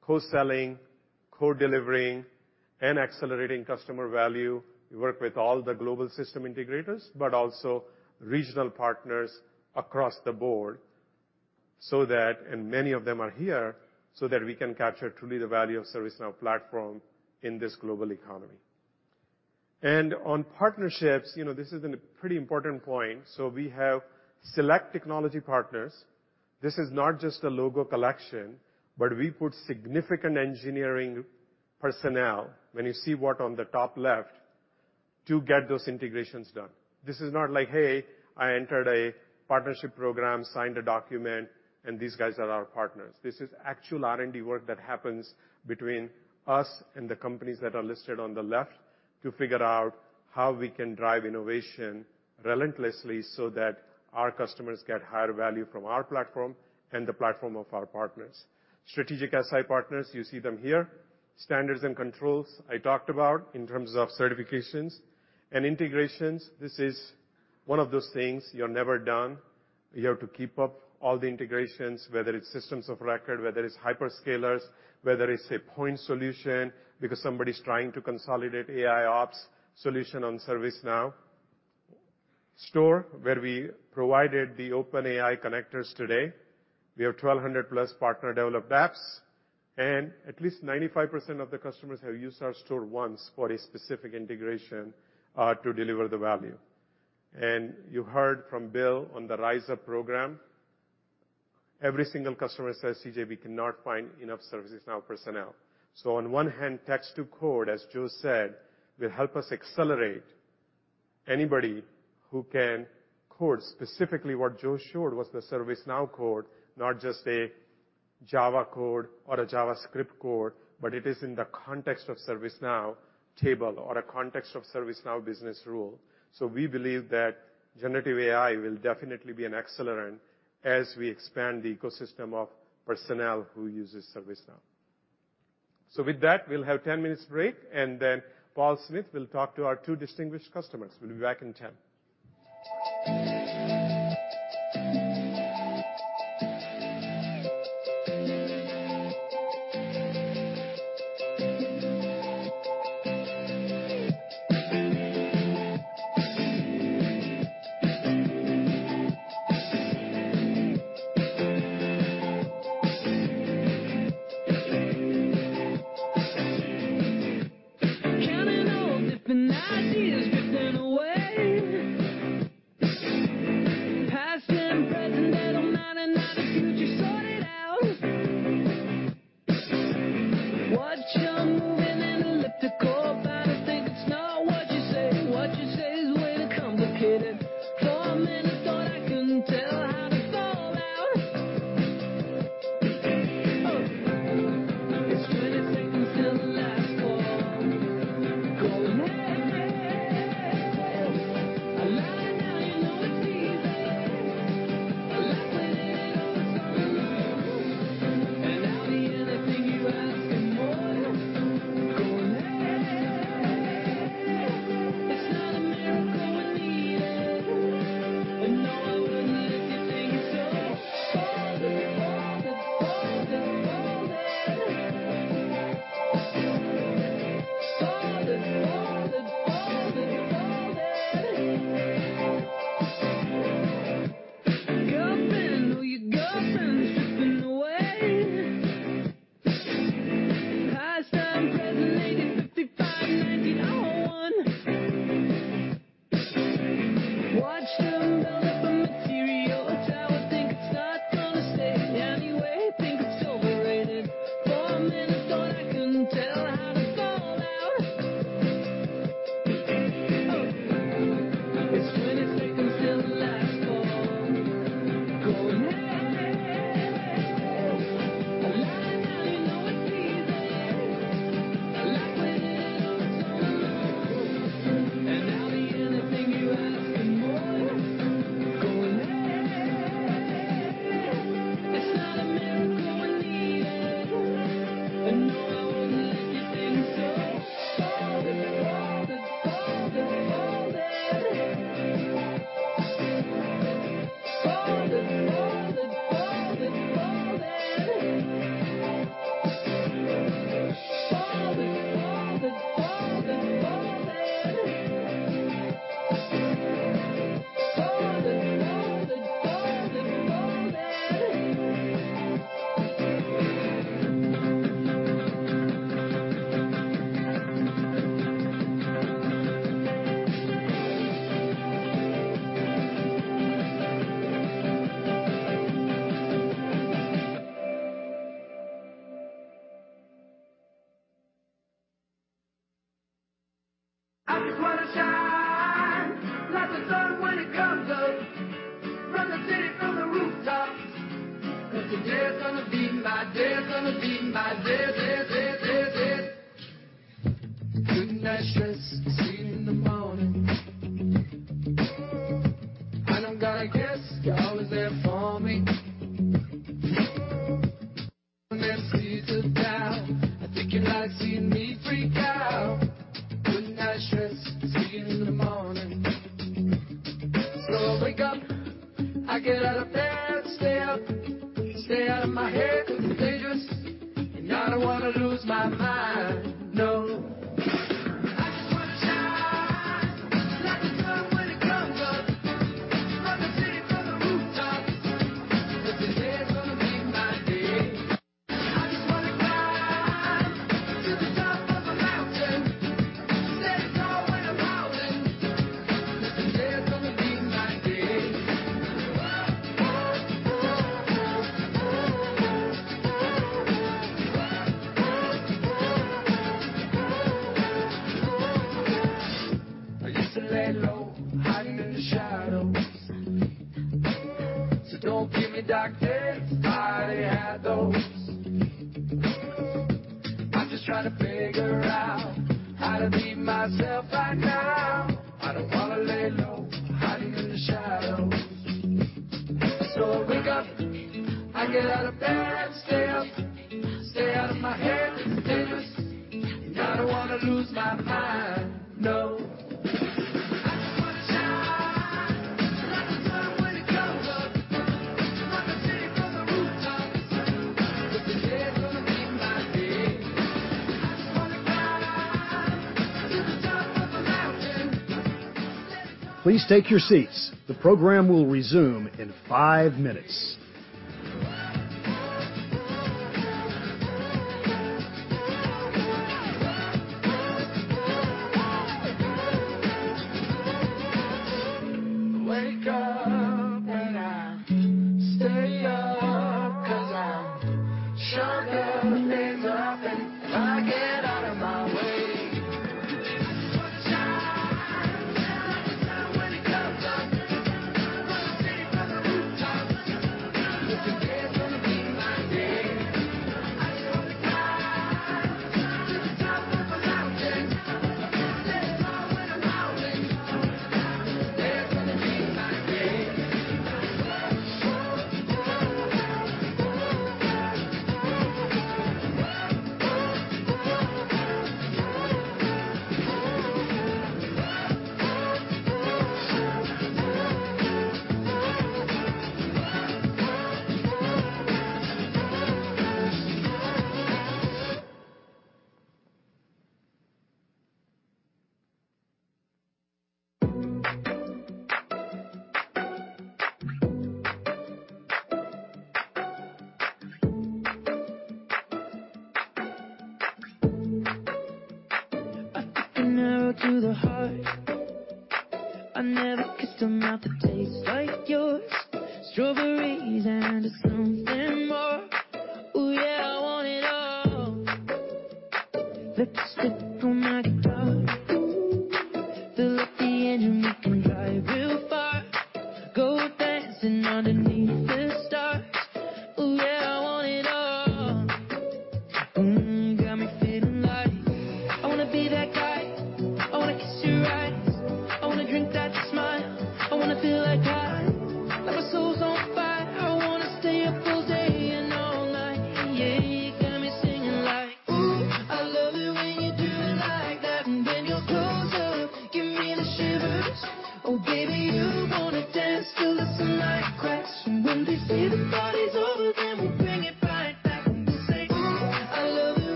co-selling, co-delivering, and accelerating customer value, we work with all the global system integrators, but also regional partners across the board so that, and many of them are here, so that we can capture truly the value of ServiceNow Platform in this global economy. On partnerships, you know, this is an pretty important point. We have select technology partners. This is not just a logo collection, but we put significant engineering personnel, when you see what on the top left, to get those integrations done. This is not like, "Hey, I entered a partnership program, signed a document, and these guys are our partners." This is actual R&D work that happens between us and the companies that are listed on the left to figure out how we can drive innovation relentlessly so that our customers get higher value from our platform and the platform of our partners. Strategic SI partners, you see them here. Standards and controls I talked about in terms of certifications. Integrations, this is one of those things you're never done. You have to keep up all the integrations, whether it's systems of record, whether it's hyperscalers, whether it's a point solution because somebody's trying to consolidate AIOps solution on ServiceNow. Store, where we provided the OpenAI connectors today. We have 1,200 plus partner-developed apps, at least 95% of the customers have used our store once for a specific integration to deliver the value. You heard from Bill on the Rise Up program. Every single customer says, "CJ, we cannot find enough ServiceNow personnel." On one hand, text to code, as Joe said, will help us accelerate anybody who can code. Specifically what Joe showed was the ServiceNow code, not just a Java code or a JavaScript code, but it is in the context of ServiceNow table or a context of ServiceNow business rule. We believe that generative AI will definitely be an accelerant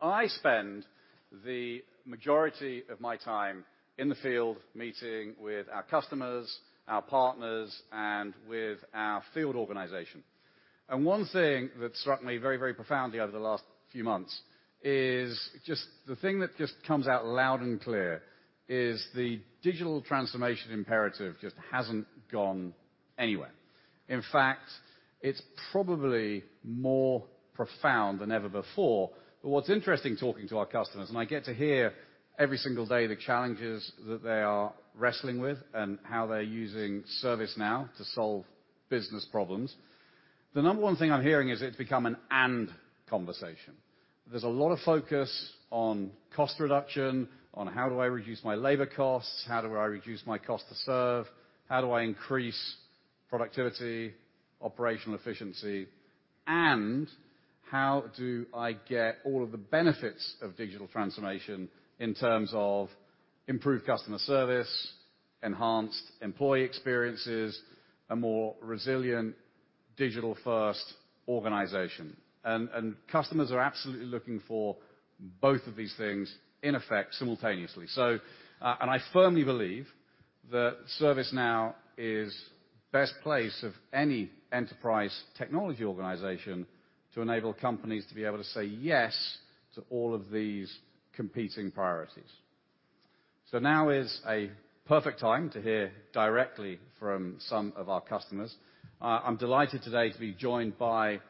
I spend the majority of my time in the field meeting with our customers, our partners, and with our field organization. One thing that struck me very, very profoundly over the last few months is just the thing that just comes out loud and clear is the digital transformation imperative just hasn't gone anywhere. In fact, it's probably more profound than ever before. What's interesting talking to our customers, and I get to hear every single day the challenges that they are wrestling with and how they're using ServiceNow to solve business problems. The number one thing I'm hearing is it's become an "and" conversation. There's a lot of focus on cost reduction, on how do I reduce my labor costs, how do I reduce my cost to serve, how do I increase productivity, operational efficiency, and how do I get all of the benefits of digital transformation in terms of improved customer service, enhanced employee experiences, a more resilient digital-first organization. Customers are absolutely looking for both of these things in effect simultaneously. I firmly believe that ServiceNow is best place of any enterprise technology organization to enable companies to be able to say "yes" to all of these competing priorities. Now is a perfect time to hear directly from some of our customers. I'm delighted today to be joined by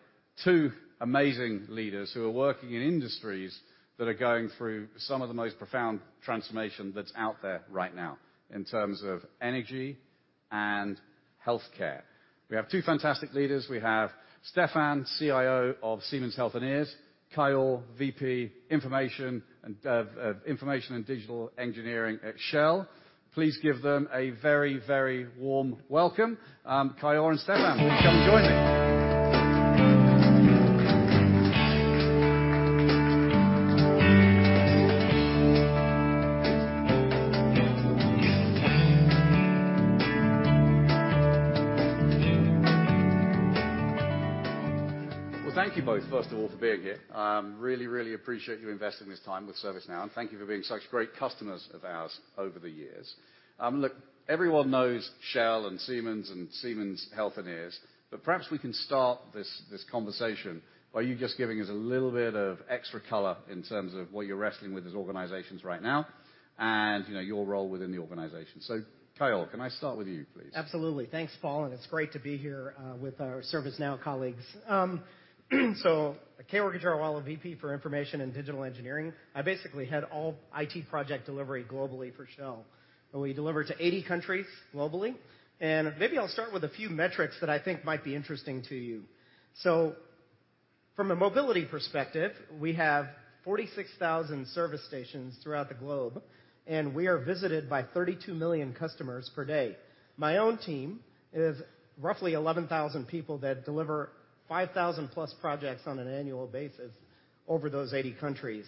two amazing leaders who are working in industries that are going through some of the most profound transformation that's out there right now in terms of energy and healthcare. We have two fantastic leaders. We have Stefan, CIO of Siemens Healthineers, Kayor, VP, Information and Digital Engineering at Shell. Please give them a very warm welcome. Kayor and Stefan, come join me. Well, thank you both, first of all, for being here. Really appreciate you investing this time with ServiceNow, and thank you for being such great customers of ours over the years. Look, everyone knows Shell and Siemens and Siemens Healthineers. Perhaps we can start this conversation by you just giving us a little bit of extra color in terms of what you're wrestling with as organizations right now and, you know, your role within the organization. Kayor, can I start with you, please? Absolutely. Thanks, Paul, it's great to be here with our ServiceNow colleagues. Kayor Gajarawala, VP for Information and Digital Engineering. I basically head all IT project delivery globally for Shell. We deliver to 80 countries globally. Maybe I'll start with a few metrics that I think might be interesting to you. From a mobility perspective, we have 46,000 service stations throughout the globe, and we are visited by 32 million customers per day. My own team is roughly 11,000 people that deliver 5,000 plus projects on an annual basis over those 80 countries.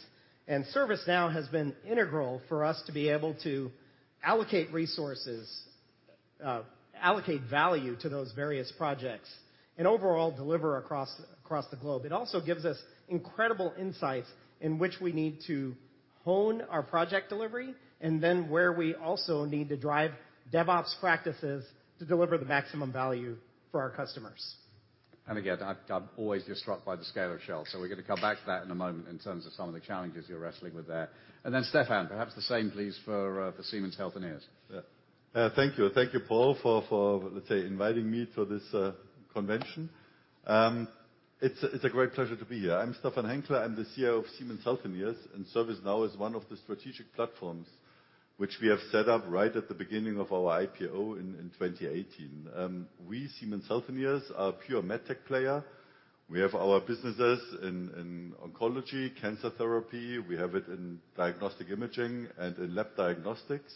ServiceNow has been integral for us to be able to allocate resources, allocate value to those various projects and overall deliver across the globe. It also gives us incredible insights in which we need to hone our project delivery and then where we also need to drive DevOps practices to deliver the maximum value for our customers. I'm always just struck by the scale of Shell, so we're gonna come back to that in a moment in terms of some of the challenges you're wrestling with there. Stefan, perhaps the same, please, for Siemens Healthineers. Thank you. Thank you, Paul, for, let's say, inviting me to this convention. It's a great pleasure to be here. I'm Bernd Montag. I'm the CEO of Siemens Healthineers. ServiceNow is one of the strategic platforms which we have set up right at the beginning of our IPO in 2018. We, Siemens Healthineers, are a pure med tech player. We have our businesses in oncology, cancer therapy. We have it in diagnostic imaging and in lab diagnostics.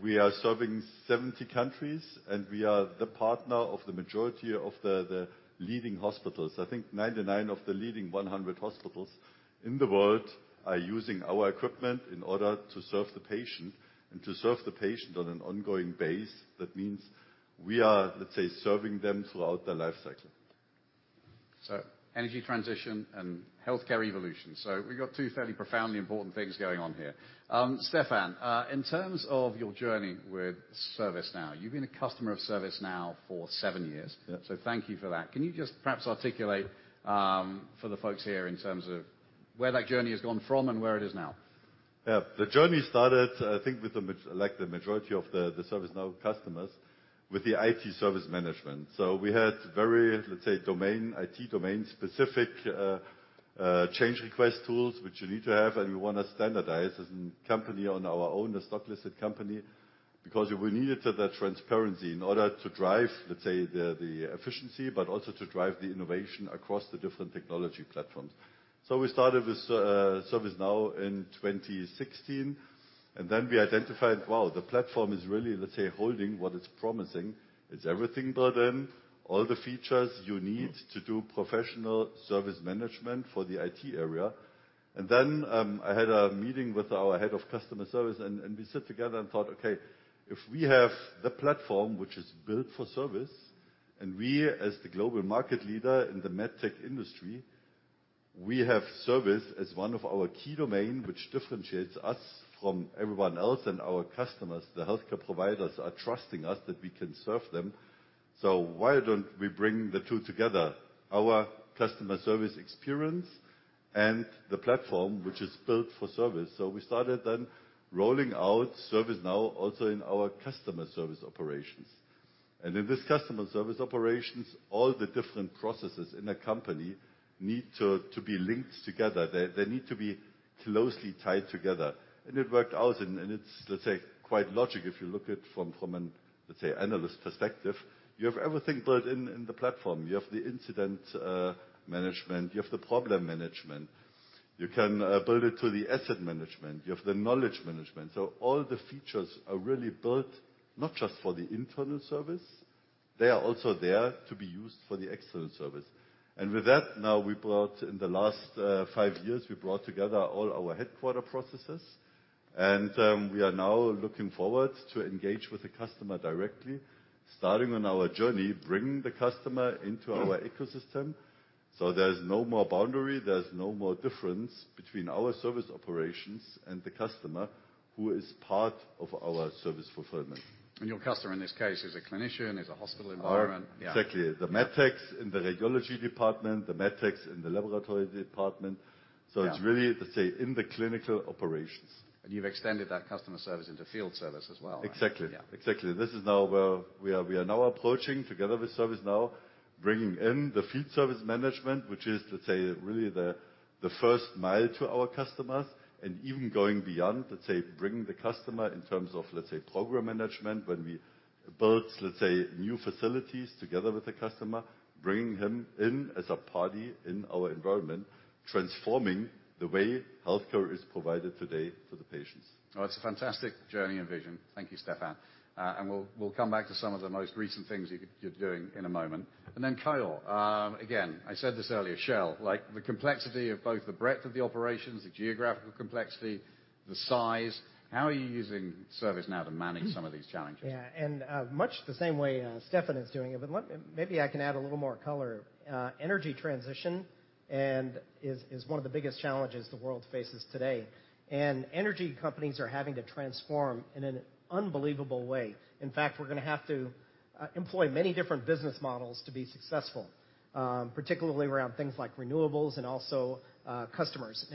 We are serving 70 countries, and we are the partner of the majority of the leading hospitals. I think 99 of the leading 100 hospitals in the world are using our equipment in order to serve the patient and to serve the patient on an ongoing basis. That means we are, let's say, serving them throughout their life cycle. Energy transition and healthcare evolution. We've got two fairly profoundly important things going on here. Stefan, in terms of your journey with ServiceNow, you've been a customer of ServiceNow for seven years. Yeah. Thank you for that. Can you just perhaps articulate, for the folks here in terms of where that journey has gone from and where it is now? The journey started, I think, with like the majority of the ServiceNow customers, with the IT Service Management. We had very, let's say, domain, IT domain-specific, change request tools which you need to have, and we wanna standardize as a company on our own, as a stock-listed company, because we needed to have that transparency in order to drive, let's say, the efficiency, but also to drive the innovation across the different technology platforms. We started with ServiceNow in 2016, we identified, wow, the platform is really, let's say, holding what it's promising. It's everything built in, all the features you need to do professional Service Management for the IT area. I had a meeting with our head of customer service, we sit together and thought, okay, if we have the platform which is built for service, we as the global market leader in the med tech industry, we have service as one of our key domain which differentiates us from everyone else and our customers. The healthcare providers are trusting us that we can serve them. Why don't we bring the two together? Our customer service experience and the platform which is built for service. We started then rolling out ServiceNow also in our customer service operations. In this customer service operations, all the different processes in the company need to be linked together. They need to be closely tied together. It worked out, and it's quite logical if you look at from an analyst perspective. You have everything built in the platform. You have the incident management. You have the problem management. You can build it to the asset management. You have the knowledge management. All the features are really built, not just for the internal service, they are also there to be used for the external service. With that, now in the last fiveyears, we brought together all our headquarters processes, and we are now looking forward to engage with the customer directly, starting on our journey, bringing the customer into our ecosystem, so there's no more boundary, there's no more difference between our service operations and the customer who is part of our service fulfillment. Your customer in this case is a clinician, is a hospital environment. Are exactly. Yeah. Yeah. The med techs in the radiology department, the med techs in the laboratory department. Yeah. It's really to say in the clinical operations. You've extended that customer service into field service as well. Exactly. Yeah. Exactly. This is now where we are, we are now approaching together with ServiceNow, bringing in the field service management, which is to say really the first mile to our customers, and even going beyond, let's say, bringing the customer in terms of, let's say, program management, when we build, let's say, new facilities together with the customer, bringing him in as a party in our environment, transforming the way healthcare is provided today to the patients. Oh, it's a fantastic journey and vision. Thank you, Stefan. We'll come back to some of the most recent things you're doing in a moment. Then Kayor, again, I said this earlier, Shell, like the complexity of both the breadth of the operations, the geographical complexity, the size, how are you using ServiceNow to manage some of these challenges? Yeah. Much the same way, Stefan is doing it, but maybe I can add a little more color. Energy transition is one of the biggest challenges the world faces today. Energy companies are having to transform in an unbelievable way. In fact, we're gonna have to employ many different business models to be successful, particularly around things like renewables and also customers.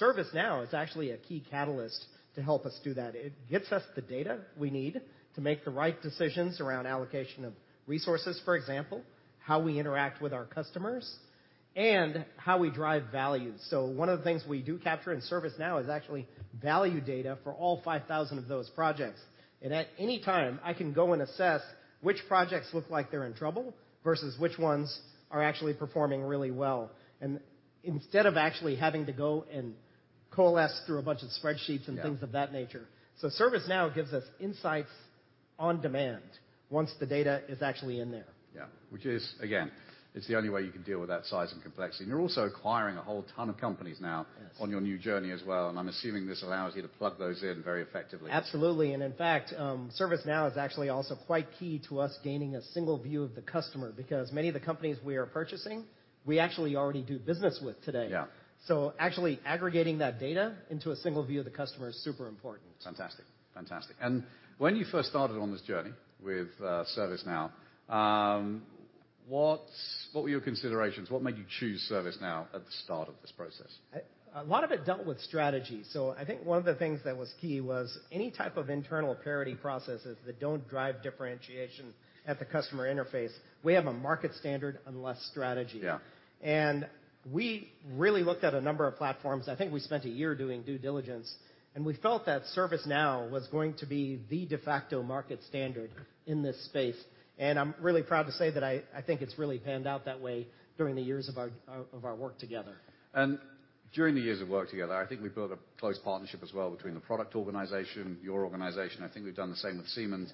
ServiceNow is actually a key catalyst to help us do that. It gets us the data we need to make the right decisions around allocation of resources, for example, how we interact with our customers, and how we drive value. One of the things we do capture in ServiceNow is actually value data for all 5,000 of those projects. At any time, I can go and assess which projects look like they're in trouble versus which ones are actually performing really well. Instead of actually having to go and coalesce through a bunch of spreadsheets and things of that nature. Yeah. ServiceNow gives us insights on demand once the data is actually in there. Yeah. Which is again, it's the only way you can deal with that size and complexity. You're also acquiring a whole ton of companies. Yes on your new journey as well, and I'm assuming this allows you to plug those in very effectively. Absolutely. In fact, ServiceNow is actually also quite key to us gaining a single view of the customer, because many of the companies we are purchasing, we actually already do business with today. Yeah. Actually aggregating that data into a single view of the customer is super important. Fantastic. Fantastic. When you first started on this journey with ServiceNow, what were your considerations? What made you choose ServiceNow at the start of this process? A lot of it dealt with strategy. I think one of the things that was key was any type of internal parity processes that don't drive differentiation at the customer interface, we have a market standard unless strategy. Yeah. We really looked at a number of platforms. I think we spent a year doing due diligence, and we felt that ServiceNow was going to be the de facto market standard in this space. I'm really proud to say that I think it's really panned out that way during the years of our work together. During the years of work together, I think we built a close partnership as well between the product organization, your organization. I think we've done the same with Siemens.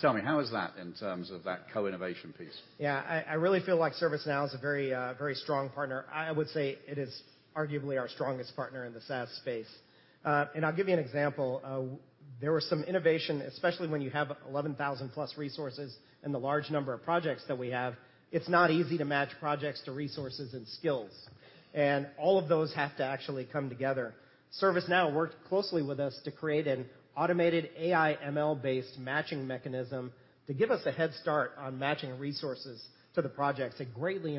Tell me, how is that in terms of that co-innovation piece? Yeah. I really feel like ServiceNow is a very strong partner. I would say it is arguably our strongest partner in the SaaS space. I'll give you an example. There was some innovation, especially when you have 11,000 plus resources and the large number of projects that we have, it's not easy to match projects to resources and skills. All of those have to actually come together. ServiceNow worked closely with us to create an automated AI ML-based matching mechanism to give us a head start on matching resources to the projects. It greatly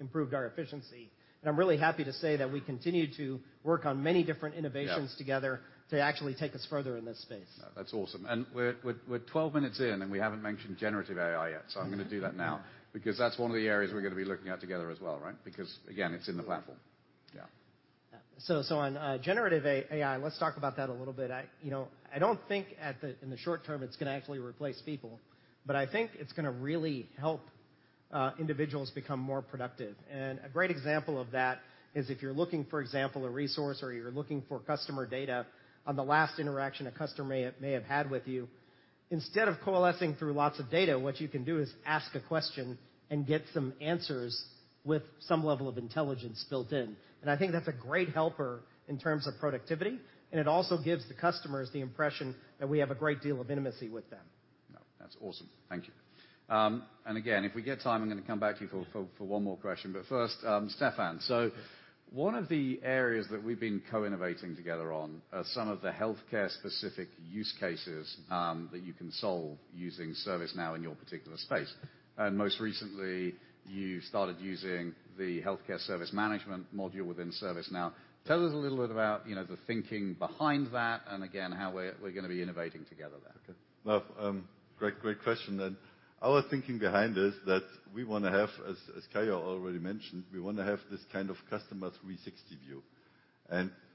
improved our efficiency, and I'm really happy to say that we continue to work on many different innovations together. Yeah to actually take us further in this space. No, that's awesome. We're 12 minutes in, and we haven't mentioned generative AI yet. Mm-hmm. I'm gonna do that now, because that's one of the areas we're gonna be looking at together as well, right? Because again, it's in the platform. On generative AI, let's talk about that a little bit. I, you know, I don't think in the short term, it's gonna actually replace people, but I think it's gonna really help individuals become more productive. A great example of that is if you're looking, for example, a resource or you're looking for customer data on the last interaction a customer may have had with you, instead of coalescing through lots of data, what you can do is ask a question and get some answers with some level of intelligence built in. I think that's a great helper in terms of productivity, and it also gives the customers the impression that we have a great deal of intimacy with them. No, that's awesome. Thank you. Again, if we get time, I'm gonna come back to you for one more question. First, Stefan. One of the areas that we've been co-innovating together on are some of the healthcare specific use cases that you can solve using ServiceNow in your particular space. Most recently, you started using the healthcare service management module within ServiceNow. Tell us a little bit about, you know, the thinking behind that and again, how we're gonna be innovating together there. Okay. Well, great question. Our thinking behind is that we wanna have, as Caio already mentioned, we wanna have this kind of customer 360 view.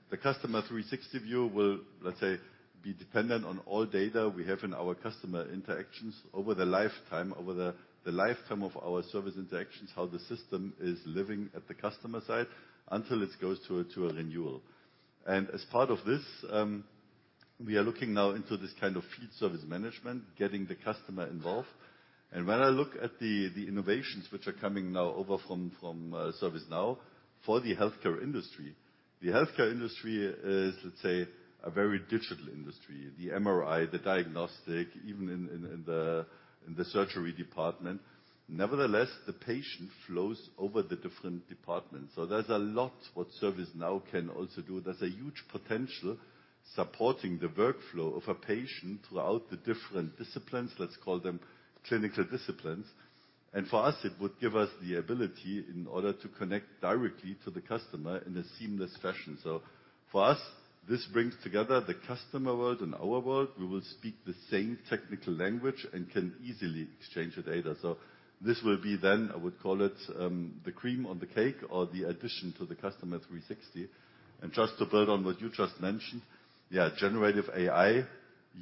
The customer 360 view will, let's say, be dependent on all data we have in our customer interactions over the lifetime, over the lifetime of our service interactions, how the system is living at the customer side until it goes to a, to a renewal. As part of this, we are looking now into this kind of Field Service Management, getting the customer involved. When I look at the innovations which are coming now over from ServiceNow for the healthcare industry, the healthcare industry is, let's say, a very digital industry. The MRI, the diagnostic, even in the surgery department. Nevertheless, the patient flows over the different departments. There's a lot what ServiceNow can also do. There's a huge potential supporting the workflow of a patient throughout the different disciplines, let's call them clinical disciplines. For us, it would give us the ability in order to connect directly to the customer in a seamless fashion. For us, this brings together the customer world and our world. We will speak the same technical language and can easily exchange the data. This will be then, I would call it, the cream on the cake or the addition to the customer 360. Just to build on what you just mentioned, yeah, generative AI,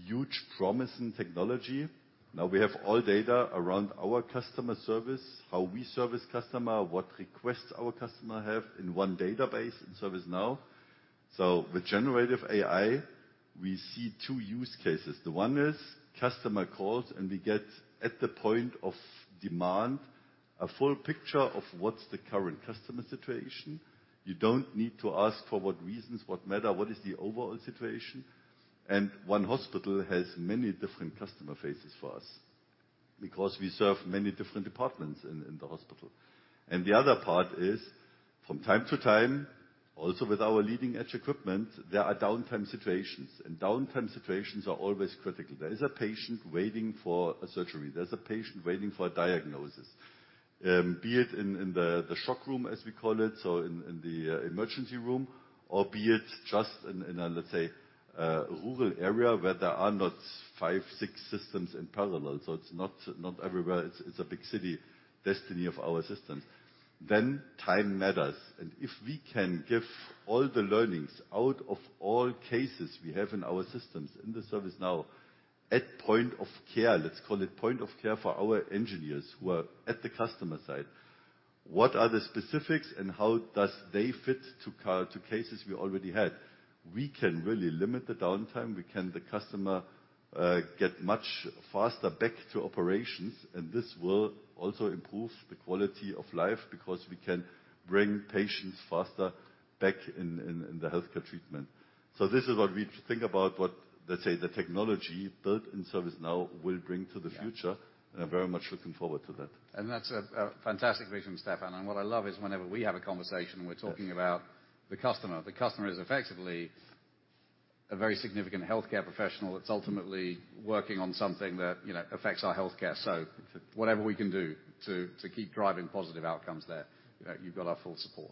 huge promise in technology. Now we have all data around our customer service, how we service customer, what requests our customer have in one database in ServiceNow. With generative AI, we see two use cases. The one is customer calls, and we get at the point of demand, a full picture of what's the current customer situation. You don't need to ask for what reasons, what matter, what is the overall situation. One hospital has many different customer faces for us because we serve many different departments in the hospital. The other part is from time to time, also with our leading-edge equipment, there are downtime situations. Downtime situations are always critical. There is a patient waiting for a surgery. There's a patient waiting for a diagnosis, be it in the shock room, as we call it, so in the emergency room, or be it just in a, let's say, a rural area where there are not five, six systems in parallel. It's not everywhere. It's a big city destiny of our system. Time matters. If we can give all the learnings out of all cases we have in our systems, in the ServiceNow, at point of care, let's call it point of care for our engineers who are at the customer side, what are the specifics and how does they fit to cases we already had? We can really limit the downtime. We can the customer get much faster back to operations, and this will also improve the quality of life because we can bring patients faster back in the healthcare treatment. This is what we think about what, let's say, the technology built in ServiceNow will bring to the future. Yeah. I'm very much looking forward to that. That's a fantastic vision, Stefan. What I love is whenever we have a conversation. Yes. we're talking about the customer. The customer is effectively a very significant healthcare professional that's ultimately working on something that, you know, affects our healthcare. Whatever we can do to keep driving positive outcomes there, you've got our full support.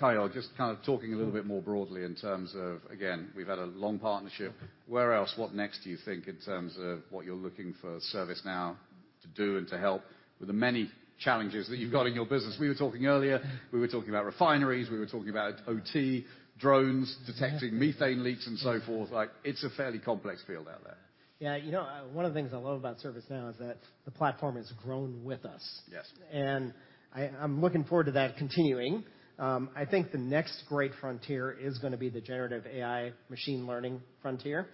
Caio, just kind of talking a little bit more broadly in terms of, again, we've had a long partnership. Where else, what next do you think in terms of what you're looking for ServiceNow to do and to help with the many challenges that you've got in your business? We were talking earlier, we were talking about refineries. We were talking about OT, drones, detecting methane leaks and so forth. It's a fairly complex field out there. Yeah. You know, one of the things I love about ServiceNow is that the platform has grown with us. Yes. And I'm looking forward to that continuing. I think the next great frontier is gonna be the generative AI machine learning frontier.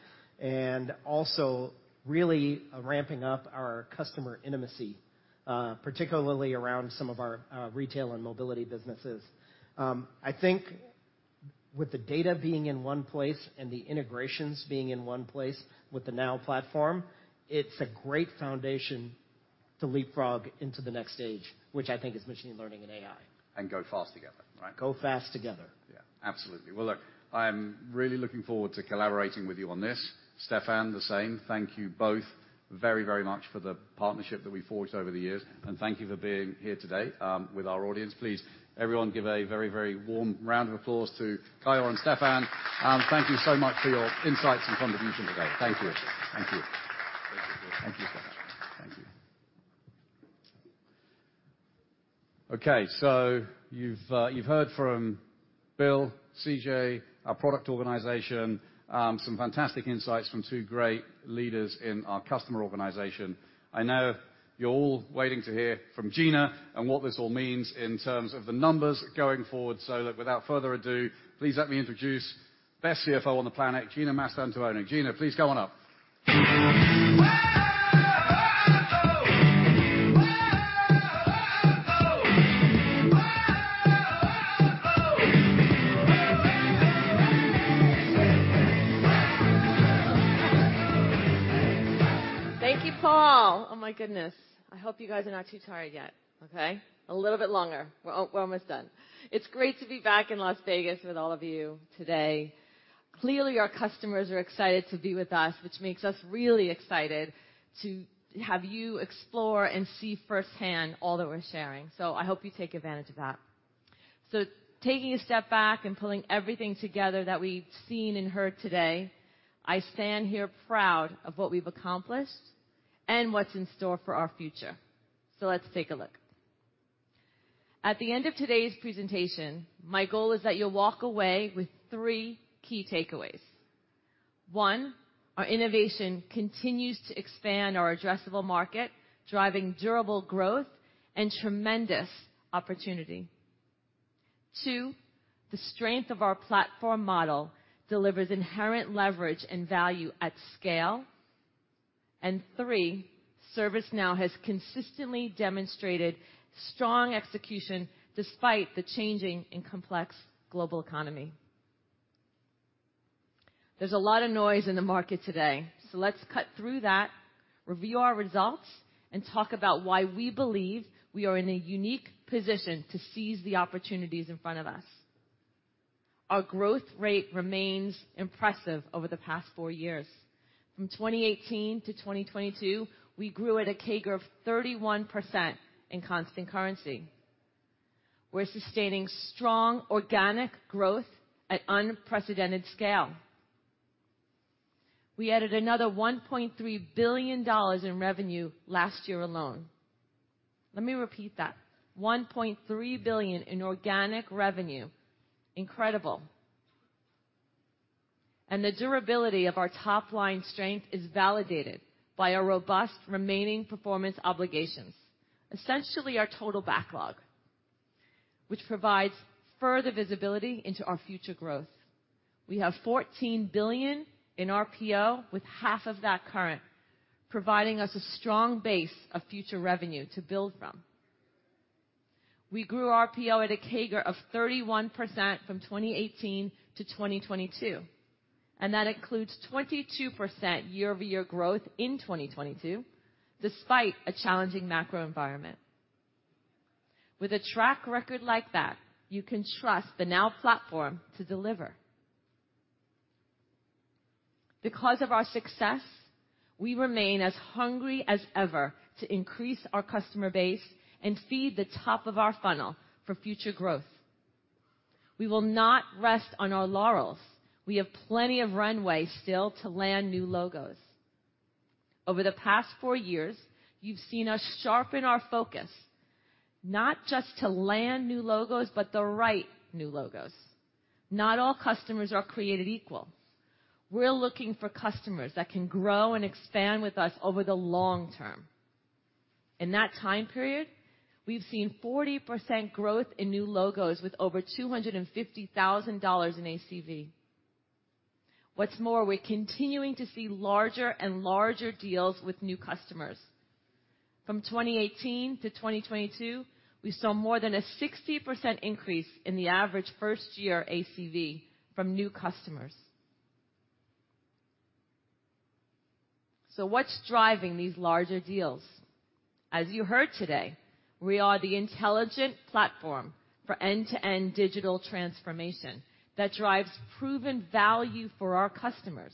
Also really ramping up our customer intimacy, particularly around some of our retail and mobility businesses. I think with the data being in one place and the integrations being in one place with the Now Platform, it's a great foundation to leapfrog into the next stage, which I think is machine learning and AI. Go fast together, right? Go fast together. Yeah. Absolutely. Well, look, I am really looking forward to collaborating with you on this. Stefan, the same. Thank you both very, very much for the partnership that we forged over the years. Thank you for being here today with our audience. Please, everyone give a very, very warm round of applause to Caio and Stefan. Thank you so much for your insights and contribution today. Thank you. Thank you. Thank you. Thank you, Stefan. Okay. You've heard from Bill, CJ, our product organization, some fantastic insights from two great leaders in our customer organization. I know you're all waiting to hear from Gina and what this all means in terms of the numbers going forward. Look, without further ado, please let me introduce best CFO on the planet, Gina Mastantuono. Gina, please come on up. Thank you, Paul. Oh, my goodness, I hope you guys are not too tired yet. Okay? A little bit longer. We're almost done. It's great to be back in Las Vegas with all of you today. Clearly, our customers are excited to be with us, which makes us really excited to have you explore and see firsthand all that we're sharing. I hope you take advantage of that. Taking a step back and pulling everything together that we've seen and heard today, I stand here proud of what we've accomplished and what's in store for our future. Let's take a look. At the end of today's presentation, my goal is that you'll walk away with three key takeaways. One, our innovation continues to expand our addressable market, driving durable growth and tremendous opportunity. two, the strength of our platform model delivers inherent leverage and value at scale. three, ServiceNow has consistently demonstrated strong execution despite the changing and complex global economy. There's a lot of noise in the market today. Let's cut through that, review our results, and talk about why we believe we are in a unique position to seize the opportunities in front of us. Our growth rate remains impressive over the past four years. From 2018 to 2022, we grew at a CAGR of 31% in constant currency. We're sustaining strong organic growth at unprecedented scale. We added another $1.3 billion in revenue last year alone. Let me repeat that. $1.3 billion in organic revenue. Incredible. The durability of our top line strength is validated by our robust remaining performance obligations. Essentially our total backlog, which provides further visibility into our future growth. We have $14 billion in RPO, with half of that current, providing us a strong base of future revenue to build from. We grew RPO at a CAGR of 31% from 2018 to 2022. That includes 22% year-over-year growth in 2022, despite a challenging macro environment. With a track record like that, you can trust the Now Platform to deliver. Because of our success, we remain as hungry as ever to increase our customer base and feed the top of our funnel for future growth. We will not rest on our laurels. We have plenty of runway still to land new logos. Over the past four years, you've seen us sharpen our focus, not just to land new logos, but the right new logos. Not all customers are created equal. We're looking for customers that can grow and expand with us over the long term. In that time period, we've seen 40% growth in new logos with over $250,000 in ACV. We're continuing to see larger and larger deals with new customers. From 2018 to 2022, we saw more than a 60% increase in the average first year ACV from new customers. What's driving these larger deals? As you heard today, we are the intelligent platform for end-to-end digital transformation that drives proven value for our customers.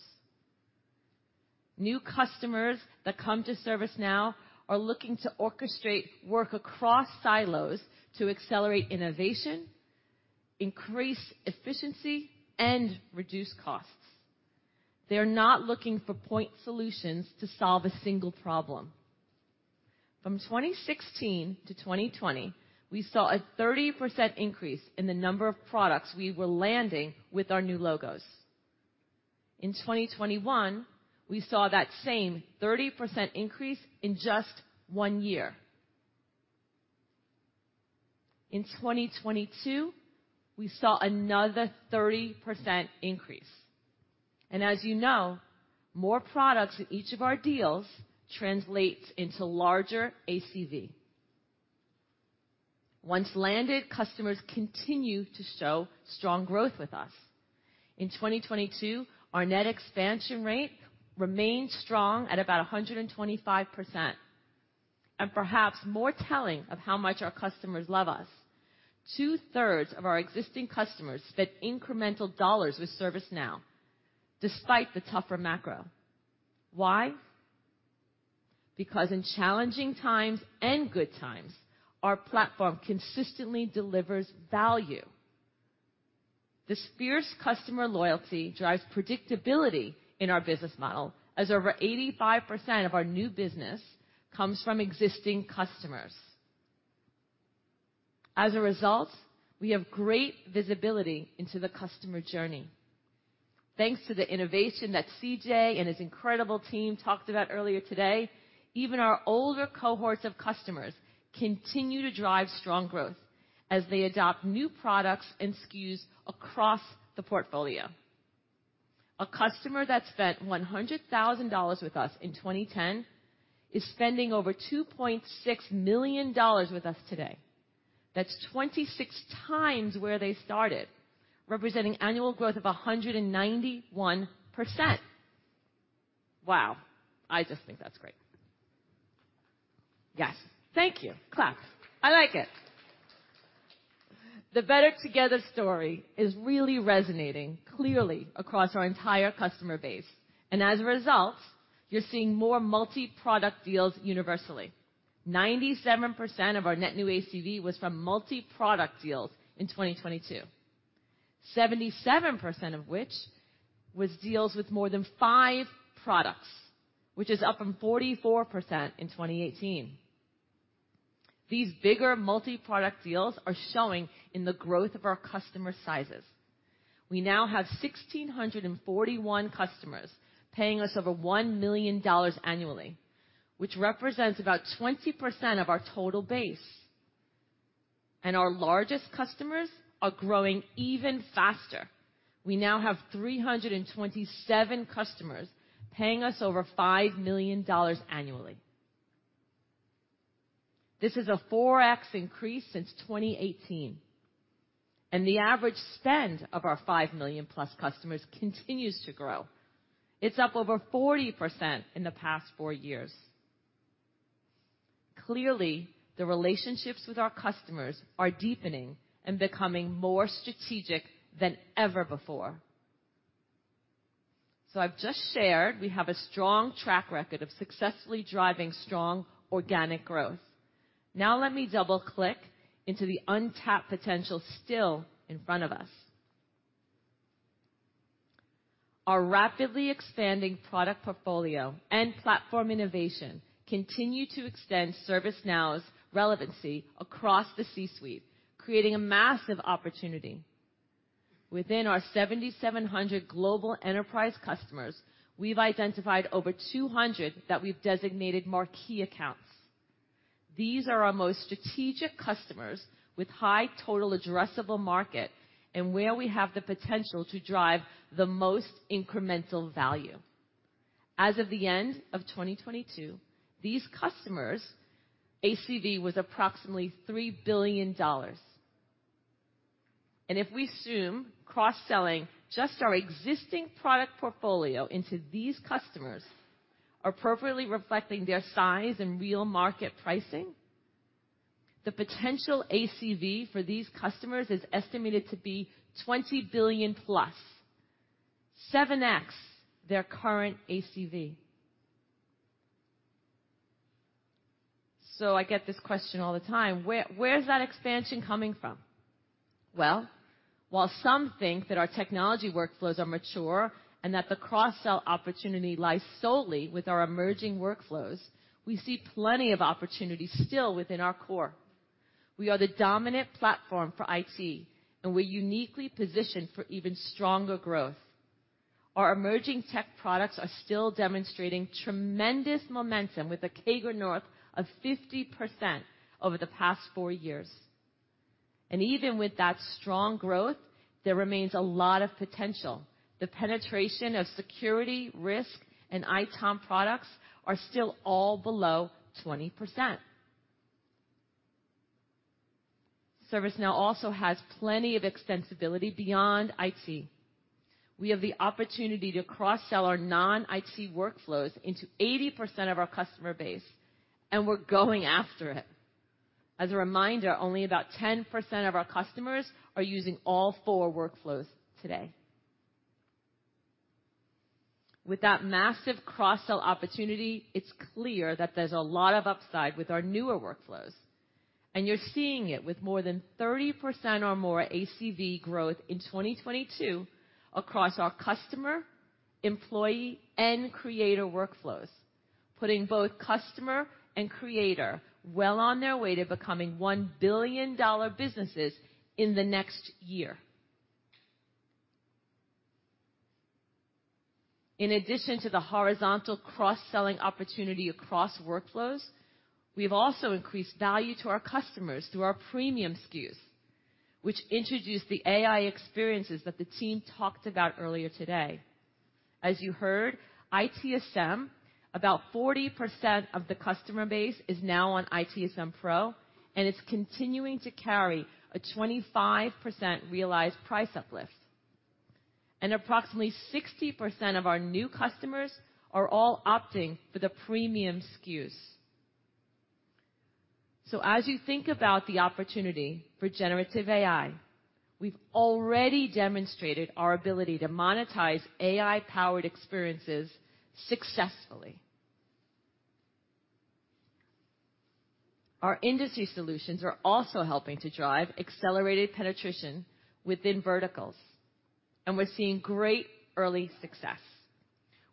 New customers that come to ServiceNow are looking to orchestrate work across silos to accelerate innovation, increase efficiency, and reduce costs. They're not looking for point solutions to solve a single problem. From 2016 to 2020, we saw a 30% increase in the number of products we were landing with our new logos. In 2021, we saw that same 30% increase in just one year. In 2022, we saw another 30% increase. As you know, more products in each of our deals translates into larger ACV. Once landed, customers continue to show strong growth with us. In 2022, our net expansion rate remained strong at about 125%. Perhaps more telling of how much our customers love us, two-thirds of our existing customers spent incremental dollars with ServiceNow despite the tougher macro. Why? Because in challenging times and good times, our platform consistently delivers value. This fierce customer loyalty drives predictability in our business model, as over 85% of our new business comes from existing customers. As a result, we have great visibility into the customer journey. Thanks to the innovation that CJ and his incredible team talked about earlier today, even our older cohorts of customers continue to drive strong growth as they adopt new products and SKUs across the portfolio. A customer that spent $100,000 with us in 2010 is spending over $2.6 million with us today. That's 26 times where they started, representing annual growth of 191%. Wow! I just think that's great. Yes. Thank you. Claps. I like it. The Better Together story is really resonating clearly across our entire customer base, and as a result, you're seeing more multi-product deals universally. 97% of our net new ACV was from multi-product deals in 2022. 77% of which was deals with more than five products, which is up from 44% in 2018. These bigger multi-product deals are showing in the growth of our customer sizes. We now have 1,641 customers paying us over $1 million annually, which represents about 20% of our total base. Our largest customers are growing even faster. We now have 327 customers paying us over $5 million annually. This is a 4x increase since 2018. The average spend of our $5 million-plus customers continues to grow. It's up over 40% in the past four years. Clearly, the relationships with our customers are deepening and becoming more strategic than ever before. I've just shared we have a strong track record of successfully driving strong organic growth. Now let me double-click into the untapped potential still in front of us. Our rapidly expanding product portfolio and platform innovation continue to extend ServiceNow's relevancy across the C-suite, creating a massive opportunity. Within our 7,700 global enterprise customers, we've identified over 200 that we've designated marquee accounts. These are our most strategic customers with high total addressable market and where we have the potential to drive the most incremental value. As of the end of 2022, these customers' ACV was approximately $3 billion. If we assume cross-selling just our existing product portfolio into these customers, appropriately reflecting their size and real market pricing, the potential ACV for these customers is estimated to be $20 billion+, 7x their current ACV. I get this question all the time, where's that expansion coming from? While some think that our technology workflows are mature and that the cross-sell opportunity lies solely with our emerging workflows, we see plenty of opportunities still within our core. We are the dominant platform for IT, and we're uniquely positioned for even stronger growth. Our emerging tech products are still demonstrating tremendous momentum with a CAGR north of 50% over the past four years. Even with that strong growth, there remains a lot of potential. The penetration of security, risk, and ITOM products are still all below 20%. ServiceNow also has plenty of extensibility beyond IT. We have the opportunity to cross-sell our non-IT workflows into 80% of our customer base, and we're going after it. As a reminder, only about 10% of our customers are using all four workflows today. With that massive cross-sell opportunity, it's clear that there's a lot of upside with our newer workflows, you're seeing it with more than 30% or more ACV growth in 2022 across our Customer, Employee, and Creator Workflows, putting both Customer and Creator well on their way to becoming $1 billion businesses in the next year. In addition to the horizontal cross-selling opportunity across workflows, we've also increased value to our customers through our premium SKUs, which introduced the AI experiences that the team talked about earlier today. As you heard, ITSM, about 40% of the customer base is now on ITSM Pro, it's continuing to carry a 25% realized price uplift. Approximately 60% of our new customers are all opting for the premium SKUs. As you think about the opportunity for generative AI, we've already demonstrated our ability to monetize AI-powered experiences successfully. Our industry solutions are also helping to drive accelerated penetration within verticals, and we're seeing great early success.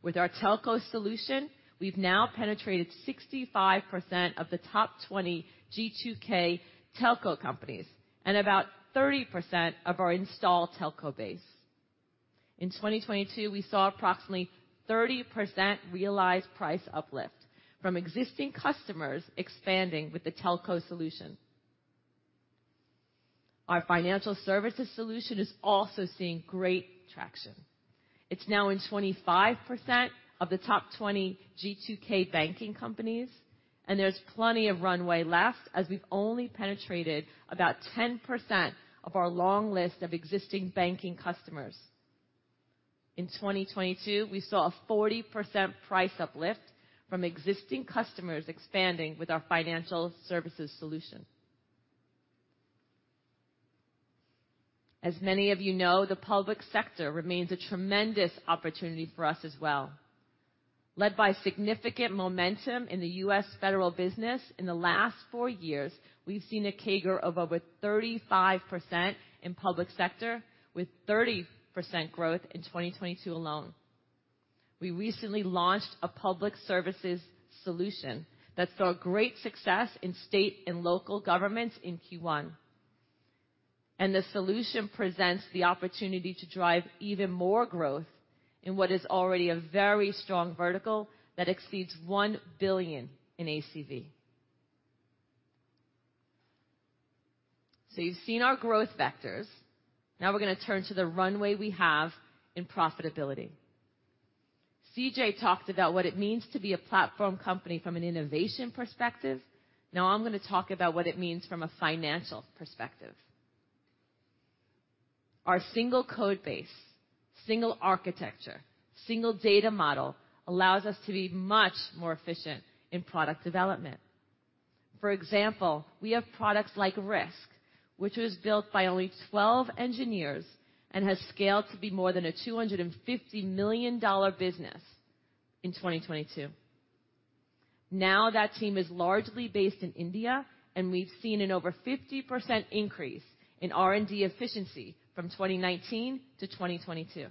With our telco solution, we've now penetrated 65% of the top 20 G2K telco companies and about 30% of our installed telco base. In 2022, we saw approximately 30% realized price uplift from existing customers expanding with the telco solution. Our financial services solution is also seeing great traction. It's now in 25% of the top 20 G2K banking companies, and there's plenty of runway left as we've only penetrated about 10% of our long list of existing banking customers. In 2022, we saw a 40% price uplift from existing customers expanding with our financial services solution. As many of you know, the public sector remains a tremendous opportunity for us as well. Led by significant momentum in the U.S. federal business, in the last 4 years, we've seen a CAGR of over 35% in public sector with 30% growth in 2022 alone. We recently launched a public services solution that saw great success in state and local governments in Q1. The solution presents the opportunity to drive even more growth in what is already a very strong vertical that exceeds $1 billion in ACV. You've seen our growth vectors. Now we're gonna turn to the runway we have in profitability. CJ talked about what it means to be a platform company from an innovation perspective. Now I'm gonna talk about what it means from a financial perspective. Our single code base, single architecture, single data model allows us to be much more efficient in product development. For example, we have products like Risk, which was built by only 12 engineers and has scaled to be more than a $250 million business in 2022. That team is largely based in India, and we've seen an over 50% increase in R&D efficiency from 2019 to 2022.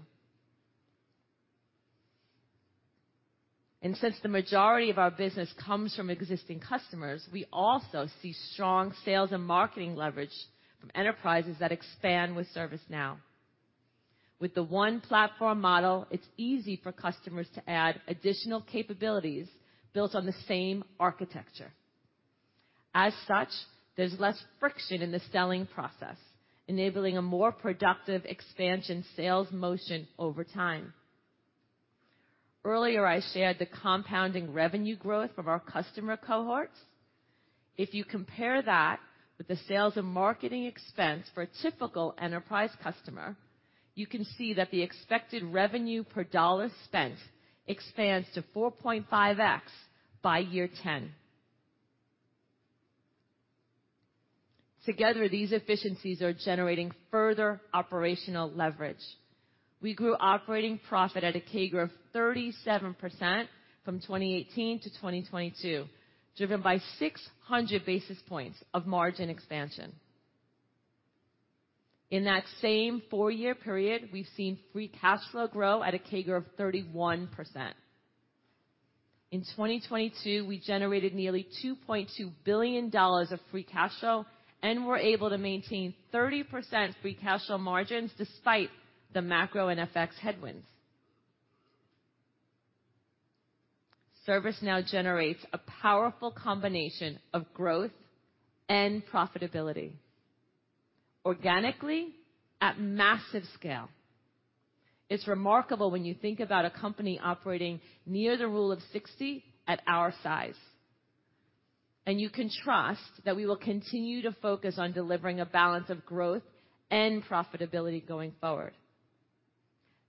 Since the majority of our business comes from existing customers, we also see strong sales and marketing leverage from enterprises that expand with ServiceNow. With the one platform model, it's easy for customers to add additional capabilities built on the same architecture. As such, there's less friction in the selling process, enabling a more productive expansion sales motion over time. Earlier, I shared the compounding revenue growth from our customer cohorts. If you compare that with the sales and marketing expense for a typical enterprise customer, you can see that the expected revenue per dollar spent expands to 4.5x by year 10. Together, these efficiencies are generating further operational leverage. We grew operating profit at a CAGR of 37% from 2018 to 2022, driven by 600 basis points of margin expansion. In that same four-year period, we've seen free cash flow grow at a CAGR of 31%. In 2022, we generated nearly $2.2 billion of free cash flow and were able to maintain 30% free cash flow margins despite the macro and FX headwinds. ServiceNow generates a powerful combination of growth and profitability, organically at massive scale. It's remarkable when you think about a company operating near the rule of 60 at our size. You can trust that we will continue to focus on delivering a balance of growth and profitability going forward.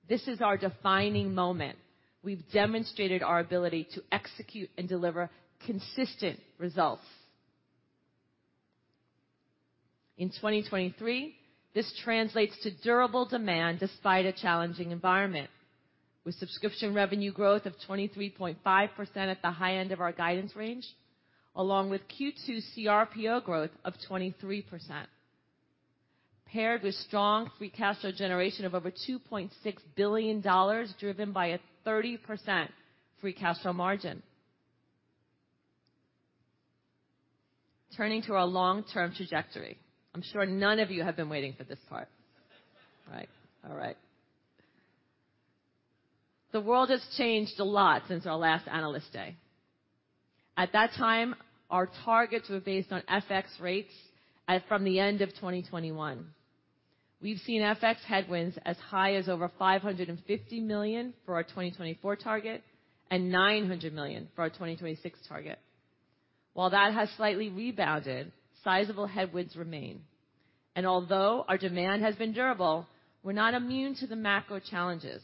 This is our defining moment. We've demonstrated our ability to execute and deliver consistent results. In 2023, this translates to durable demand despite a challenging environment. With subscription revenue growth of 23.5% at the high end of our guidance range, along with Q2 CRPO growth of 23%, paired with strong free cash flow generation of over $2.6 billion, driven by a 30% free cash flow margin. Turning to our long-term trajectory. I'm sure none of you have been waiting for this part. Right. All right. The world has changed a lot since our last Analyst Day. At that time, our targets were based on FX rates as from the end of 2021. We've seen FX headwinds as high as over $550 million for our 2024 target and $900 million for our 2026 target. While that has slightly rebounded, sizable headwinds remain. Although our demand has been durable, we're not immune to the macro challenges.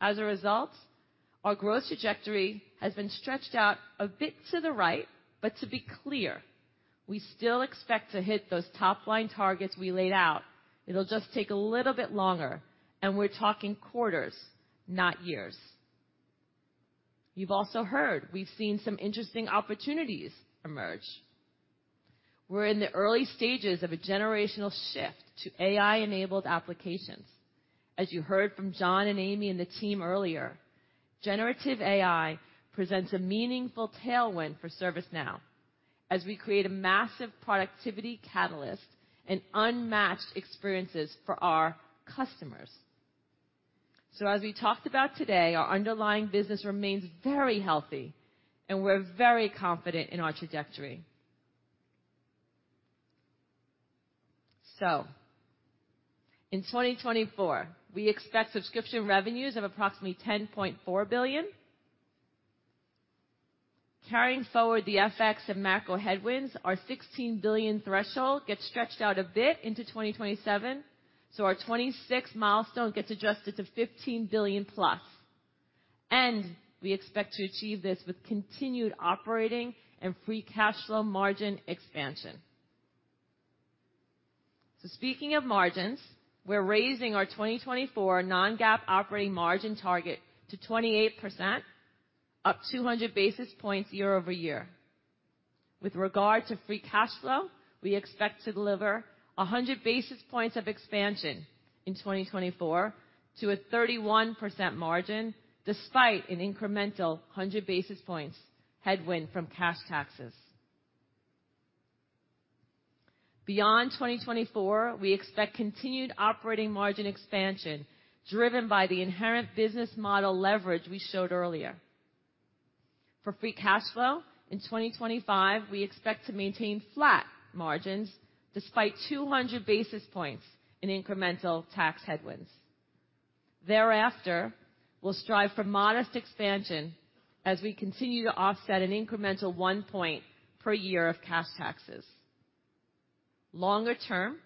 As a result, our growth trajectory has been stretched out a bit to the right. To be clear, we still expect to hit those top-line targets we laid out. It'll just take a little bit longer. We're talking quarters, not years. You've also heard we've seen some interesting opportunities emerge. We're in the early stages of a generational shift to AI-enabled applications. As you heard from John and Amy and the team earlier, generative AI presents a meaningful tailwind for ServiceNow as we create a massive productivity catalyst and unmatched experiences for our customers. As we talked about today, our underlying business remains very healthy, and we're very confident in our trajectory. In 2024, we expect subscription revenues of approximately $10.4 billion. Carrying forward the FX and macro headwinds, our $16 billion threshold gets stretched out a bit into 2027, so our 2026 milestone gets adjusted to $15 billion plus. We expect to achieve this with continued operating and free cash flow margin expansion. Speaking of margins, we're raising our 2024 non-GAAP operating margin target to 28%, up 200 basis points year-over-year. With regard to free cash flow, we expect to deliver 100 basis points of expansion in 2024 to a 31% margin despite an incremental 100 basis points headwind from cash taxes. Beyond 2024, we expect continued operating margin expansion driven by the inherent business model leverage we showed earlier. For free cash flow in 2025, we expect to maintain flat margins despite 200 basis points in incremental tax headwinds. Thereafter, we'll strive for modest expansion as we continue to offset an incremental one point per year of cash taxes. Longer term,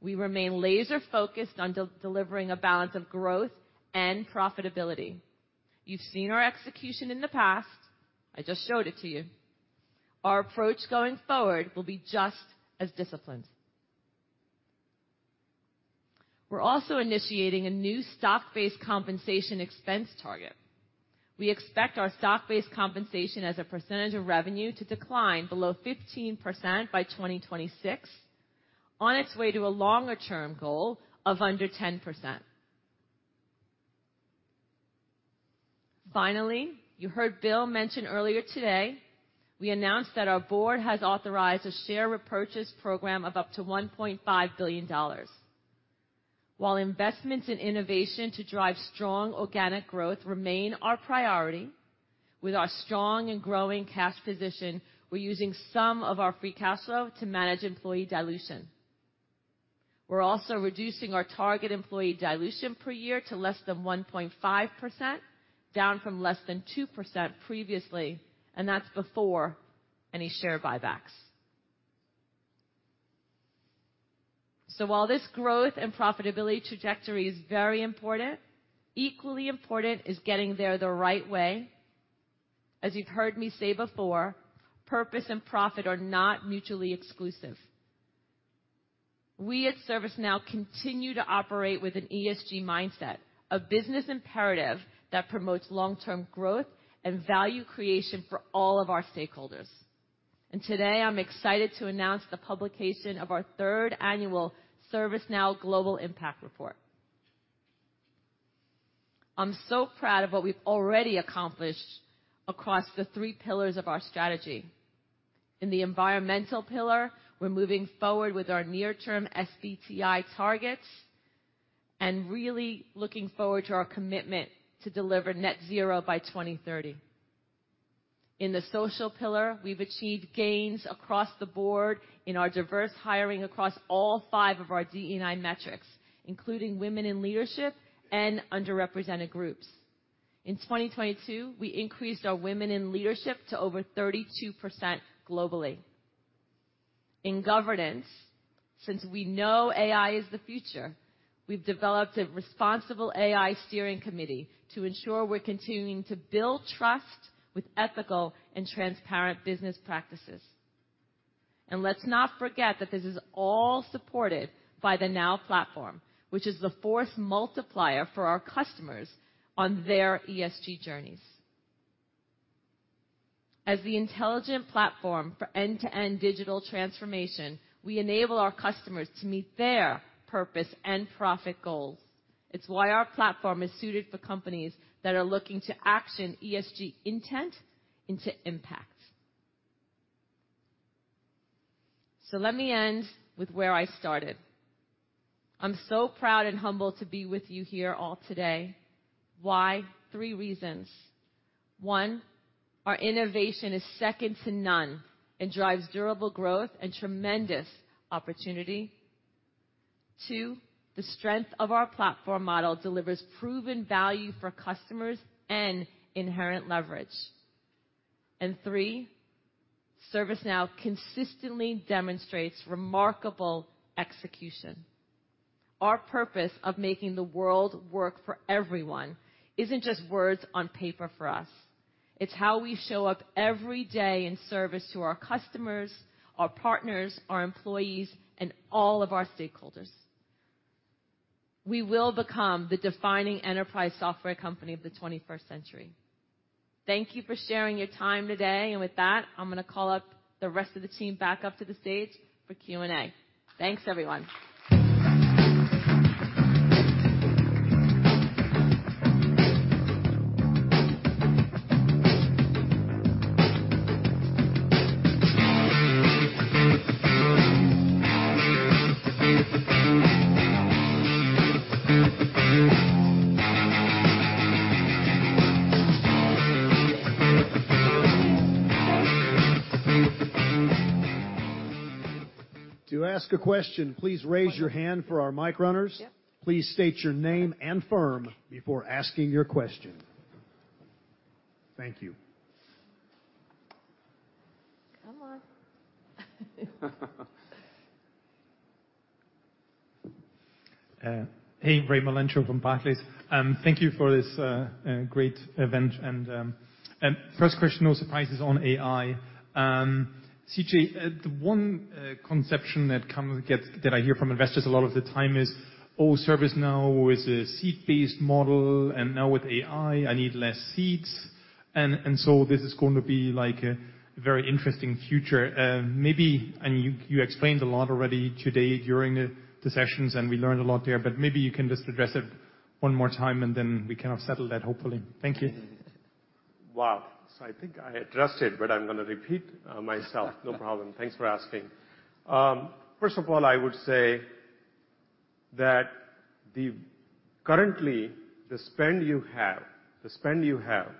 we remain laser-focused on delivering a balance of growth and profitability. You've seen our execution in the past. I just showed it to you. Our approach going forward will be just as disciplined. We're also initiating a new stock-based compensation expense target. We expect our stock-based compensation as a percentage of revenue to decline below 15% by 2026 on its way to a longer-term goal of under 10%. You heard Bill mention earlier today, we announced that our board has authorized a share repurchase program of up to $1.5 billion. While investments in innovation to drive strong organic growth remain our priority, with our strong and growing cash position, we're using some of our free cash flow to manage employee dilution. We're also reducing our target employee dilution per year to less than 1.5%, down from less than 2% previously, and that's before any share buybacks. While this growth and profitability trajectory is very important, equally important is getting there the right way. As you've heard me say before, purpose and profit are not mutually exclusive. We at ServiceNow continue to operate with an ESG mindset, a business imperative that promotes long-term growth and value creation for all of our stakeholders. Today, I'm excited to announce the publication of our third annual ServiceNow Global Impact Report. I'm so proud of what we've already accomplished across the three pillars of our strategy. In the environmental pillar, we're moving forward with our near-term SBTI targets and really looking forward to our commitment to deliver net zero by 2030. In the social pillar, we've achieved gains across the board in our diverse hiring across all five of our DE&I metrics, including women in leadership and underrepresented groups. In 2022, we increased our women in leadership to over 32% globally. In governance, since we know AI is the future, we've developed a responsible AI steering committee to ensure we're continuing to build trust with ethical and transparent business practices. Let's not forget that this is all supported by the Now Platform, which is the force multiplier for our customers on their ESG journeys. As the intelligent platform for end-to-end digital transformation, we enable our customers to meet their purpose and profit goals. It's why our platform is suited for companies that are looking to action ESG intent into impact. Let me end with where I started. I'm so proud and humbled to be with you here all today. Why? Three reasons. one, our innovation is second to none and drives durable growth and tremendous opportunity. Two, the strength of our platform model delivers proven value for customers and inherent leverage. three, ServiceNow consistently demonstrates remarkable execution. Our purpose of making the world work for everyone isn't just words on paper for us. It's how we show up every day in service to our customers, our partners, our employees, and all of our stakeholders. We will become the defining enterprise software company of the 21st century. Thank you for sharing your time today. With that, I'm going to call up the rest of the team back up to the stage for Q&A. Thanks, everyone. To ask a question, please raise your hand for our mic runners. Yep. Please state your name and firm before asking your question. Thank you. Come on. Hey, Raimo Lenschak from Barclays. Thank you for this great event. First question, no surprises on AI. CJ, the one conception that I hear from investors a lot of the time is, "Oh, ServiceNow is a seat-based model, and now with AI, I need less seats." This is gonna be, like, a very interesting future. Maybe you explained a lot already today during the sessions, and we learned a lot there, but maybe you can just address it one more time, and then we kind of settle that, hopefully. Thank you. Wow. I think I addressed it, but I'm gonna repeat myself. No problem. Thanks for asking. First of all, I would say that currently the spend you have, the spend you have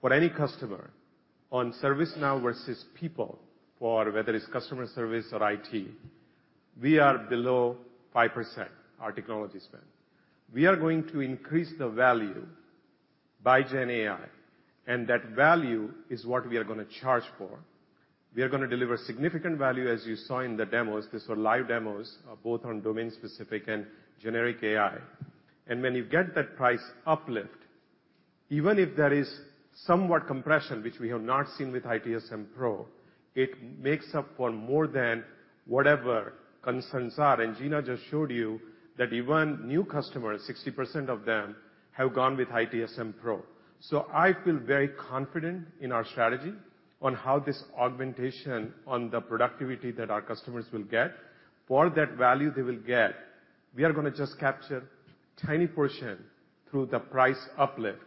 for any customer on ServiceNow versus people for whether it's customer service or IT, we are below 5%, our technology spend. We are gonna increase the value by gen AI, and that value is what we are gonna charge for. We are gonna deliver significant value, as you saw in the demos. These were live demos, both on domain specific and generic AI. When you get that price uplift, even if there is somewhat compression, which we have not seen with ITSM Pro, it makes up for more than whatever concerns are. Gina just showed you that even new customers, 60% of them have gone with ITSM Pro. I feel very confident in our strategy on how this augmentation on the productivity that our customers will get. For that value they will get, we are going to just capture tiny portion through the price uplift.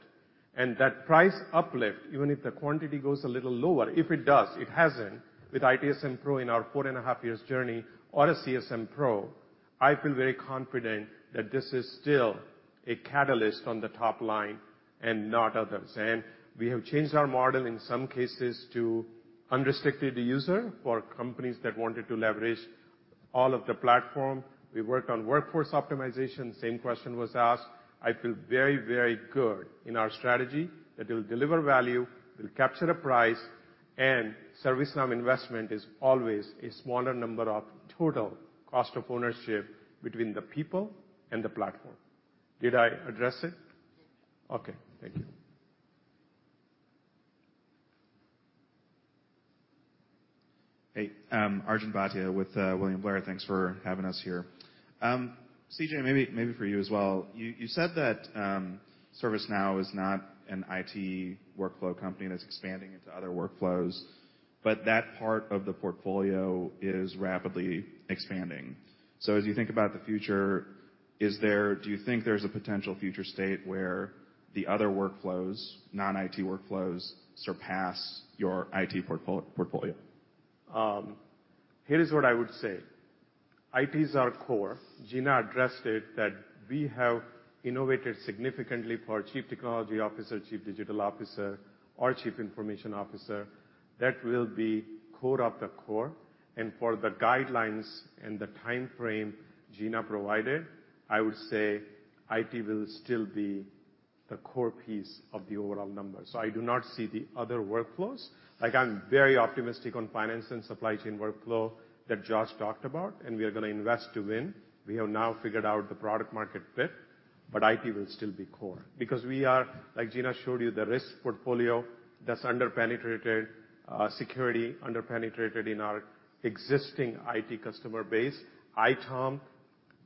That price uplift, even if the quantity goes a little lower, if it does, it hasn't with ITSM Pro in our 4.5 years journey or a CSM Pro, I feel very confident that this is still a catalyst on the top line and not others. We have changed our model in some cases to unrestricted user for companies that wanted to leverage all of the Now Platform. We worked on workforce optimization. Same question was asked. I feel very, very good in our strategy that it'll deliver value, it'll capture the price, and ServiceNow investment is always a smaller number of total cost of ownership between the people and the platform. Did I address it? Yes. Okay. Thank you. Hey, Arjun Bhatia with William Blair. Thanks for having us here. CJ, maybe for you as well. You said that ServiceNow is not an IT workflow company that's expanding into other workflows, that part of the portfolio is rapidly expanding. As you think about the future, do you think there's a potential future state where the other workflows, non-IT workflows, surpass your IT portfolio? Here is what I would say. IT is our core. Gina addressed it that we have innovated significantly for chief technology officer, chief digital officer or chief information officer. That will be core of the core. For the guidelines and the timeframe Gina provided, I would say IT will still be the core piece of the overall number. I do not see the other workflows. Like, I'm very optimistic on finance and supply chain workflow that Josh talked about, and we are gonna invest to win. We have now figured out the product market fit, but IT will still be core. Because we are, like Gina showed you, the risk portfolio that's under-penetrated, security, under-penetrated in our existing IT customer base. ITOM,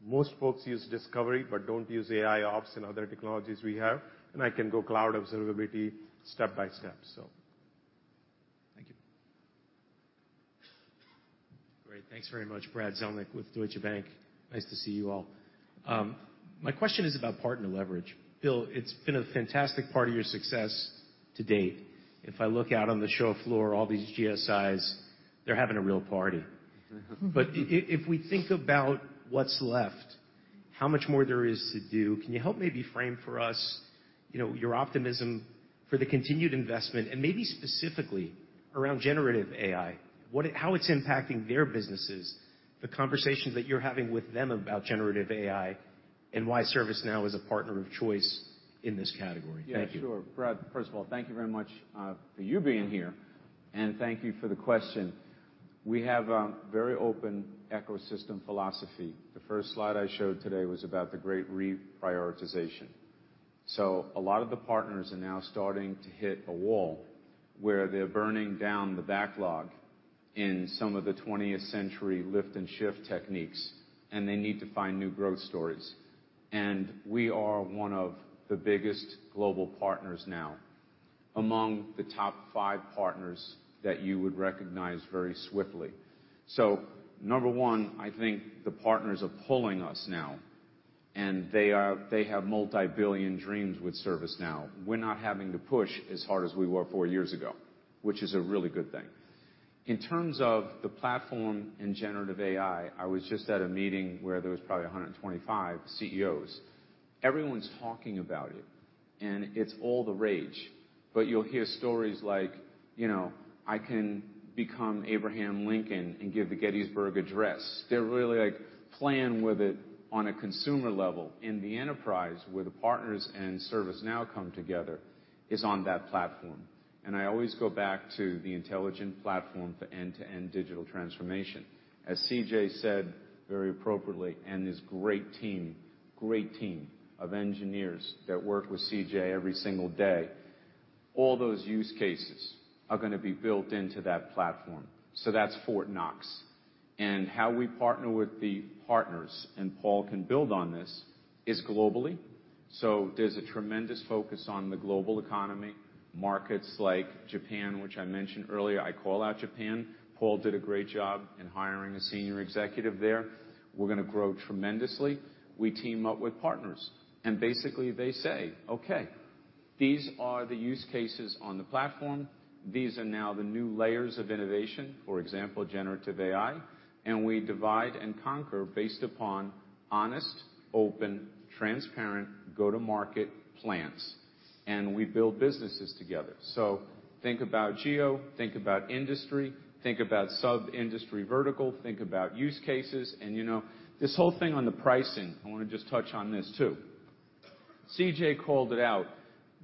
most folks use Discovery, but don't use AIOps and other technologies we have. I can go Cloud Observability step by step. Thank you. Great. Thanks very much. Brad Zelnick with Deutsche Bank. Nice to see you all. My question is about partner leverage. Bill, it's been a fantastic part of your success to date. If I look out on the show floor, all these GSIs, they're having a real party. If we think about what's left, how much more there is to do, can you help maybe frame for us, you know, your optimism for the continued investment and maybe specifically around generative AI, how it's impacting their businesses, the conversations that you're having with them about generative AI, and why ServiceNow is a partner of choice in this category? Thank you. Yeah, sure. Brad, first of all, thank you very much for you being here, thank you for the question. We have a very open ecosystem philosophy. The first slide I showed today was about the great reprioritization. A lot of the partners are now starting to hit a wall where they're burning down the backlog in some of the 20th century lift and shift techniques, they need to find new growth stories. We are one of the biggest global partners now, among the top five partners that you would recognize very swiftly. Number 1, I think the partners are pulling us now, and they have multi-billion dreams with ServiceNow. We're not having to push as hard as we were four years ago, which is a really good thing. In terms of the platfozm and generative AI, I was just at a meeting where there was probably 125 CEOs. Everyone's talking about it, and it's all the rage. You'll hear stories like, you know, "I can become Abraham Lincoln and give the Gettysburg Address." They're really, like, playing with it on a consumer level. In the enterprise, where the partners and ServiceNow come together is on that platform. I always go back to the intelligent platform for end-to-end digital transformation. As CJ said very appropriately, and his great team, great team of engineers that work with CJ every single day, all those use cases are gonna be built into that platform. That's Fort Knox. How we partner with the partners, and Paul can build on this, is globally. There's a tremendous focus on the global economy, markets like Japan, which I mentioned earlier. I call out Japan. Paul did a great job in hiring a senior executive there. We're gonna grow tremendously. We team up with partners, basically they say, "Okay, these are the use cases on the platform. These are now the new layers of innovation, for example, generative AI, and we divide and conquer based upon honest, open, transparent, go-to-market plans, and we build businesses together. Think about geo, think about industry, think about sub-industry vertical, think about use cases. You know, this whole thing on the pricing, I wanna just touch on this too. CJ called it out.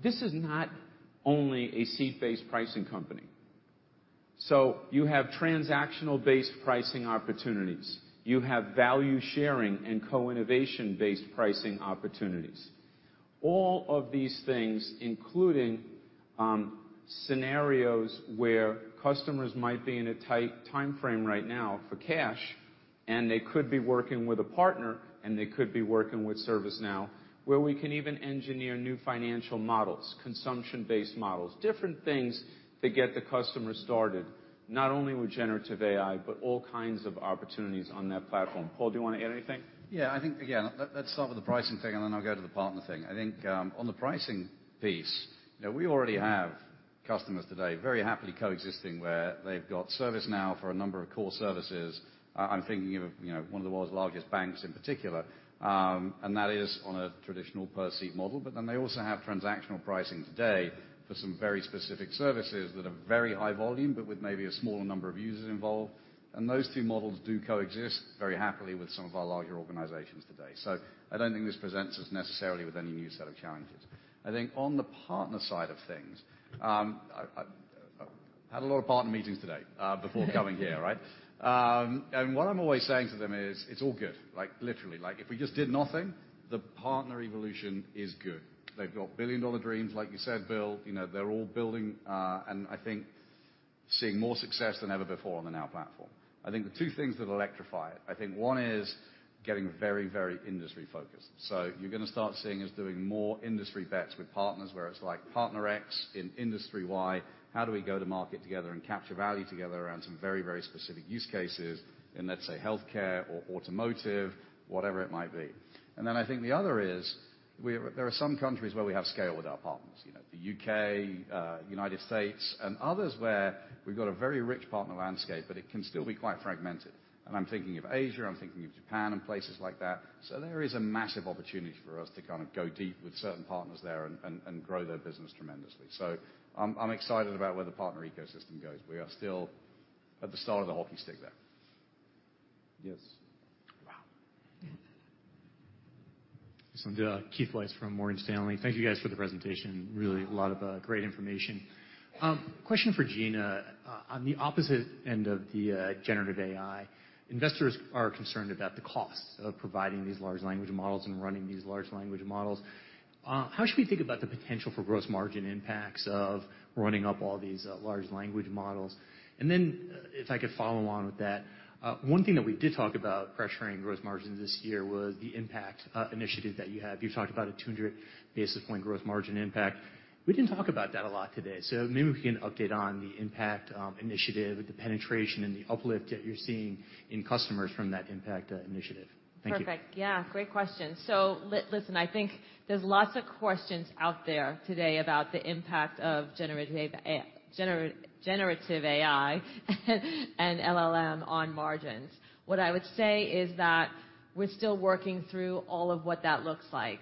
This is not only a seat-based pricing company. You have transactional-based pricing opportunities. You have value sharing and co-innovation-based pricing opportunities. All of these things, including scenarios where customers might be in a tight timeframe right now for cash, and they could be working with a partner, and they could be working with ServiceNow, where we can even engineer new financial models, consumption-based models. Different things to get the customer started, not only with generative AI, but all kinds of opportunities on that platform. Paul, do you wanna add anything? Yeah, I think, again, let's start with the pricing thing, and then I'll go to the partner thing. I think on the pricing piece, you know, we already have customers today very happily coexisting where they've got ServiceNow for a number of core services. I'm thinking of, you know, one of the world's largest banks in particular, and that is on a traditional per-seat model. They also have transactional pricing today for some very specific services that are very high volume, but with maybe a smaller number of users involved. Those two models do coexist very happily with some of our larger organizations today. I don't think this presents us necessarily with any new set of challenges. I think on the partner side of things, I had a lot of partner meetings today, before coming here, right? What I'm always saying to them is, "It's all good." Like, literally, like, if we just did nothing, the partner evolution is good. They've got billion-dollar dreams, like you said, Bill. You know, they're all building, and I think seeing more success than ever before on the Now Platform. I think the two things that electrify it, I think one is getting very, very industry-focused. You're gonna start seeing us doing more industry bets with partners, where it's like partner X in industry Y, how do we go to market together and capture value together around some very, very specific use cases in, let's say, healthcare or automotive, whatever it might be. I think the other is there are some countries where we have scale with our partners. You know, the U.K., United States, and others where we've got a very rich partner landscape, but it can still be quite fragmented. I'm thinking of Asia, I'm thinking of Japan and places like that. There is a massive opportunity for us to kind of go deep with certain partners there and grow their business tremendously. I'm excited about where the partner ecosystem goes. We are still at the start of the hockey stick there. Yes. Wow. Sanjit Singh, Keith Weiss from Morgan Stanley. Thank you guys for the presentation. Really a lot of great information. Question for Gina. On the opposite end of the generative AI, investors are concerned about the cost of providing these large language models and running these large language models. How should we think about the potential for gross margin impacts of running up all these large language models? Then if I could follow on with that, one thing that we did talk about pressuring gross margins this year was the ServiceNow Impact initiative that you have. You talked about a 200 basis point gross margin impact. We didn't talk about that a lot today, maybe we can update on the ServiceNow Impact initiative with the penetration and the uplift that you're seeing in customers from that ServiceNow Impact initiative. Thank you. Perfect. Yeah, great question. Listen, I think there's lots of questions out there today about the impact of generative AI, generative AI and LLM on margins. What I would say is we're still working through all of what that looks like.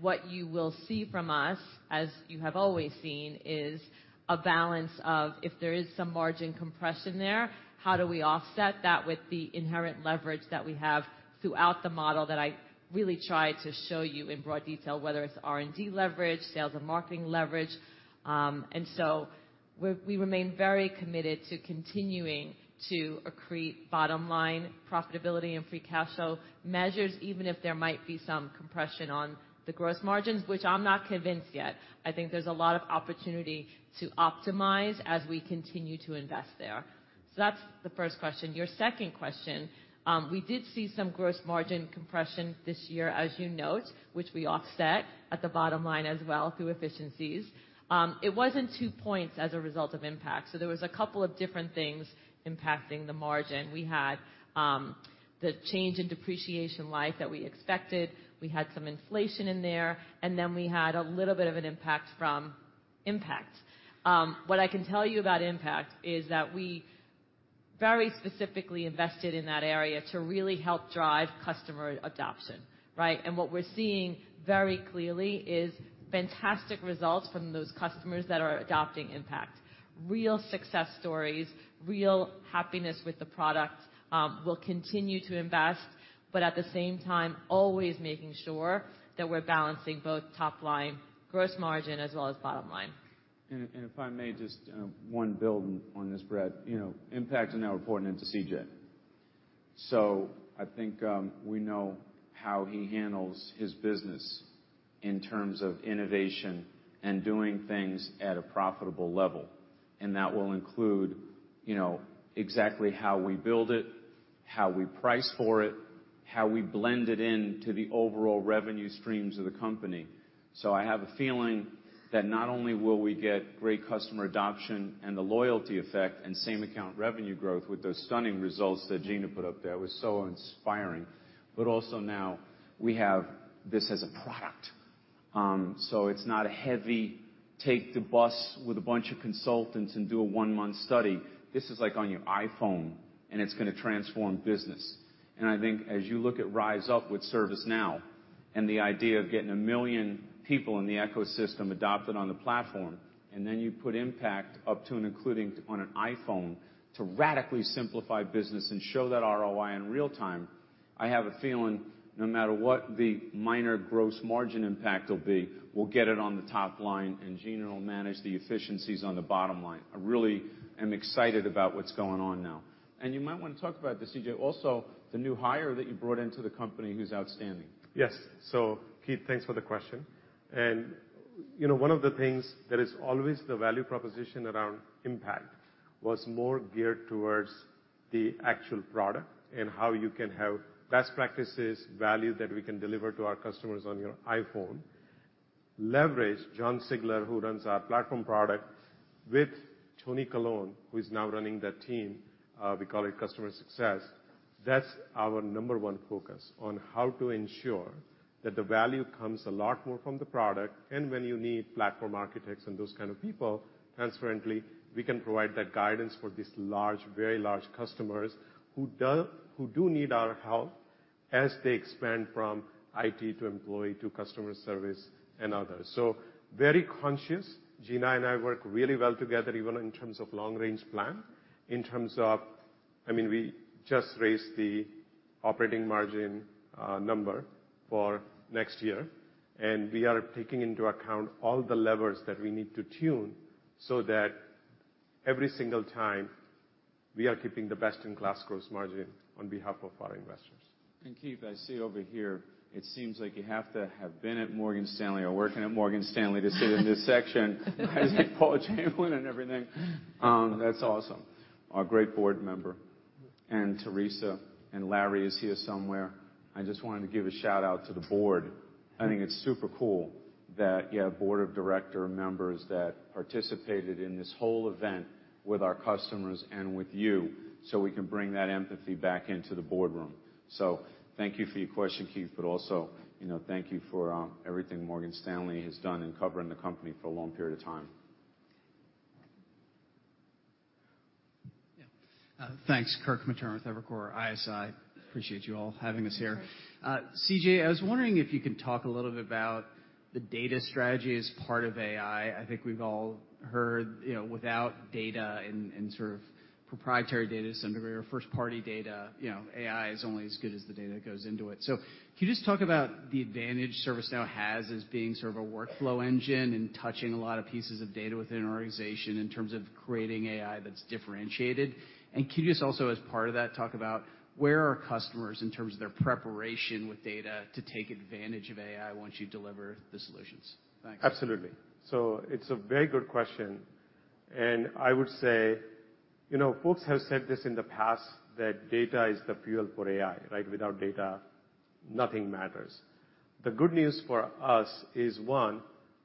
What you will see from us, as you have always seen, is a balance of, if there is some margin compression there, how do we offset that with the inherent leverage that we have throughout the model that I really tried to show you in broad detail, whether it's R&D leverage, sales and marketing leverage. We remain very committed to continuing to accrete bottom line profitability and free cash flow measures, even if there might be some compression on the gross margins, which I'm not convinced yet. I think there's a lot of opportunity to optimize as we continue to invest there. That's the first question. Your second question, we did see some gross margin compression this year, as you note, which we offset at the bottom line as well through efficiencies. It wasn't two points as a result of Impact, there was a couple of different things impacting the margin. We had, the change in depreciation life that we expected. We had some inflation in there, we had a little bit of an impact from Impact. What I can tell you about Impact is that we very specifically invested in that area to really help drive customer adoption, right? What we're seeing very clearly is fantastic results from those customers that are adopting Impact, real success stories, real happiness with the product, we'll continue to invest, but at the same time, always making sure that we're balancing both top line gross margin as well as bottom line. If I may just, one, building on this, Brad, you know, Impact is now reporting into CJ Desai. I think, we know how he handles his business in terms of innovation and doing things at a profitable level. That will include, you know, exactly how we build it, how we price for it, how we blend it into the overall revenue streams of the company. I have a feeling that not only will we get great customer adoption and the loyalty effect and same account revenue growth with those stunning results that Gina Mastantuono put up there, it was so inspiring. Also now we have this as a product. It's not a heavy take the bus with a bunch of consultants and do a one-month study. This is like on your iPhone, and it's gonna transform business. I think as you look at RiseUp with ServiceNow, and the idea of getting a million people in the ecosystem adopted on the platform, and then you put Impact up to and including on an iPhone to radically simplify business and show that ROI in real time. I have a feeling no matter what the minor gross margin impact will be, we'll get it on the top line, and Gina will manage the efficiencies on the bottom line. I really am excited about what's going on now. You might wanna talk about this, CJ, also, the new hire that you brought into the company who's outstanding. Yes. Keith, thanks for the question. you know, one of the things that is always the value proposition around Impact was more geared towards the actual product and how you can have best practices, value that we can deliver to our customers on your iPhone. Leverage Jon Sigler, who runs our platform product, with Tony Colon, who is now running that team, we call it customer success. That's our number one focus, on how to ensure that the value comes a lot more from the product, and when you need platform architects and those kind of people, transparently, we can provide that guidance for these large, very large customers who do need our help as they expand from IT to employee to customer service and others. Very conscious. Gina and I work really well together, even in terms of long range plan, in terms of, I mean, we just raised the operating margin number for next year, and we are taking into account all the levers that we need to tune so that every single time we are keeping the best in class gross margin on behalf of our investors. Keith, I see over here, it seems like you have to have been at Morgan Stanley or working at Morgan Stanley to sit in this section. I see Paul Chamberlain and everything. That's awesome. Our great board member and Teresa and Larry is here somewhere. I just wanted to give a shout-out to the board. I think it's super cool that you have board of director members that participated in this whole event with our customers and with you, so we can bring that empathy back into the boardroom. Thank you for your question, Keith, but also, you know, thank you for everything Morgan Stanley has done in covering the company for a long period of time. Yeah. Thanks. Kirk Materne with Evercore ISI. Appreciate you all having us here. Sure. CJ, I was wondering if you could talk a little bit about the data strategy as part of AI. I think we've all heard, you know, without data and sort of proprietary data, some degree or first party data, you know, AI is only as good as the data that goes into it. Can you just talk about the advantage ServiceNow has as being sort of a workflow engine and touching a lot of pieces of data within an organization in terms of creating AI that's differentiated? Can you just also as part of that talk about where are customers in terms of their preparation with data to take advantage of AI once you deliver the solutions? Thanks. Absolutely. It's a very good question, and I would say, you know, folks have said this in the past, that data is the fuel for AI, right? Without data, nothing matters. The good news for us is, one,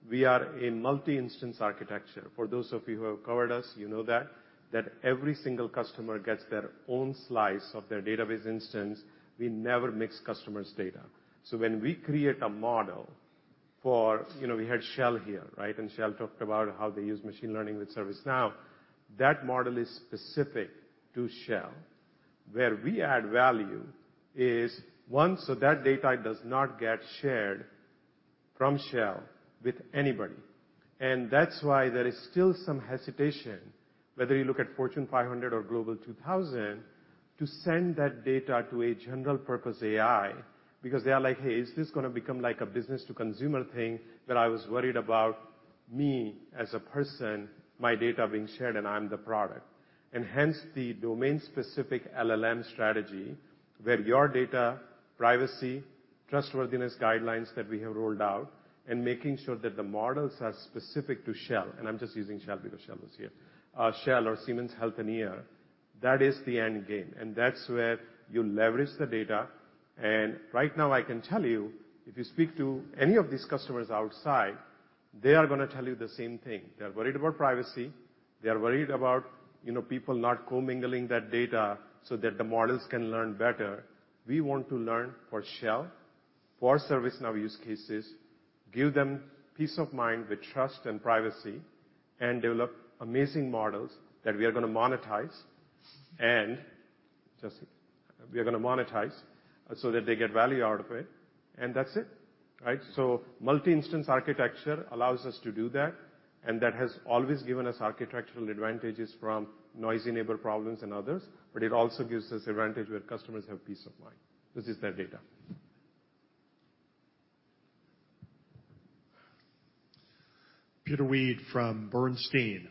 we are in multi-instance architecture. For those of you who have covered us, you know that every single customer gets their own slice of their database instance. We never mix customers' data. When we create a model for, you know, we had Shell here, right? Shell talked about how they use machine learning with ServiceNow. That model is specific to Shell. Where we add value is once so that data does not get shared from Shell with anybody. That's why there is still some hesitation, whether you look at Fortune 500 or Global 2000, to send that data to a general purpose AI because they are like, "Hey, is this gonna become like a business to consumer thing that I was worried about me as a person, my data being shared, and I'm the product?" Hence the domain-specific LLM strategy, where your data privacy, trustworthiness guidelines that we have rolled out, and making sure that the models are specific to Shell, and I'm just using Shell because Shell is here. Shell or Siemens Healthineers, that is the end game, and that's where you leverage the data. Right now I can tell you, if you speak to any of these customers outside, they are gonna tell you the same thing. They're worried about privacy. They're worried about, you know, people not commingling that data so that the models can learn better. We want to learn for Shell, for ServiceNow use cases, give them peace of mind with trust and privacy, and develop amazing models that we are gonna monetize and just... We are gonna monetize so that they get value out of it, and that's it, right? Multi-instance architecture allows us to do that, and that has always given us architectural advantages from noisy neighbor problems and others, but it also gives us advantage where customers have peace of mind. This is their data. Peter Weed from Bernstein.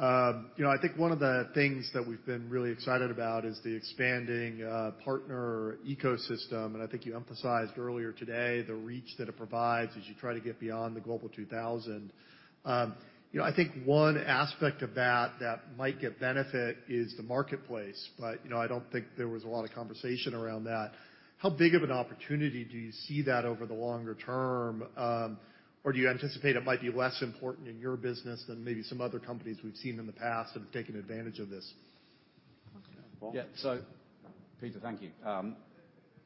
You know, I think one of the things that we've been really excited about is the expanding partner ecosystem, and I think you emphasized earlier today the reach that it provides as you try to get beyond the Global 2,000. You know, I think one aspect of that that might get benefit is the marketplace. You know, I don't think there was a lot of conversation around that. How big of an opportunity do you see that over the longer term, or do you anticipate it might be less important in your business than maybe some other companies we've seen in the past that have taken advantage of this? Yeah. Peter, thank you.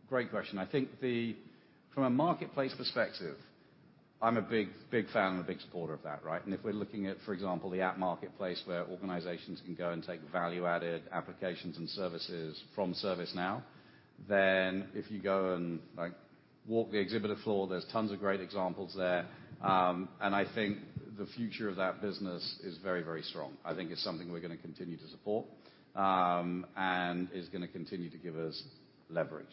Great question. I think the From a marketplace perspective, I'm a big, big fan and a big supporter of that, right? If we're looking at, for example, the app marketplace where organizations can go and take value-added applications and services from ServiceNow, then if you go and, like, walk the exhibitor floor, there's tons of great examples there. I think the future of that business is very, very strong. I think it's something we're gonna continue to support, and is gonna continue to give us leverage.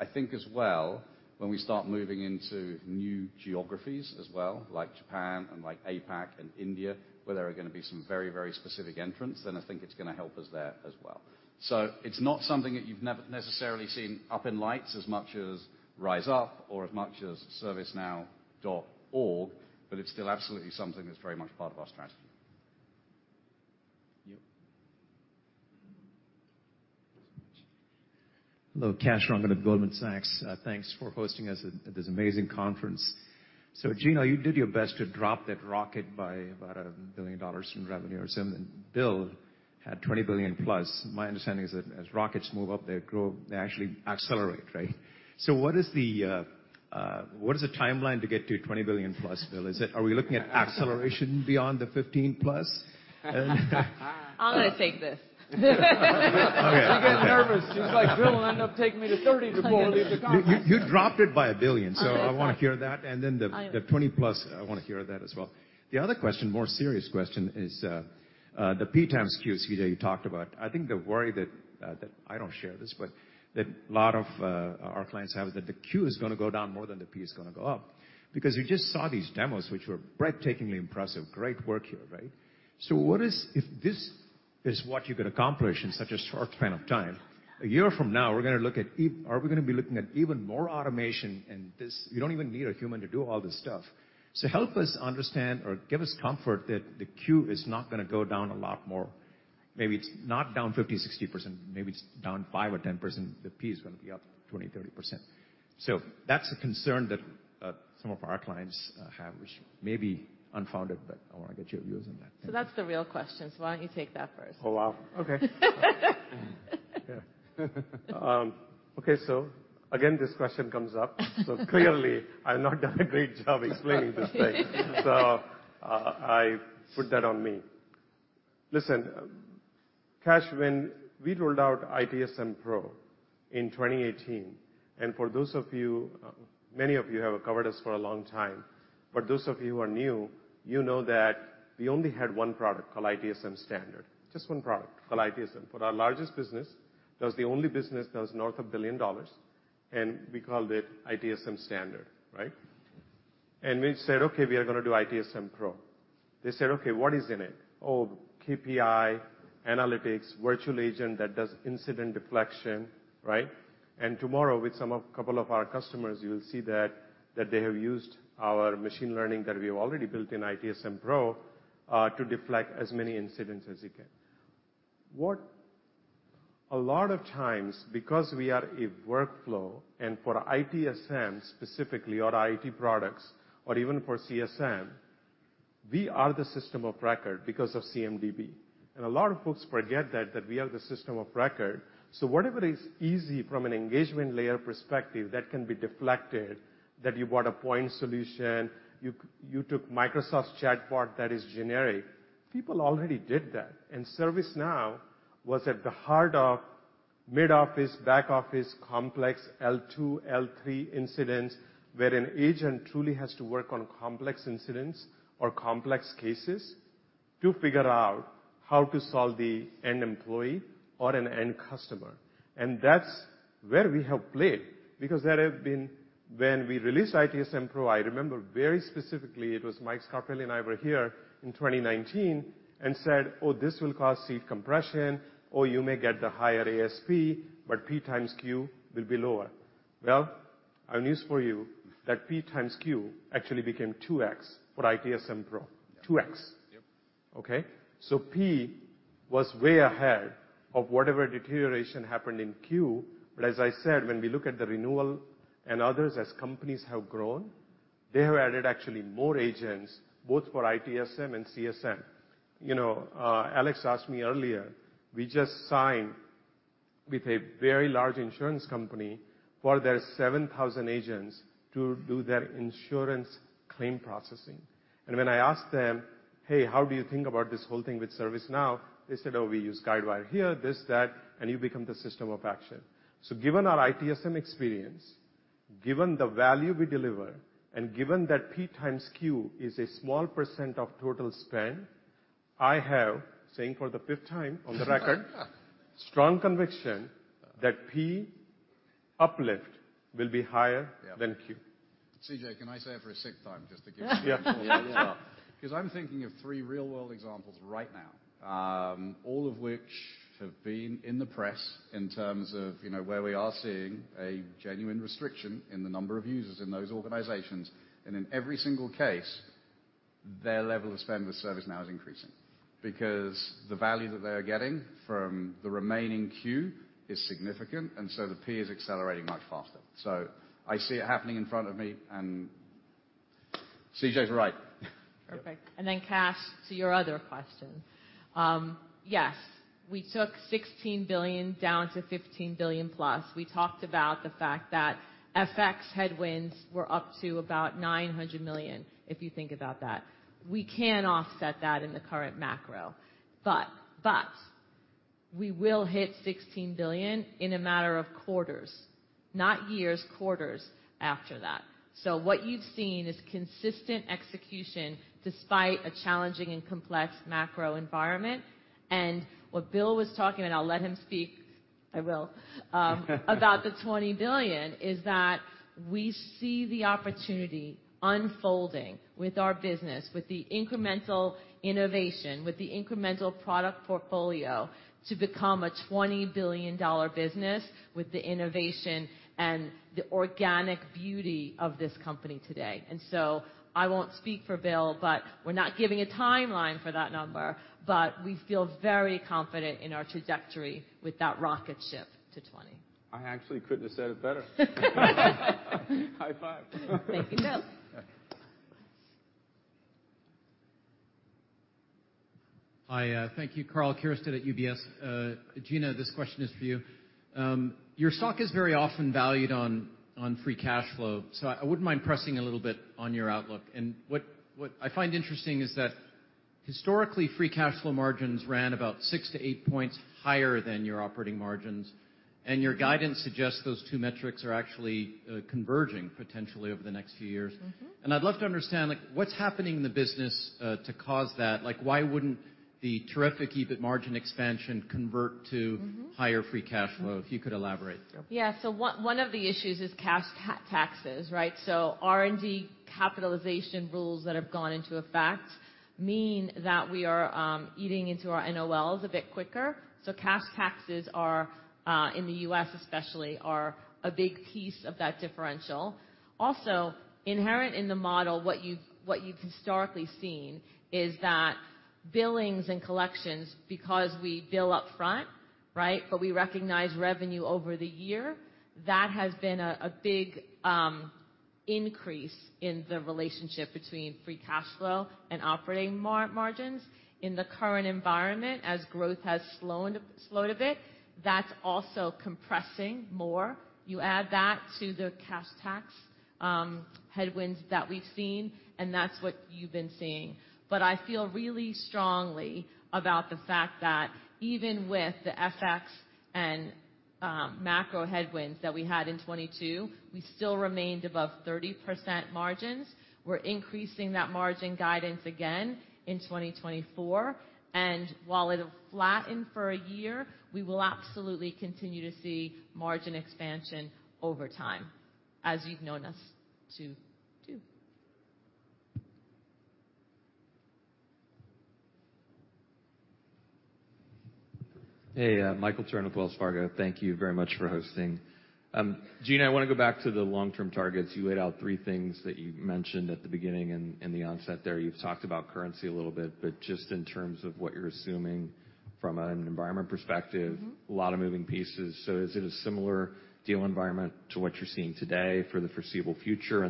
I think as well, when we start moving into new geographies as well, like Japan and like APAC and India, where there are gonna be some very, very specific entrants, then I think it's gonna help us there as well. It's not something that you've necessarily seen up in lights as much as RiseUp or as much as ServiceNow.org, but it's still absolutely something that's very much part of our strategy. Yep. Hello. Kash Rangan of Goldman Sachs. Thanks for hosting us at this amazing conference. Gino, you did your best to drop that rocket by about $1 billion in revenue or so, and Bill had $20 billion plus. My understanding is that as rockets move up, they grow, they actually accelerate, right? What is the timeline to get to $20 billion plus, Bill? Are we looking at acceleration beyond the 15 plus? I'm gonna take this. Okay. He gets nervous. He's like, "Bill will end up taking me to 30 before we leave the conference. You dropped it by $1 billion. I did. I wanna hear that. I- Then the 20 plus, I wanna hear that as well. The other question, more serious question is the P times Q, CJ, you talked about. I think the worry that I don't share this, but that a lot of our clients have is that the Q is gonna go down more than the P is gonna go up. You just saw these demos, which were breathtakingly impressive. Great work here, right? What is? If this is what you can accomplish in such a short span of time, a year from now are we gonna be looking at even more automation, and this you don't even need a human to do all this stuff. Help us understand or give us comfort that the Q is not gonna go down a lot more. Maybe it's not down 50%-60%, maybe it's down 5% or 10%, the P is gonna be up 20%-30%. That's a concern that some of our clients have, which may be unfounded, but I wanna get your views on that. Thank you. That's the real question. Why don't you take that first? Again, this question comes up. Clearly I've not done a great job explaining this thing. I put that on me. Listen, Kash, when we rolled out ITSM Pro in 2018, for those of you, many of you have covered us for a long time, but those of you who are new, you know that we only had one product called ITSM Standard. Just one product called ITSM. For our largest business, that was the only business that was north of $1 billion, and we called it ITSM Standard, right? We said, "Okay, we are gonna do ITSM Pro." They said, "Okay, what is in it?" "KPI, analytics, virtual agent that does incident deflection," right? And tomorrow with some of... couple of our customers, you'll see that they have used our machine learning that we have already built in ITSM Pro to deflect as many incidents as it can. A lot of times, because we are a workflow, and for ITSM specifically or IT products or even for CSM. We are the system of record because of CMDB. A lot of folks forget that we are the system of record. Whatever is easy from an engagement layer perspective that can be deflected, that you bought a point solution, you took Microsoft's chatbot that is generic. People already did that. ServiceNow was at the heart of mid-office, back-office, complex L2, L3 incidents, where an agent truly has to work on complex incidents or complex cases to figure out how to solve the end employee or an end customer. That's where we have played. When we released ITSM Pro, I remember very specifically it was Mike Scarpelli and I were here in 2019 and said, "Oh, this will cause seat compression," or, "You may get the higher ASP, but P times Q will be lower." Well, I have news for you that P times Q actually became 2x for ITSM Pro. 2x. Yep. Okay? P was way ahead of whatever deterioration happened in Q. As I said, when we look at the renewal and others as companies have grown, they have added actually more agents, both for ITSM and CSM. You know, Alex asked me earlier, we just signed with a very large insurance company for their 7,000 agents to do their insurance claim processing. When I asked them, "Hey, how do you think about this whole thing with ServiceNow?" They said, "Oh, we use Guidewire here, this, that, and you become the system of action." Given our ITSM experience, given the value we deliver, and given that P times Q is a small % of total spend, I have, saying for the 5th time on the record, strong conviction that P uplift will be higher. Yeah. than Q. CJ, can I say it for a sixth time just to give you-. Yeah. -because I'm thinking of three real-world examples right now, all of which have been in the press in terms of, you know, where we are seeing a genuine restriction in the number of users in those organizations. In every single case, their level of spend with ServiceNow is increasing because the value that they are getting from the remaining Q is significant. The P is accelerating much faster. I see it happening in front of me, and CJ is right. Perfect. Kash, to your other question. Yes, we took $16 billion down to $15 billion+. We talked about the fact that FX headwinds were up to about $900 million, if you think about that. We can offset that in the current macro, but we will hit $16 billion in a matter of quarters, not years, quarters after that. What you've seen is consistent execution despite a challenging and complex macro environment. What Bill was talking about, I'll let him speak, about the $20 billion, is that we see the opportunity unfolding with our business, with the incremental innovation, with the incremental product portfolio to become a $20 billion business with the innovation and the organic beauty of this company today. I won't speak for Bill, but we're not giving a timeline for that number, but we feel very confident in our trajectory with that rocket ship to 20. I actually couldn't have said it better. High five. Thank you, Bill. Hi, thank you. Karl Keirsted at UBS. Gina, this question is for you. Your stock is very often valued on free cash flow, so I wouldn't mind pressing a little bit on your outlook. What I find interesting is that historically, free cash flow margins ran about 6-8 points higher than your operating margins. Your guidance suggests those two metrics are actually converging potentially over the next few years. Mm-hmm. I'd love to understand, like, what's happening in the business to cause that. Like, why wouldn't the terrific EBIT margin expansion convert? Mm-hmm. -higher free cash flow? If you could elaborate. Sure. Yeah. One of the issues is cash taxes, right? R&D capitalization rules that have gone into effect mean that we are eating into our NOLs a bit quicker. Cash taxes are in the U.S. especially, are a big piece of that differential. Also inherent in the model, what you've historically seen is that billings and collections, because we bill up front, right, but we recognize revenue over the year, that has been a big increase in the relationship between free cash flow and operating margins. In the current environment, as growth has slowed a bit, that's also compressing more. You add that to the cash tax headwinds that we've seen, and that's what you've been seeing. I feel really strongly about the fact that even with the FX and macro headwinds that we had in 2022, we still remained above 30% margins. We're increasing that margin guidance again in 2024. While it'll flatten for a year, we will absolutely continue to see margin expansion over time, as you've known us to do. Hey, Michael Turrin, Wells Fargo. Thank you very much for hosting. Gina, I wanna go back to the long-term targets. You laid out three things that you mentioned at the beginning in the onset there. You've talked about currency a little bit, but just in terms of what you're assuming from an environment perspective. Mm-hmm. A lot of moving pieces. Is it a similar deal environment to what you're seeing today for the foreseeable future?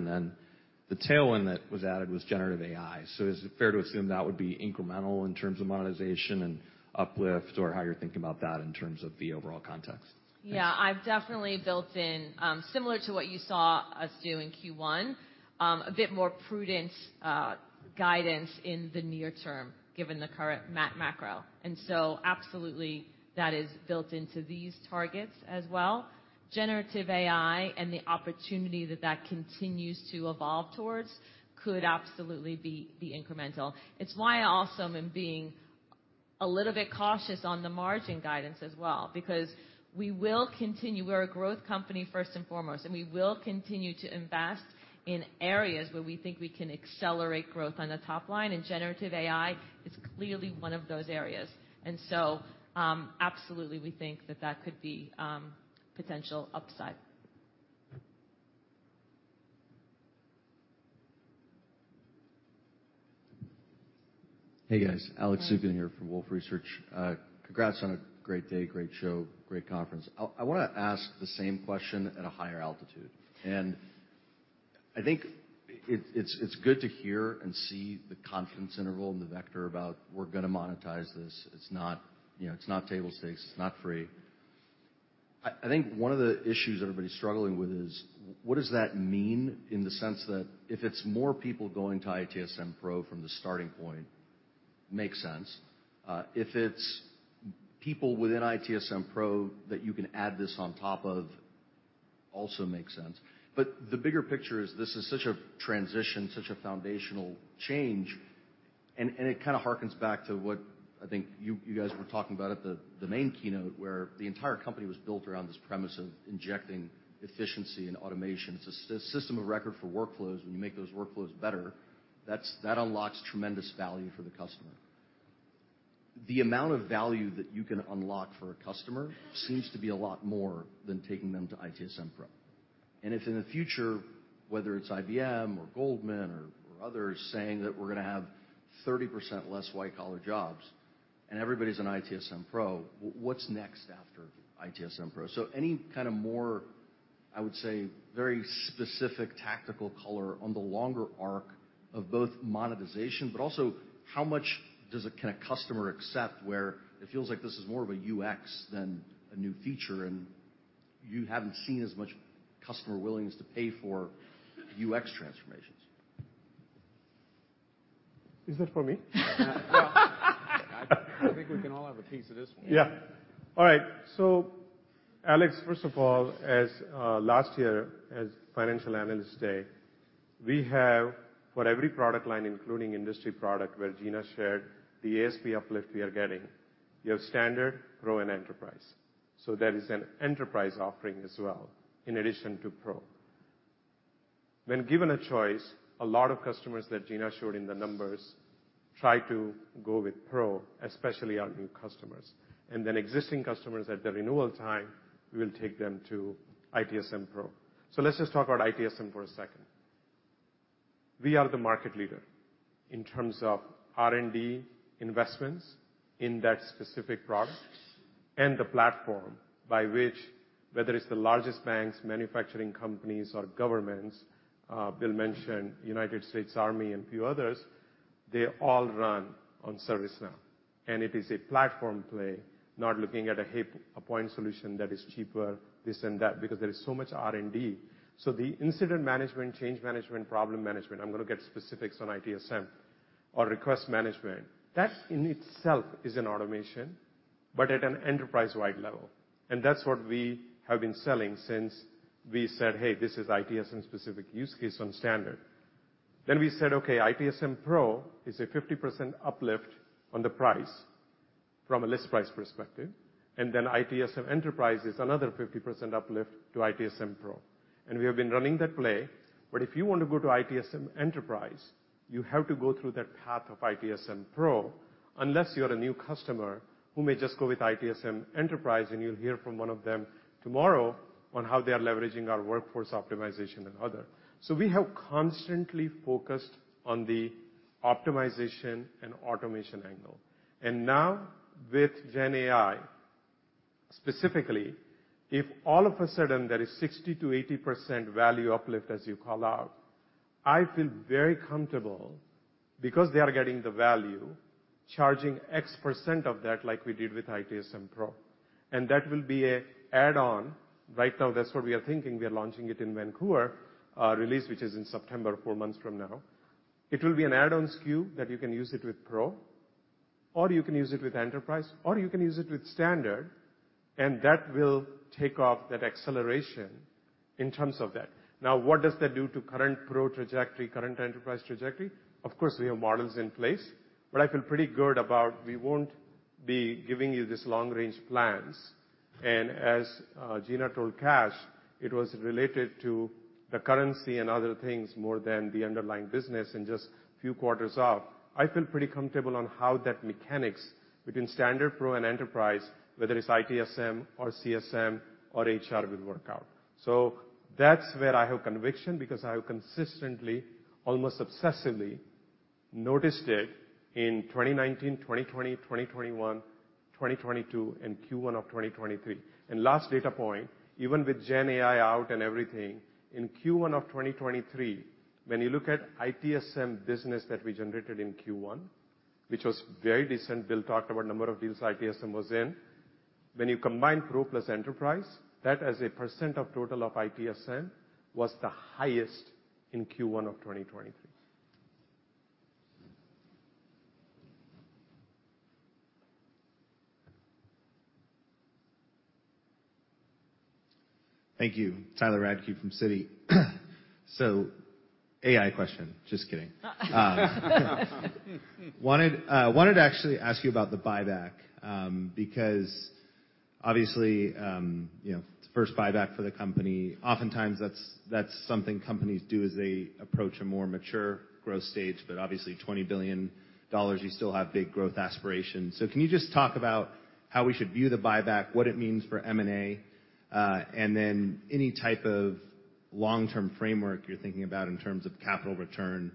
The tailwind that was added was generative AI. Is it fair to assume that would be incremental in terms of monetization and uplift, or how you're thinking about that in terms of the overall context? Yeah. I've definitely built in, similar to what you saw us do in Q1, a bit more prudent guidance in the near term, given the current macro. Absolutely that is built into these targets as well. Generative AI and the opportunity that that continues to evolve towards could absolutely be incremental. It's why also I'm being a little bit cautious on the margin guidance as well, because we will continue. We're a growth company first and foremost, we will continue to invest in areas where we think we can accelerate growth on the top line, and generative AI is clearly one of those areas. Absolutely we think that that could be potential upside. Hey, guys. Alex Zukin here from Wolfe Research. Congrats on a great day, great show, great conference. I wanna ask the same question at a higher altitude. I think it's good to hear and see the confidence interval and the vector about we're gonna monetize this. It's not, you know, it's not table stakes. It's not free. I think one of the issues everybody's struggling with is what does that mean in the sense that if it's more people going to ITSM Pro from the starting point, makes sense. If it's people within ITSM Pro that you can add this on top of, also makes sense. The bigger picture is this is such a transition, such a foundational change, and it kinda hearkens back to what I think you guys were talking about at the main keynote, where the entire company was built around this premise of injecting efficiency and automation. It's a system of record for workflows. When you make those workflows better, that unlocks tremendous value for the customer. The amount of value that you can unlock for a customer seems to be a lot more than taking them to ITSM Pro. If in the future, whether it's IBM or Goldman or others saying that we're gonna have 30% less white-collar jobs, and everybody's in ITSM Pro, what's next after ITSM Pro? Any kinda more, I would say, very specific tactical color on the longer arc of both monetization, but also how much does a kinda customer accept where it feels like this is more of a UX than a new feature, and you haven't seen as much customer willingness to pay for UX transformations? Is that for me? Well, I think we can all have a piece of this one. Yeah. All right. Alex, first of all, as last year, as Financial Analyst Day, we have for every product line, including industry product where Gina shared the ASP uplift we are getting, you have Standard, Pro, and Enterprise. There is an Enterprise offering as well in addition to Pro. When given a choice, a lot of customers that Gina showed in the numbers try to go with Pro, especially our new customers. Existing customers at the renewal time, we'll take them to ITSM Pro. Let's just talk about ITSM for a second. We are the market leader in terms of R&D investments in that specific product and the platform by which, whether it's the largest banks, manufacturing companies or governments, Bill mentioned United States Army and a few others, they all run on ServiceNow. It is a platform play, not looking at a point solution that is cheaper, this and that, because there is so much R&D. The incident management, change management, problem management, I'm gonna get specifics on ITSM or request management, that in itself is an automation, but at an enterprise-wide level. That's what we have been selling since we said, "Hey, this is ITSM specific use case on standard." Then we said, "Okay, ITSM Pro is a 50% uplift on the price from a list price perspective. Then ITSM Enterprise is another 50% uplift to ITSM Pro." We have been running that play. If you want to go to ITSM Enterprise, you have to go through that path of ITSM Pro, unless you're a new customer who may just go with ITSM Enterprise, and you'll hear from one of them tomorrow on how they are leveraging our workforce optimization and other. We have constantly focused on the optimization and automation angle. Now with GenAI, specifically, if all of a sudden there is 60%-80% value uplift, as you call out, I feel very comfortable because they are getting the value, charging X% of that like we did with ITSM Pro. That will be a add-on. Right now, that's what we are thinking. We are launching it in Vancouver release, which is in September, four months from now. It will be an add-on SKU that you can use it with Pro, or you can use it with Enterprise, or you can use it with Standard, and that will take off that acceleration in terms of that. Now, what does that do to current Pro trajectory, current Enterprise trajectory? Of course, we have models in place, but I feel pretty good about we won't be giving you this long range plans. As Gina told Kash, it was related to the currency and other things more than the underlying business and just few quarters out. I feel pretty comfortable on how that mechanics between Standard, Pro and Enterprise, whether it's ITSM or CSM or HR, will work out. That's where I have conviction because I have consistently, almost obsessively, noticed it in 2019, 2020, 2021, 2022, and Q1 of 2023. Last data point, even with GenAI out and everything, in Q1 of 2023, when you look at ITSM business that we generated in Q1, which was very decent, Bill talked about a number of deals ITSM was in. When you combine Pro plus Enterprise, that as a % of total of ITSM was the highest in Q1 of 2023. Thank you. Tyler Radke from Citi. AI question. Just kidding. wanted to actually ask you about the buyback, because obviously, you know, it's the first buyback for the company. Oftentimes that's something companies do as they approach a more mature growth stage, but obviously $20 billion, you still have big growth aspirations. Can you just talk about how we should view the buyback, what it means for M&A, and then any type of long-term framework you're thinking about in terms of capital return,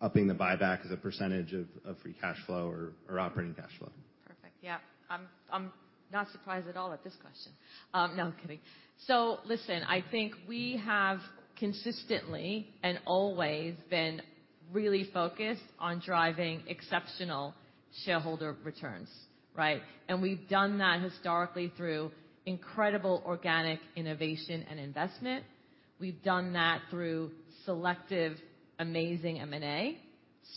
upping the buyback as a % of free cash flow or operating cash flow? Perfect. Yeah. I'm not surprised at all at this question. No, I'm kidding. Listen, I think we have consistently and always been really focused on driving exceptional shareholder returns, right? We've done that historically through incredible organic innovation and investment. We've done that through selective amazing M&A,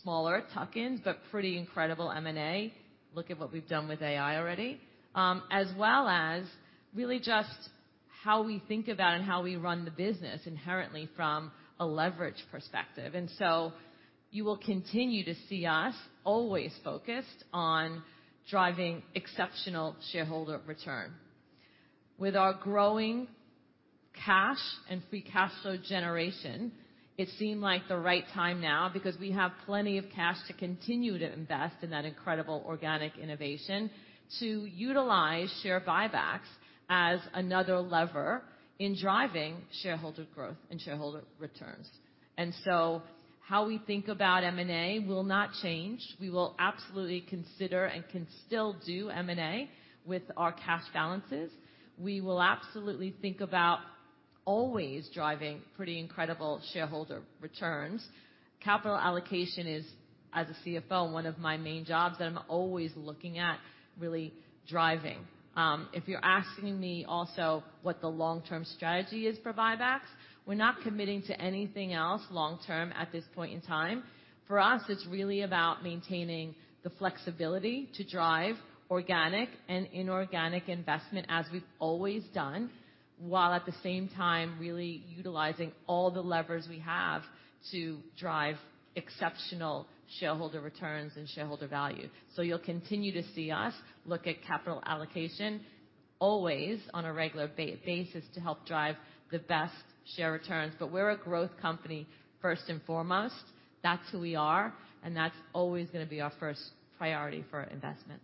smaller tuck-ins, but pretty incredible M&A. Look at what we've done with AI already. As well as really just how we think about and how we run the business inherently from a leverage perspective. You will continue to see us always focused on driving exceptional shareholder return. With our growing cash and free cash flow generation, it seemed like the right time now because we have plenty of cash to continue to invest in that incredible organic innovation to utilize share buybacks as another lever in driving shareholder growth and shareholder returns. How we think about M&A will not change. We will absolutely consider and can still do M&A with our cash balances. We will absolutely think about always driving pretty incredible shareholder returns. Capital allocation is, as a CFO, one of my main jobs that I'm always looking at really driving. If you're asking me also what the long-term strategy is for buybacks, we're not committing to anything else long term at this point in time. For us, it's really about maintaining the flexibility to drive organic and inorganic investment as we've always done, while at the same time really utilizing all the levers we have to drive exceptional shareholder returns and shareholder value. You'll continue to see us look at capital allocation always on a regular basis to help drive the best share returns. We're a growth company first and foremost. That's who we are. That's always gonna be our first priority for investment.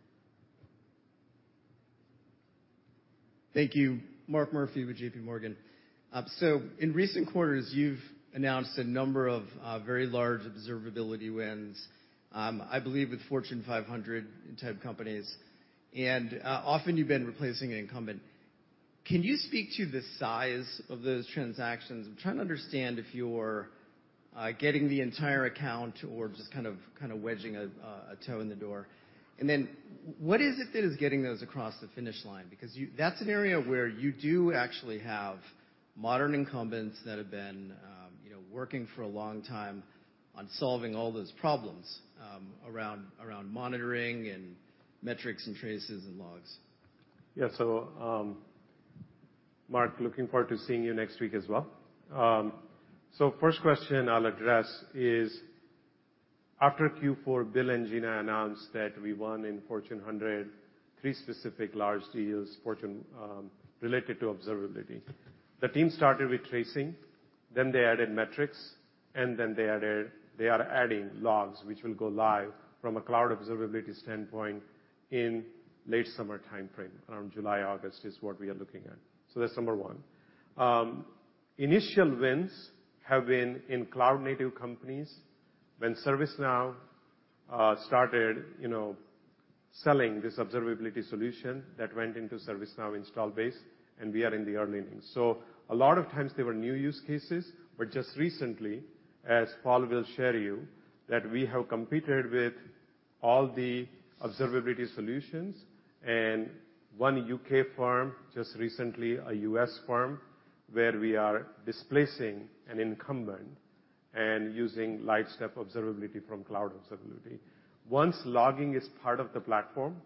Thank you. Mark Murphy with JPMorgan. In recent quarters, you've announced a number of very large observability wins, I believe with Fortune 500 type companies, often you've been replacing an incumbent. Can you speak to the size of those transactions? I'm trying to understand if you're getting the entire account or just kind of wedging a toe in the door. What is it that is getting those across the finish line? That's an area where you do actually have modern incumbents that have been, you know, working for a long time on solving all those problems around monitoring and metrics and traces and logs. Mark, looking forward to seeing you next week as well. First question I'll address is, after Q4, Bill and Gina announced that we won in Fortune 103 specific large deals, Fortune, related to observability. The team started with tracing, then they added metrics, and then they are adding logs, which will go live from a cloud observability standpoint in late summer timeframe, around July, August is what we are looking at. That's number 1. Initial wins have been in cloud-native companies. When ServiceNow started, you know, selling this observability solution that went into ServiceNow install base, and we are in the early innings. A lot of times they were new use cases, but just recently, as Paul will share you, that we have competed with all the observability solutions and one UK firm, just recently a US firm, where we are displacing an incumbent and using LightStep Observability from ServiceNow Cloud Observability. Once logging is part of the platform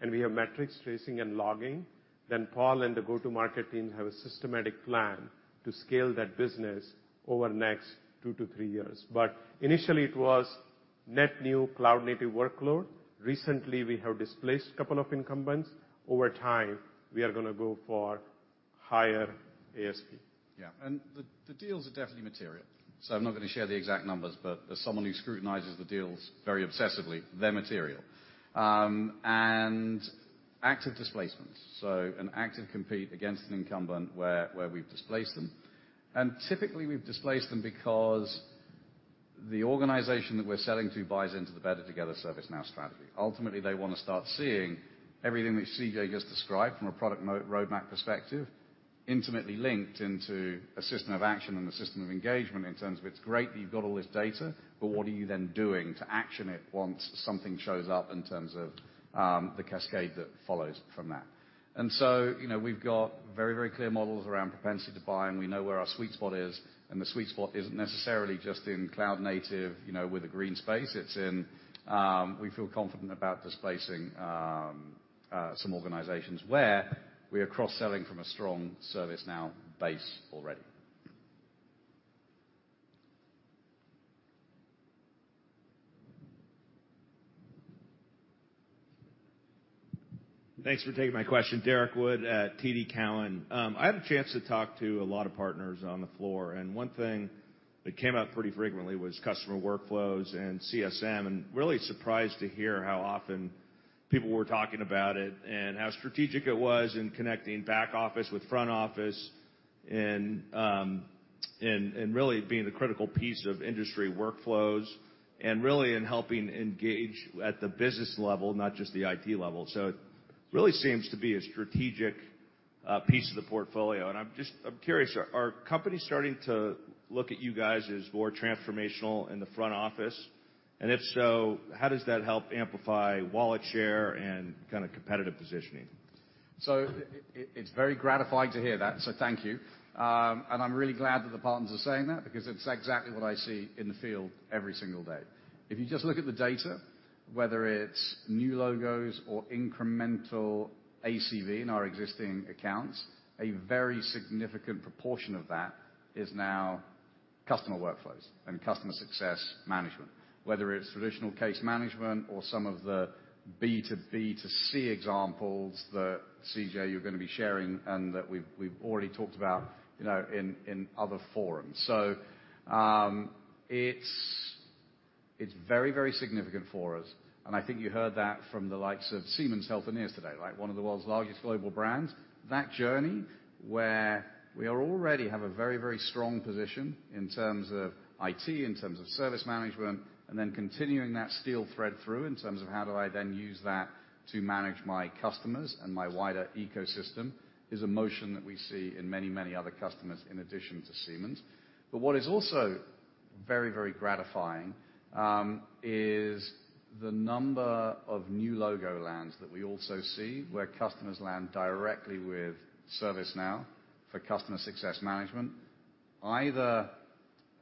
and we have metrics, tracing and logging, then Paul and the go-to-market team have a systematic plan to scale that business over the next 2-3 years. Initially it was net new cloud-native workload. Recently, we have displaced a couple of incumbents. Over time, we are gonna go for higher ASP. The, the deals are definitely material. I'm not gonna share the exact numbers, but as someone who scrutinizes the deals very obsessively, they're material. Active displacements. An active compete against an incumbent where we've displaced them. Typically we've displaced them because the organization that we're selling to buys into the Better Together ServiceNow strategy. Ultimately, they wanna start seeing everything that CJ just described from a product roadmap perspective, intimately linked into a system of action and a system of engagement in terms of it's great that you've got all this data, but what are you then doing to action it once something shows up in terms of the cascade that follows from that. You know, we've got very, very clear models around propensity to buy, and we know where our sweet spot is. The sweet spot isn't necessarily just in cloud native, you know, with a green space. It's in, we feel confident about displacing some organizations where we are cross-selling from a strong ServiceNow base already. Thanks for taking my question. Derek Wood at TD Cowen. I had a chance to talk to a lot of partners on the floor, and one thing that came up pretty frequently was customer workflows and CSM, and really surprised to hear how often people were talking about it and how strategic it was in connecting back office with front office, and really being the critical piece of industry workflows and really in helping engage at the business level, not just the IT level. It really seems to be a strategic piece of the portfolio, I'm curious, are companies starting to look at you guys as more transformational in the front office? If so, how does that help amplify wallet share and kind of competitive positioning? It's very gratifying to hear that, so thank you. I'm really glad that the partners are saying that because it's exactly what I see in the field every single day. If you just look at the data, whether it's new logos or incremental ACV in our existing accounts, a very significant proportion of that is now customer workflows and customer success management. Whether it's traditional case management or some of the B to B to C examples that, CJ, you're gonna be sharing and that we've already talked about, you know, in other forums. It's very, very significant for us, and I think you heard that from the likes of Siemens Healthineers today, right? One of the world's largest global brands. That journey where we already have a very, very strong position in terms of IT, in terms of service management, and then continuing that steel thread through in terms of how do I then use that to manage my customers and my wider ecosystem, is a motion that we see in many, many other customers in addition to Siemens. What is also very, very gratifying is the number of new logo lands that we also see where customers land directly with ServiceNow for customer success management, either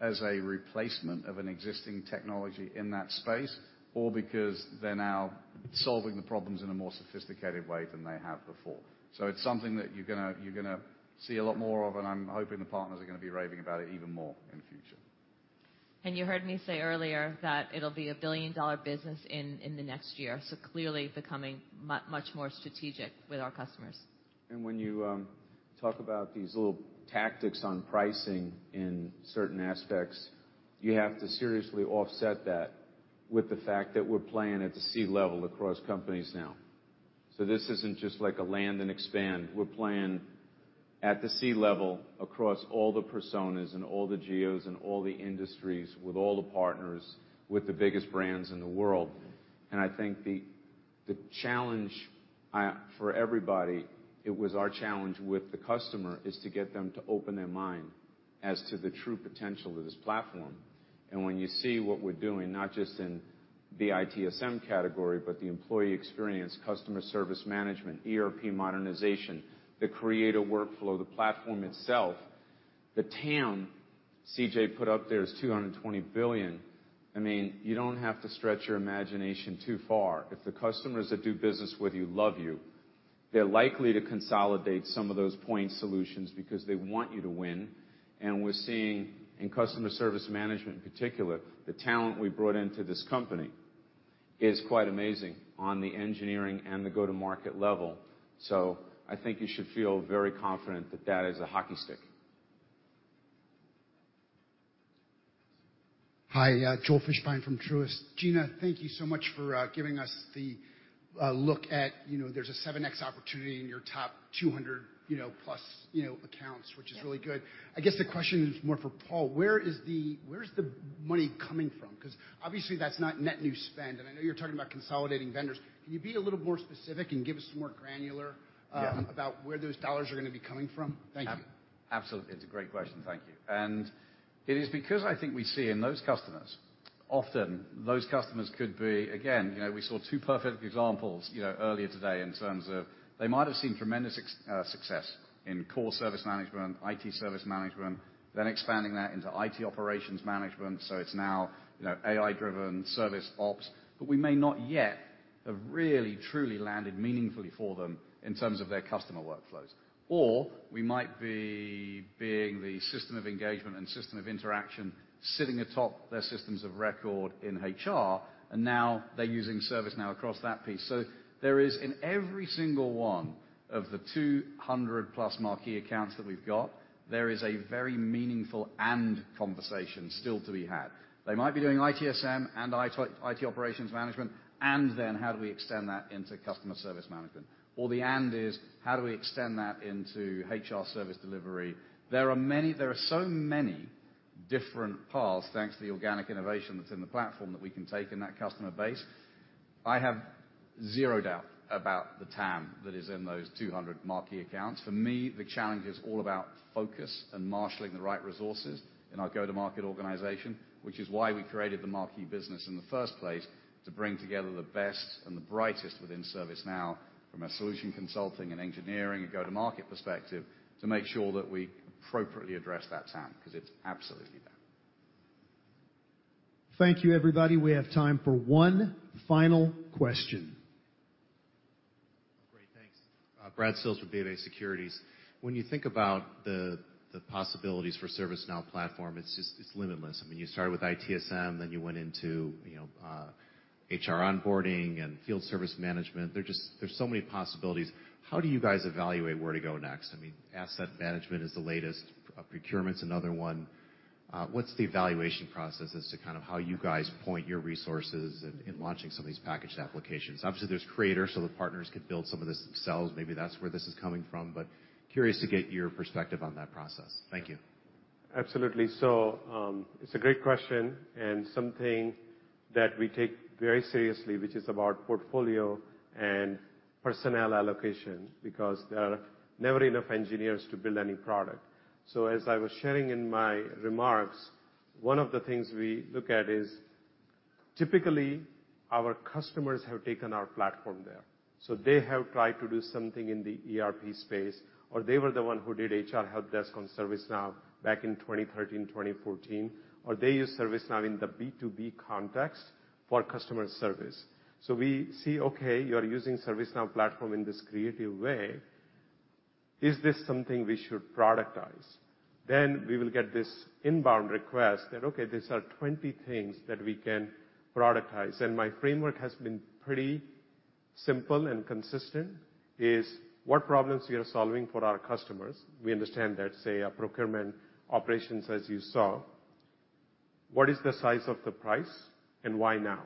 as a replacement of an existing technology in that space or because they're now solving the problems in a more sophisticated way than they have before. It's something that you're gonna see a lot more of, and I'm hoping the partners are gonna be raving about it even more in the future. you heard me say earlier that it'll be a billion-dollar business in the next year, so clearly becoming much more strategic with our customers. When you talk about these little tactics on pricing in certain aspects, you have to seriously offset that with the fact that we're playing at the C-level across companies now. This isn't just like a land and expand. We're playing at the C-level across all the personas and all the geos and all the industries with all the partners with the biggest brands in the world. I think the challenge for everybody, it was our challenge with the customer, is to get them to open their mind as to the true potential of this platform. When you see what we're doing, not just in the ITSM category, but the employee experience, Customer Service Management, ERP modernization, the creative workflow, the platform itself. The TAM CJ put up there is $220 billion. I mean, you don't have to stretch your imagination too far. If the customers that do business with you love you, they're likely to consolidate some of those point solutions because they want you to win. We're seeing in Customer Service Management, in particular, the talent we brought into this company is quite amazing on the engineering and the go-to-market level. I think you should feel very confident that that is a hockey stick. Hi. Joel Fishbein from Truist. Gina, thank you so much for giving us the look at, you know, there's a 7x opportunity in your top 200, you know, plus, you know, accounts- Yes. Which is really good. I guess the question is more for Paul. Where's the money coming from? 'Cause obviously that's not net new spend, I know you're talking about consolidating vendors. Can you be a little more specific and give us some more granular? Yeah. about where those dollars are gonna be coming from? Thank you. Absolutely. It's a great question. Thank you. It is because I think we see in those customers, often those customers could be, again, you know, we saw two perfect examples, you know, earlier today in terms of they might have seen tremendous success in core service management, IT Service Management, then expanding that into IT Operations Management, so it's now, you know, AI-driven service ops. We may not yet have really, truly landed meaningfully for them in terms of their customer workflows. We might be being the system of engagement and system of interaction sitting atop their systems of record in HR, and now they're using ServiceNow across that piece. There is in every single one of the 200 plus marquee accounts that we've got, there is a very meaningful conversation still to be had. They might be doing ITSM and IT Operations Management, how do we extend that into Customer Service Management? How do we extend that into HR service delivery? There are so many different paths, thanks to the organic innovation that's in the platform, that we can take in that customer base. I have 0 doubt about the TAM that is in those 200 marquee accounts. For me, the challenge is all about focus and marshaling the right resources in our go-to-market organization, which is why we created the marquee business in the first place, to bring together the best and the brightest within ServiceNow from a solution consulting and engineering and go-to-market perspective to make sure that we appropriately address that TAM 'cause it's absolutely there. Thank you, everybody. We have time for one final question. Great. Thanks. Brad Sills from BofA Securities. When you think about the possibilities for ServiceNow platform, it's just, it's limitless. I mean, you started with ITSM, then you went into, you know, HR onboarding and field service management. There just, there's so many possibilities. How do you guys evaluate where to go next? I mean, asset management is the latest. Procurement's another one. What's the evaluation process as to kind of how you guys point your resources in launching some of these packaged applications? Obviously, there's Creator so the partners can build some of this themselves. Maybe that's where this is coming from, but curious to get your perspective on that process. Thank you. Absolutely. It's a great question, and something that we take very seriously, which is about portfolio and personnel allocation, because there are never enough engineers to build any product. As I was sharing in my remarks, one of the things we look at is typically our customers have taken our platform there. They have tried to do something in the ERP space, or they were the one who did HR helpdesk on ServiceNow back in 2013, 2014. Or they use ServiceNow in the B2B context for customer service. We see, okay, you're using ServiceNow platform in this creative way. Is this something we should productize? We will get this inbound request that, okay, these are 20 things that we can productize. My framework has been pretty simple and consistent. Is what problems we are solving for our customers. We understand that, say, a procurement operations, as you saw. What is the size of the price and why now?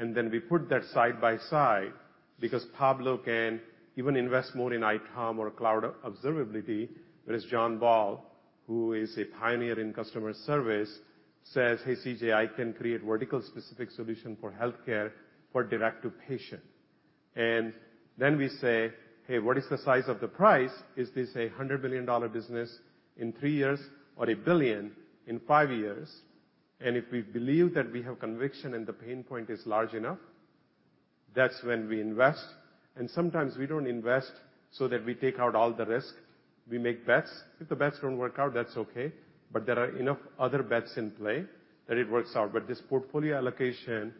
Then we put that side by side because Pablo can even invest more in ITOM or Cloud Observability, whereas John Ball, who is a pioneer in customer service, says, "Hey, CJ, I can create vertical specific solution for healthcare for direct to patient." Then we say, "Hey, what is the size of the price? Is this a $100 billion business in three years or a $1 billion in five years?" If we believe that we have conviction and the pain point is large enough, that's when we invest. Sometimes we don't invest so that we take out all the risk. We make bets. If the bets don't work out, that's okay, but there are enough other bets in play that it works out. This portfolio allocation,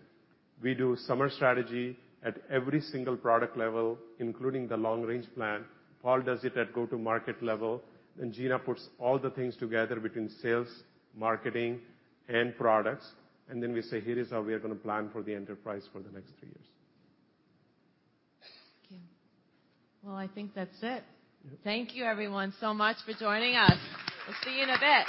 we do summer strategy at every single product level, including the long-range plan. Paul does it at go-to-market level, and Gina puts all the things together between sales, marketing, and products. Then we say, "Here is how we are gonna plan for the enterprise for the next three years. Thank you. I think that's it. Yep. Thank you everyone so much for joining us. We'll see you in a bit.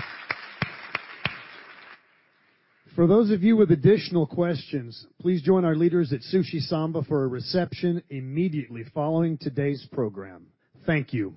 For those of you with additional questions, please join our leaders at SUSHISAMBA for a reception immediately following today's program. Thank you.